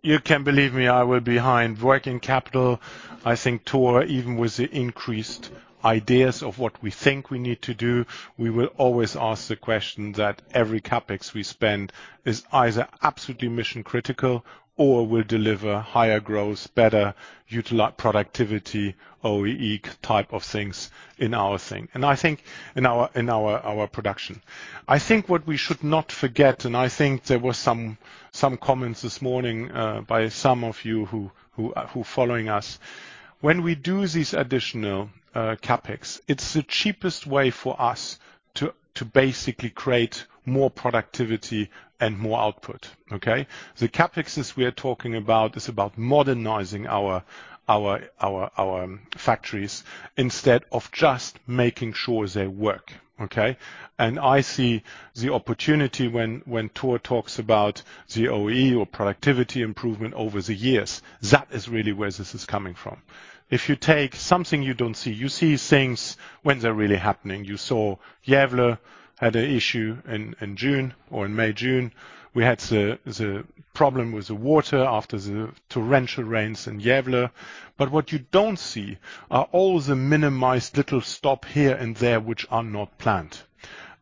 You can believe me, I will be behind working capital. I think Tor, even with the increased ideas of what we think we need to do, we will always ask the question that every CapEx we spend is either absolutely mission-critical or will deliver higher growth, better utilize productivity, OEE type of things in our thing. I think in our production. I think what we should not forget, I think there were some comments this morning by some of you who follow us. When we do these additional CapEx, it's the cheapest way for us to basically create more productivity and more output. Okay? The CapExes we are talking about is about modernizing our factories instead of just making sure they work. Okay? I see the opportunity when Tor talks about the OEE or productivity improvement over the years. That is really where this is coming from. If you take something you don't see, you see things when they're really happening. You saw Gävle had an issue in June or May, June. We had the problem with the water after the torrential rains in Gävle. What you don't see are all the minute little stops here and there which are not planned.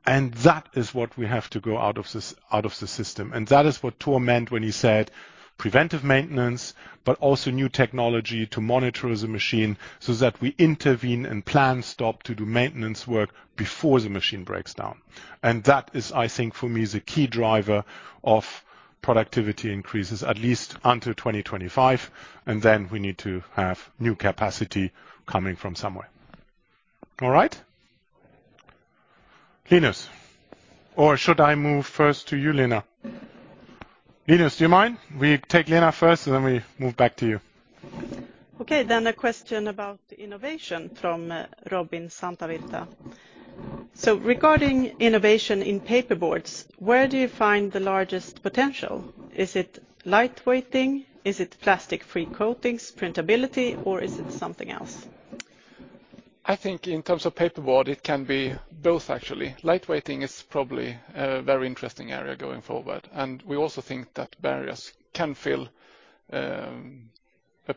That is what we have to go out of the system. That is what Tor meant when he said preventive maintenance, but also new technology to monitor the machine so that we intervene and plan stop to do maintenance work before the machine breaks down. that is, I think for me, the key driver of productivity increases, at least until 2025, and then we need to have new capacity coming from somewhere. All right? Linus. Or should I move first to you, Lena? Linus, do you mind? We take Lena first, and then we move back to you. Okay. A question about innovation from Robin Santavirta. Regarding innovation in paperboards, where do you find the largest potential? Is it lightweighting? Is it plastic-free coatings, printability, or is it something else? I think in terms of paperboard, it can be both actually. Lightweighting is probably a very interesting area going forward, and we also think that barriers can fill a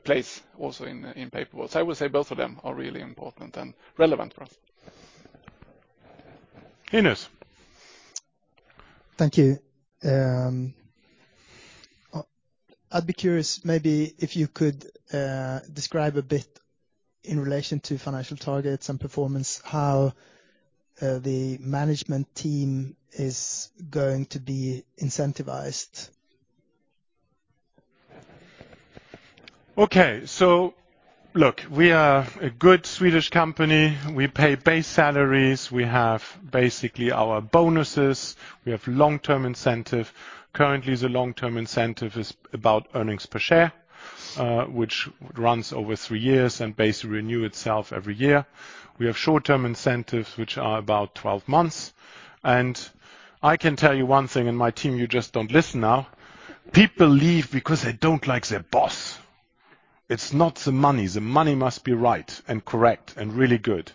place also in paperboards. I would say both of them are really important and relevant for us. Linus. Thank you. I'd be curious maybe if you could, describe a bit in relation to financial targets and performance, how, the management team is going to be incentivized. Okay. Look, we are a good Swedish company. We pay base salaries. We have basically our bonuses. We have long-term incentive. Currently, the long-term incentive is about earnings per share, which runs over three years and basically renew itself every year. We have short-term incentives, which are about 12 months. I can tell you one thing, and my team, you just don't listen now. People leave because they don't like their boss. It's not the money. The money must be right and correct and really good.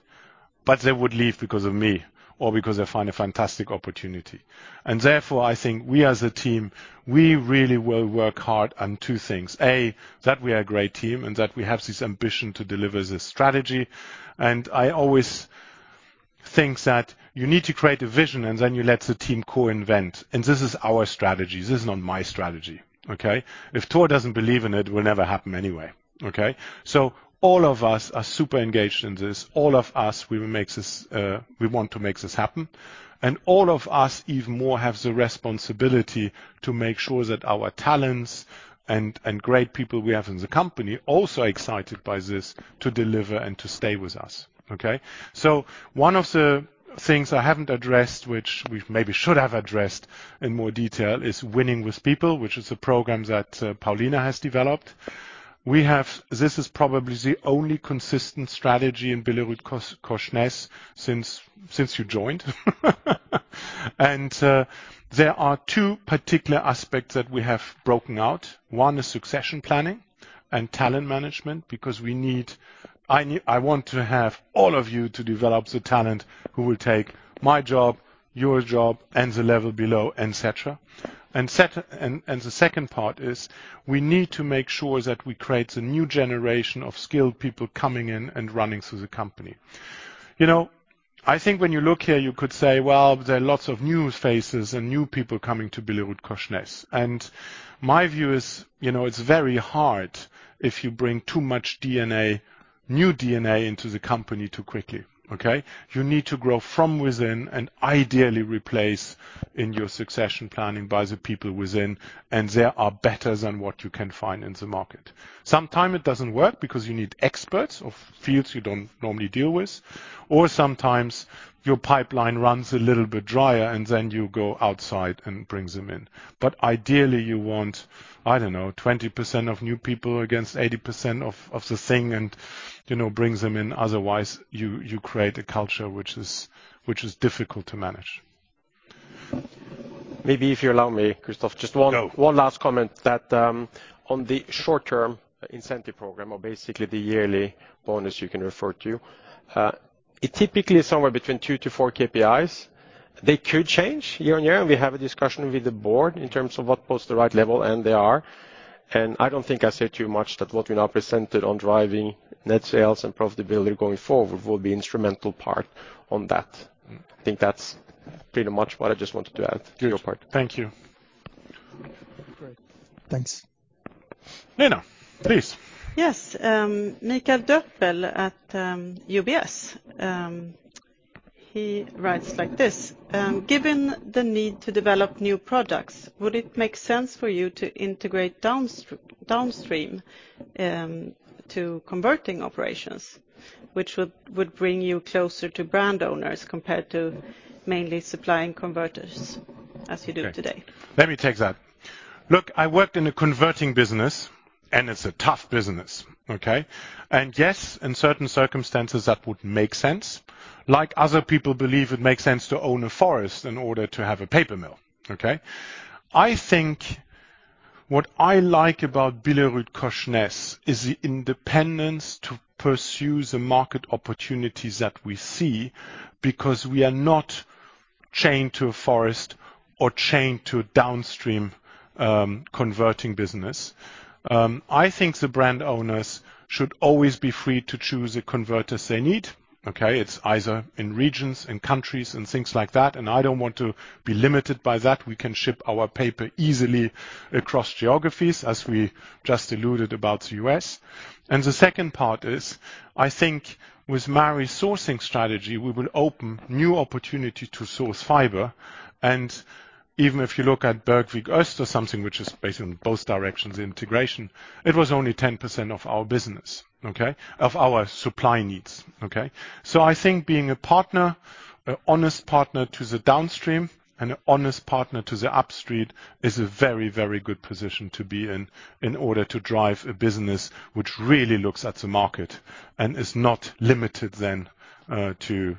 They would leave because of me or because they find a fantastic opportunity. Therefore, I think we as a team, we really will work hard on two things. A, that we are a great team and that we have this ambition to deliver the strategy. I always think that you need to create a vision, and then you let the team co-invent. This is our strategy. This is not my strategy, okay? If Tor doesn't believe in it will never happen anyway, okay? All of us are super engaged in this. All of us, we will make this, we want to make this happen. All of us, even more, have the responsibility to make sure that our talents and great people we have in the company also excited by this to deliver and to stay with us. Okay? One of the things I haven't addressed, which we maybe should have addressed in more detail, is Winning with People, which is a program that Paulina has developed. This is probably the only consistent strategy in BillerudKorsnäs since you joined. There are two particular aspects that we have broken out. One is succession planning and talent management, because I want to have all of you to develop the talent who will take my job, your job, and the level below, et cetera. The second part is we need to make sure that we create a new generation of skilled people coming in and running through the company. You know, I think when you look here, you could say, "Well, there are lots of new faces and new people coming to Billerud." And my view is, you know, it's very hard if you bring too much DNA, new DNA into the company too quickly, okay? You need to grow from within and ideally replace in your succession planning by the people within, and they are better than what you can find in the market. Sometimes it doesn't work because you need experts of fields you don't normally deal with, or sometimes your pipeline runs a little bit drier, and then you go outside and bring them in. Ideally, you want, I don't know, 20% of new people against 80% of the thing and, you know, bring them in. Otherwise, you create a culture which is difficult to manage. Maybe if you allow me, Christoph, just one Go. One last comment that, on the short-term incentive program or basically the yearly bonus you can refer to. It typically is somewhere between 2-4 KPIs. They could change year on year, and we have a discussion with the board in terms of what's the right level and they are. I don't think I'm saying too much that what we now presented on driving net sales and profitability going forward will be instrumental part in that. I think that's pretty much what I just wanted to add to your point. Good. Thank you. Thanks. Nina, please. Yes. Mikael Doepel at UBS, he writes like this. Given the need to develop new products, would it make sense for you to integrate downstream to converting operations, which would bring you closer to brand owners compared to mainly supplying converters as you do today? Let me take that. Look, I worked in a converting business, and it's a tough business, okay? Yes, in certain circumstances, that would make sense. Like other people believe it makes sense to own a forest in order to have a paper mill, okay? I think what I like about BillerudKorsnäs is the independence to pursue the market opportunities that we see because we are not chained to a forest or chained to a downstream, converting business. I think the brand owners should always be free to choose the converters they need, okay? It's either in regions, in countries, and things like that, and I don't want to be limited by that. We can ship our paper easily across geographies, as we just alluded about the U.S. The second part is, I think with my resourcing strategy, we will open new opportunity to source fiber. Even if you look at Bergvik Skog Öst or something, which is based on both directions integration, it was only 10% of our business, okay? Of our supply needs, okay? I think being a partner, an honest partner to the downstream and an honest partner to the upstream is a very, very good position to be in order to drive a business which really looks at the market and is not limited then to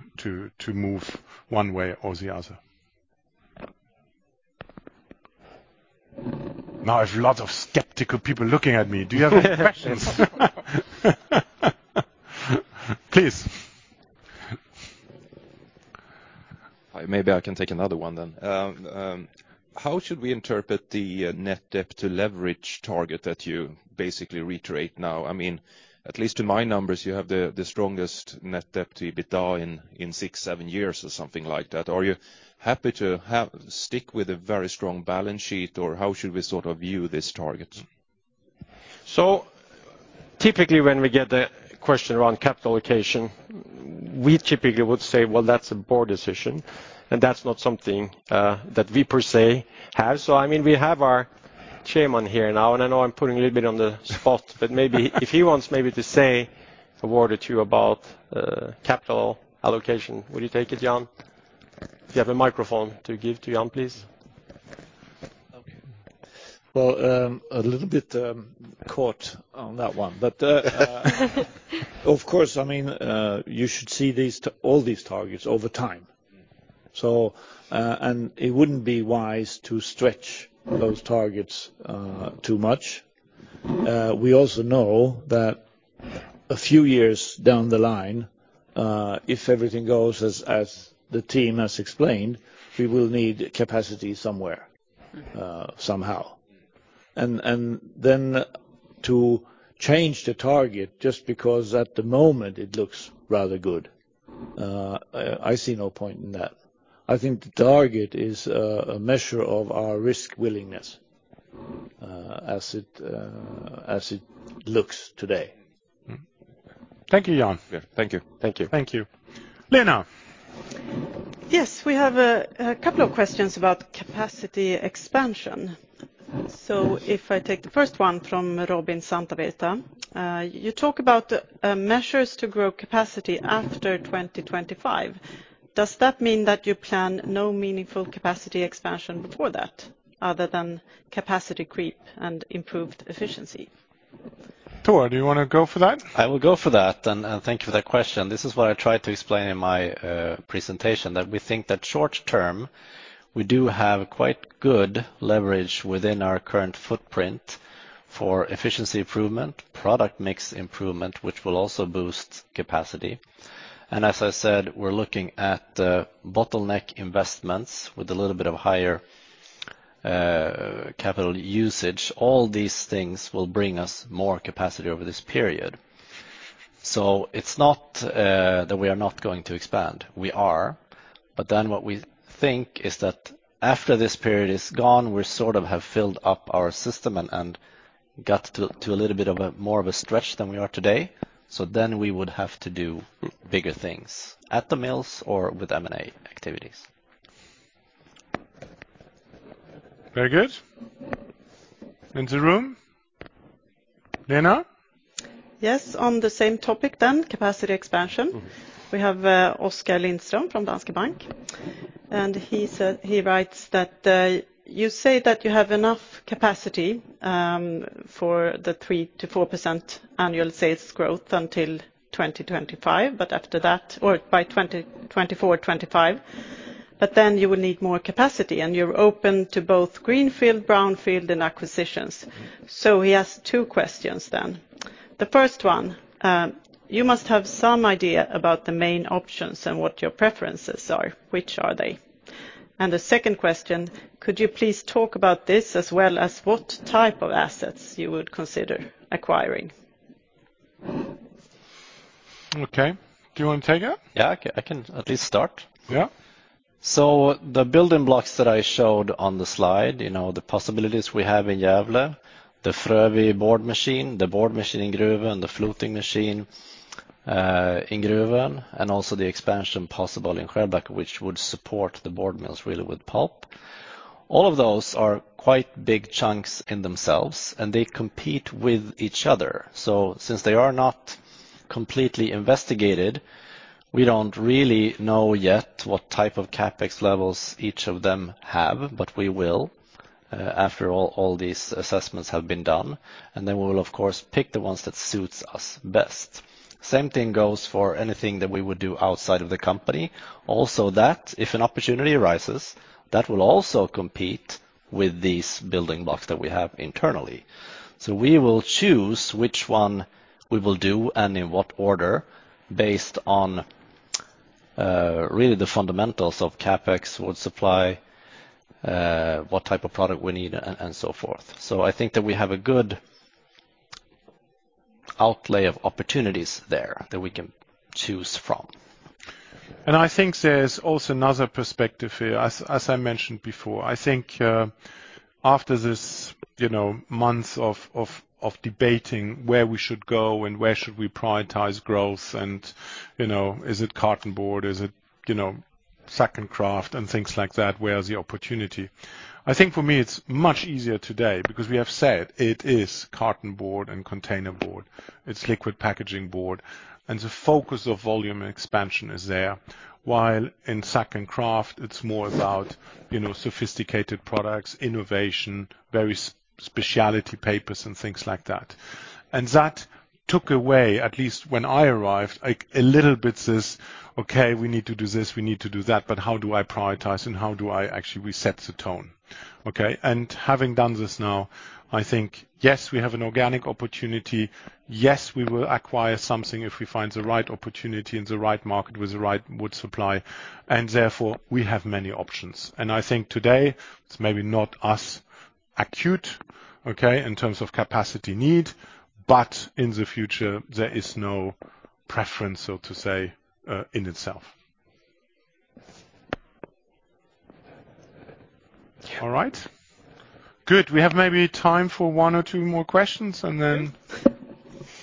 move one way or the other. Now I have lots of skeptical people looking at me. Do you have any questions? Please. Maybe I can take another one then. How should we interpret the net debt to leverage target that you basically reiterate now? I mean, at least in my numbers, you have the strongest net debt to EBITDA in 6 or 7 years or something like that. Are you happy to stick with a very strong balance sheet, or how should we sort of view this target? Typically, when we get a question around capital allocation, we typically would say, "Well, that's a board decision, and that's not something that we per se have." I mean, we have our Chairman here now, and I know I'm putting a little bit on the spot, but if he wants to say a word or two about capital allocation. Would you take it, Jan? Do you have a microphone to give to Jan, please? Okay. Well, a little bit caught on that one. Of course, I mean, you should see all these targets over time. It wouldn't be wise to stretch those targets too much. We also know that a few years down the line, if everything goes as the team has explained, we will need capacity somewhere, somehow. To change the target just because at the moment it looks rather good, I see no point in that. I think the target is a measure of our risk willingness, as it looks today. Thank you, Jan. Yeah. Thank you. Thank you. Thank you. Lena? Yes. We have a couple of questions about capacity expansion. If I take the first one from Robin Santavirta, you talk about measures to grow capacity after 2025. Does that mean that you plan no meaningful capacity expansion before that other than capacity creep and improved efficiency? Tor, do you wanna go for that? I will go for that and thank you for that question. This is what I tried to explain in my presentation, that we think that short-term, we do have quite good leverage within our current footprint for efficiency improvement, product mix improvement, which will also boost capacity. As I said, we're looking at bottleneck investments with a little bit of higher capital usage. All these things will bring us more capacity over this period. It's not that we are not going to expand. We are. What we think is that after this period is gone, we sort of have filled up our system and got to a little bit of a more of a stretch than we are today. We would have to do bigger things at the mills or with M&A activities. Very good. In the room? Lena? Yes. On the same topic, capacity expansion. We have Oskar Lindström from Danske Bank, and he said, he writes that you say that you have enough capacity for the 3%-4% annual sales growth until 2025, but after that or by 2024, 2025, but then you will need more capacity, and you're open to both greenfield, brownfield, and acquisitions. He has two questions. The first one, you must have some idea about the main options and what your preferences are, which are they? And the second question, could you please talk about this as well as what type of assets you would consider acquiring? Okay. Do you want to take it? Yeah, I can at least start. Yeah. The building blocks that I showed on the slide, you know, the possibilities we have in Gävle, the Frövi board machine, the board machine in Gruvön, the fluting machine in Gruvön, and also the expansion possible in Skärblacka, which would support the board mills really with pulp. All of those are quite big chunks in themselves, and they compete with each other. Since they are not completely investigated, we don't really know yet what type of CapEx levels each of them have, but we will, after all these assessments have been done, and then we will, of course, pick the ones that suits us best. Same thing goes for anything that we would do outside of the company. Also that if an opportunity arises, that will also compete with these building blocks that we have internally. We will choose which one we will do and in what order based on really the fundamentals of CapEx, wood supply, what type of product we need, and so forth. I think that we have a good outlook of opportunities there that we can choose from. I think there's also another perspective here, as I mentioned before. I think, after this, you know, months of debating where we should go and where should we prioritize growth and, you know, is it carton board? Is it, you know, sack and kraft and things like that? Where is the opportunity? I think for me, it's much easier today because we have said it is carton board and container board. It's liquid packaging board, and the focus of volume expansion is there. While in sack and kraft, it's more about, you know, sophisticated products, innovation, various specialty papers, and things like that. That took away, at least when I arrived, a little bit this, okay, we need to do this, we need to do that, but how do I prioritize, and how do I actually reset the tone, okay? Having done this now, I think, yes, we have an organic opportunity. Yes, we will acquire something if we find the right opportunity in the right market with the right wood supply, and therefore we have many options. I think today, it's maybe not so acute, okay, in terms of capacity need, but in the future there is no preference, so to say, in itself. All right. Good. We have maybe time for one or two more questions, and then.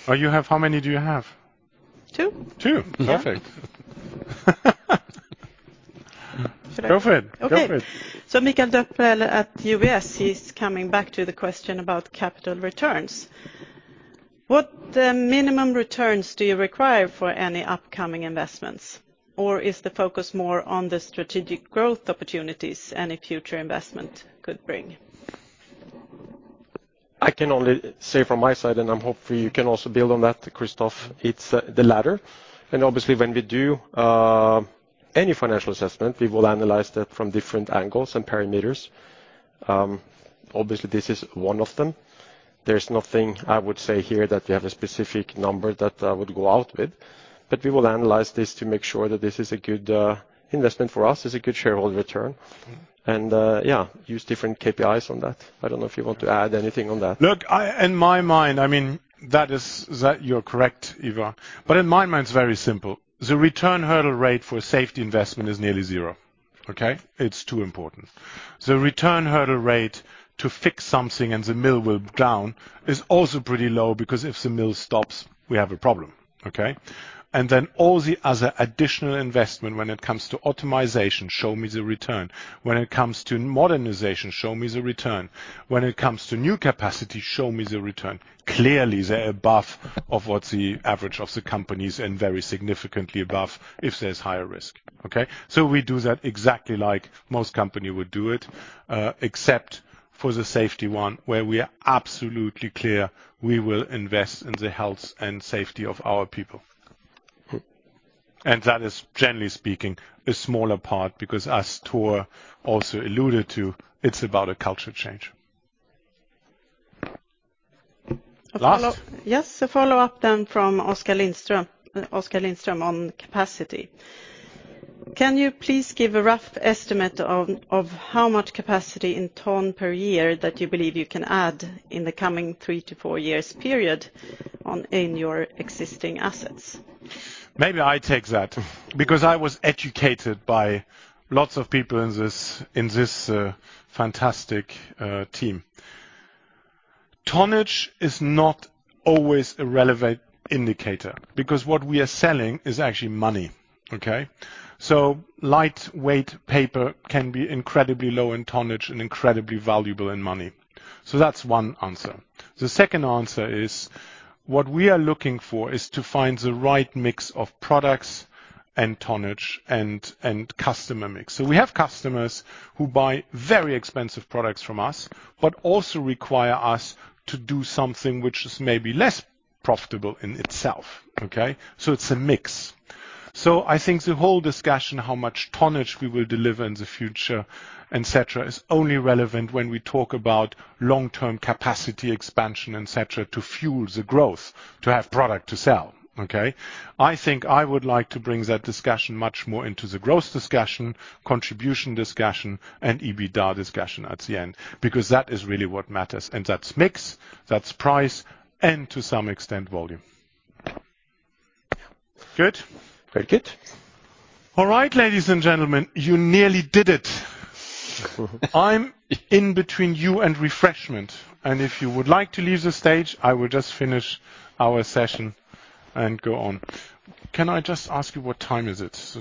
How many do you have? Two. Two? Yeah. Perfect. Go for it. Okay. Go for it. Mikael Doepel at UBS, he's coming back to the question about capital returns. What minimum returns do you require for any upcoming investments? Is the focus more on the strategic growth opportunities any future investment could bring? I can only say from my side, and I'm hoping you can also build on that, Christoph, it's the latter. Obviously, when we do any financial assessment, we will analyze that from different angles and parameters. Obviously, this is one of them. There's nothing I would say here that we have a specific number that I would go out with, but we will analyze this to make sure that this is a good investment for us. It's a good shareholder return. Yeah, use different KPIs on that. I don't know if you want to add anything on that. Look, in my mind, you're correct, Ivar. In my mind, it's very simple. The return hurdle rate for a safety investment is nearly zero, okay? It's too important. The return hurdle rate to fix something and the mill is down is also pretty low because if the mill stops, we have a problem, okay? Then all the other additional investment when it comes to optimization, show me the return. When it comes to modernization, show me the return. When it comes to new capacity, show me the return. Clearly, they're above what the average of the companies and very significantly above if there's higher risk, okay? We do that exactly like most companies would do it, except for the safety one, where we are absolutely clear we will invest in the health and safety of our people. Good. That is, generally speaking, a smaller part because as Tor also alluded to, it's about a culture change. Last. Yes. A follow-up from Oskar Lindström. Oskar Lindström on capacity. Can you please give a rough estimate of how much capacity in ton per year that you believe you can add in the coming three to four years period in your existing assets? Maybe I take that because I was educated by lots of people in this fantastic team. Tonnage is not always a relevant indicator because what we are selling is actually money, okay? So lightweight paper can be incredibly low in tonnage and incredibly valuable in money. So that's one answer. The second answer is, what we are looking for is to find the right mix of products and tonnage and customer mix. So we have customers who buy very expensive products from us, but also require us to do something which is maybe less profitable in itself, okay? So it's a mix. So I think the whole discussion, how much tonnage we will deliver in the future, et cetera, is only relevant when we talk about long-term capacity expansion, et cetera, to fuel the growth, to have product to sell, okay? I think I would like to bring that discussion much more into the growth discussion, contribution discussion, and EBITDA discussion at the end, because that is really what matters. That's mix, that's price, and to some extent, volume. Good? Very good. All right, ladies and gentlemen, you nearly did it. I'm in between you and refreshment. If you would like to leave the stage, I will just finish our session and go on. Can I just ask you what time is it? It's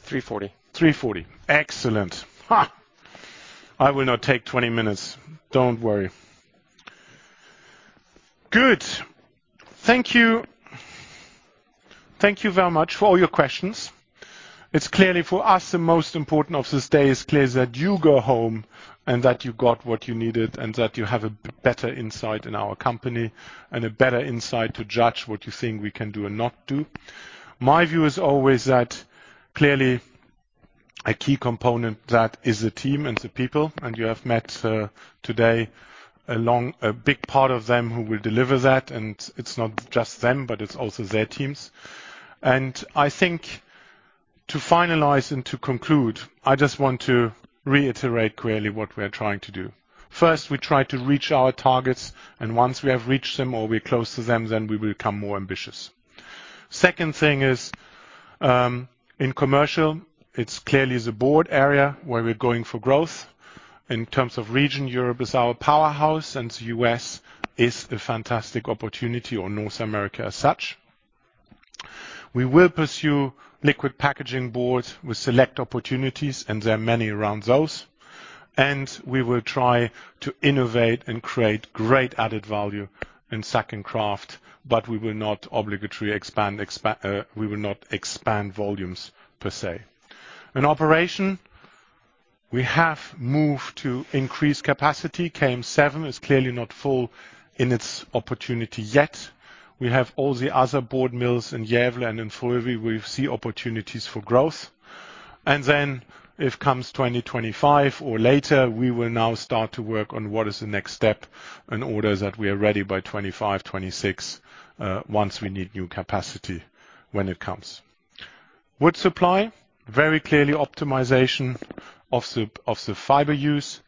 3:40. 3:40. Excellent. I will not take 20 minutes. Don't worry. Good. Thank you. Thank you very much for all your questions. It's clearly for us, the most important of this day is clear that you go home and that you got what you needed and that you have a better insight in our company and a better insight to judge what you think we can do and not do. My view is always that, clearly, a key component that is the team and the people, and you have met today along a big part of them who will deliver that. It's not just them, but it's also their teams. I think to finalize and to conclude, I just want to reiterate clearly what we are trying to do. First, we try to reach our targets, and once we have reached them or we're close to them, then we will become more ambitious. Second thing is, in commercial, it's clearly the board area where we're going for growth. In terms of region, Europe is our powerhouse, and the U.S. is a fantastic opportunity or North America as such. We will pursue liquid packaging boards with select opportunities, and there are many around those. We will try to innovate and create great added value in sack and kraft, but we will not obligatorily expand, we will not expand volumes per se. In operation, we have moved to increase capacity. KM7 is clearly not full in its opportunity yet. We have all the other board mills in Gävle and in Fagerhult, we see opportunities for growth. If it comes 2025 or later, we will now start to work on what is the next step in order that we are ready by 25, 26, once we need new capacity when it comes. Wood supply, very clearly optimization of the fiber use,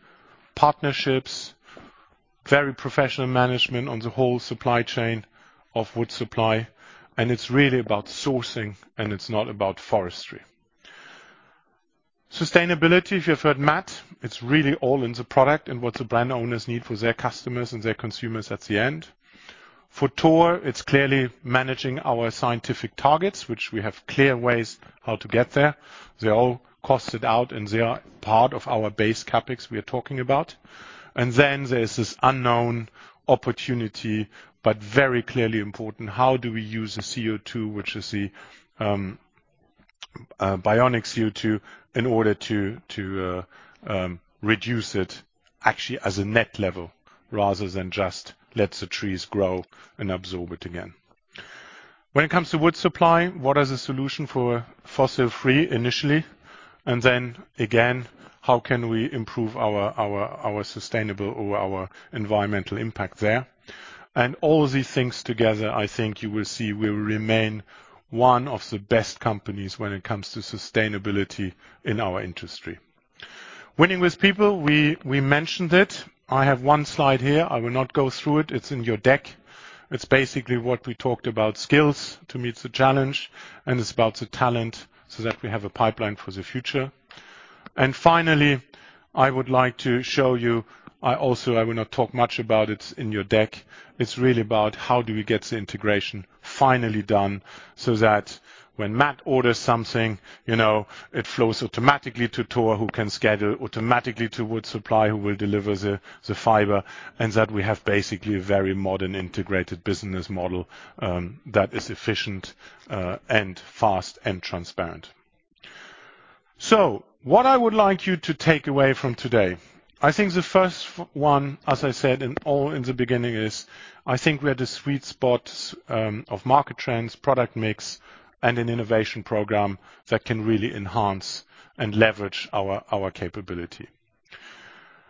partnerships, very professional management on the whole supply chain of wood supply, and it's really about sourcing, and it's not about forestry. Sustainability. If you've heard Matt, it's really all in the product and what the brand owners need for their customers and their consumers at the end. For Tor, it's clearly managing our Science Based Targets, which we have clear ways how to get there. They're all costed out, and they are part of our base CapEx we are talking about. There's this unknown opportunity, but very clearly important. How do we use the CO2, which is the biogenic CO2, in order to reduce it actually as a net level, rather than just let the trees grow and absorb it again. When it comes to wood supply, what is the solution for fossil free initially? Then again, how can we improve our sustainable or our environmental impact there? All these things together, I think you will see we remain one of the best companies when it comes to sustainability in our industry. Winning with people. We mentioned it. I have 1 slide here. I will not go through it. It's in your deck. It's basically what we talked about, skills to meet the challenge, and it's about the talent so that we have a pipeline for the future. Finally, I would like to show you. I also will not talk much about it's in your deck. It's really about how we get the integration finally done so that when Matt orders something, you know, it flows automatically to Tor, who can schedule automatically to wood supply, who will deliver the fiber, and that we have basically a very modern, integrated business model that is efficient and fast and transparent. What I would like you to take away from today, I think the first one, as I said in all in the beginning, is I think we are the sweet spot of market trends, product mix, and an innovation program that can really enhance and leverage our capability.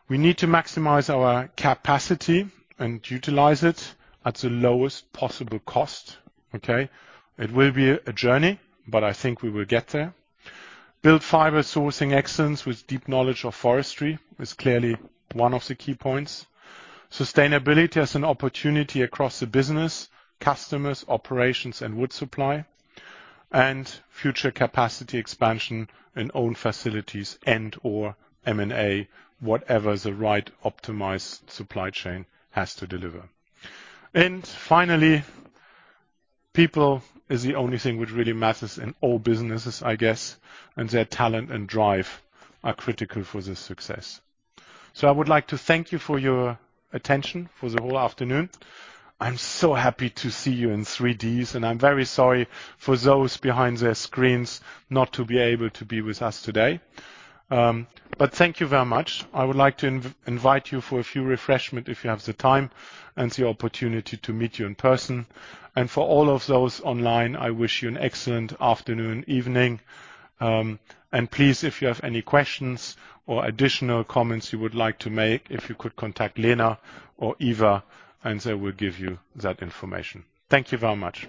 We need to maximize our capacity and utilize it at the lowest possible cost. Okay. It will be a journey, but I think we will get there. Build fiber sourcing excellence with deep knowledge of forestry is clearly one of the key points. Sustainability as an opportunity across the business, customers, operations and wood supply and future capacity expansion in own facilities and or M&A, whatever the right optimized supply chain has to deliver. Finally, people is the only thing which really matters in all businesses, I guess, and their talent and drive are critical for the success. I would like to thank you for your attention for the whole afternoon. I'm so happy to see you in 3D's, and I'm very sorry for those behind their screens not to be able to be with us today. But thank you very much. I would like to invite you for a few refreshment if you have the time and the opportunity to meet you in person. For all of those online, I wish you an excellent afternoon, evening. Please, if you have any questions or additional comments you would like to make, if you could contact Lena or Eva, and they will give you that information. Thank you very much.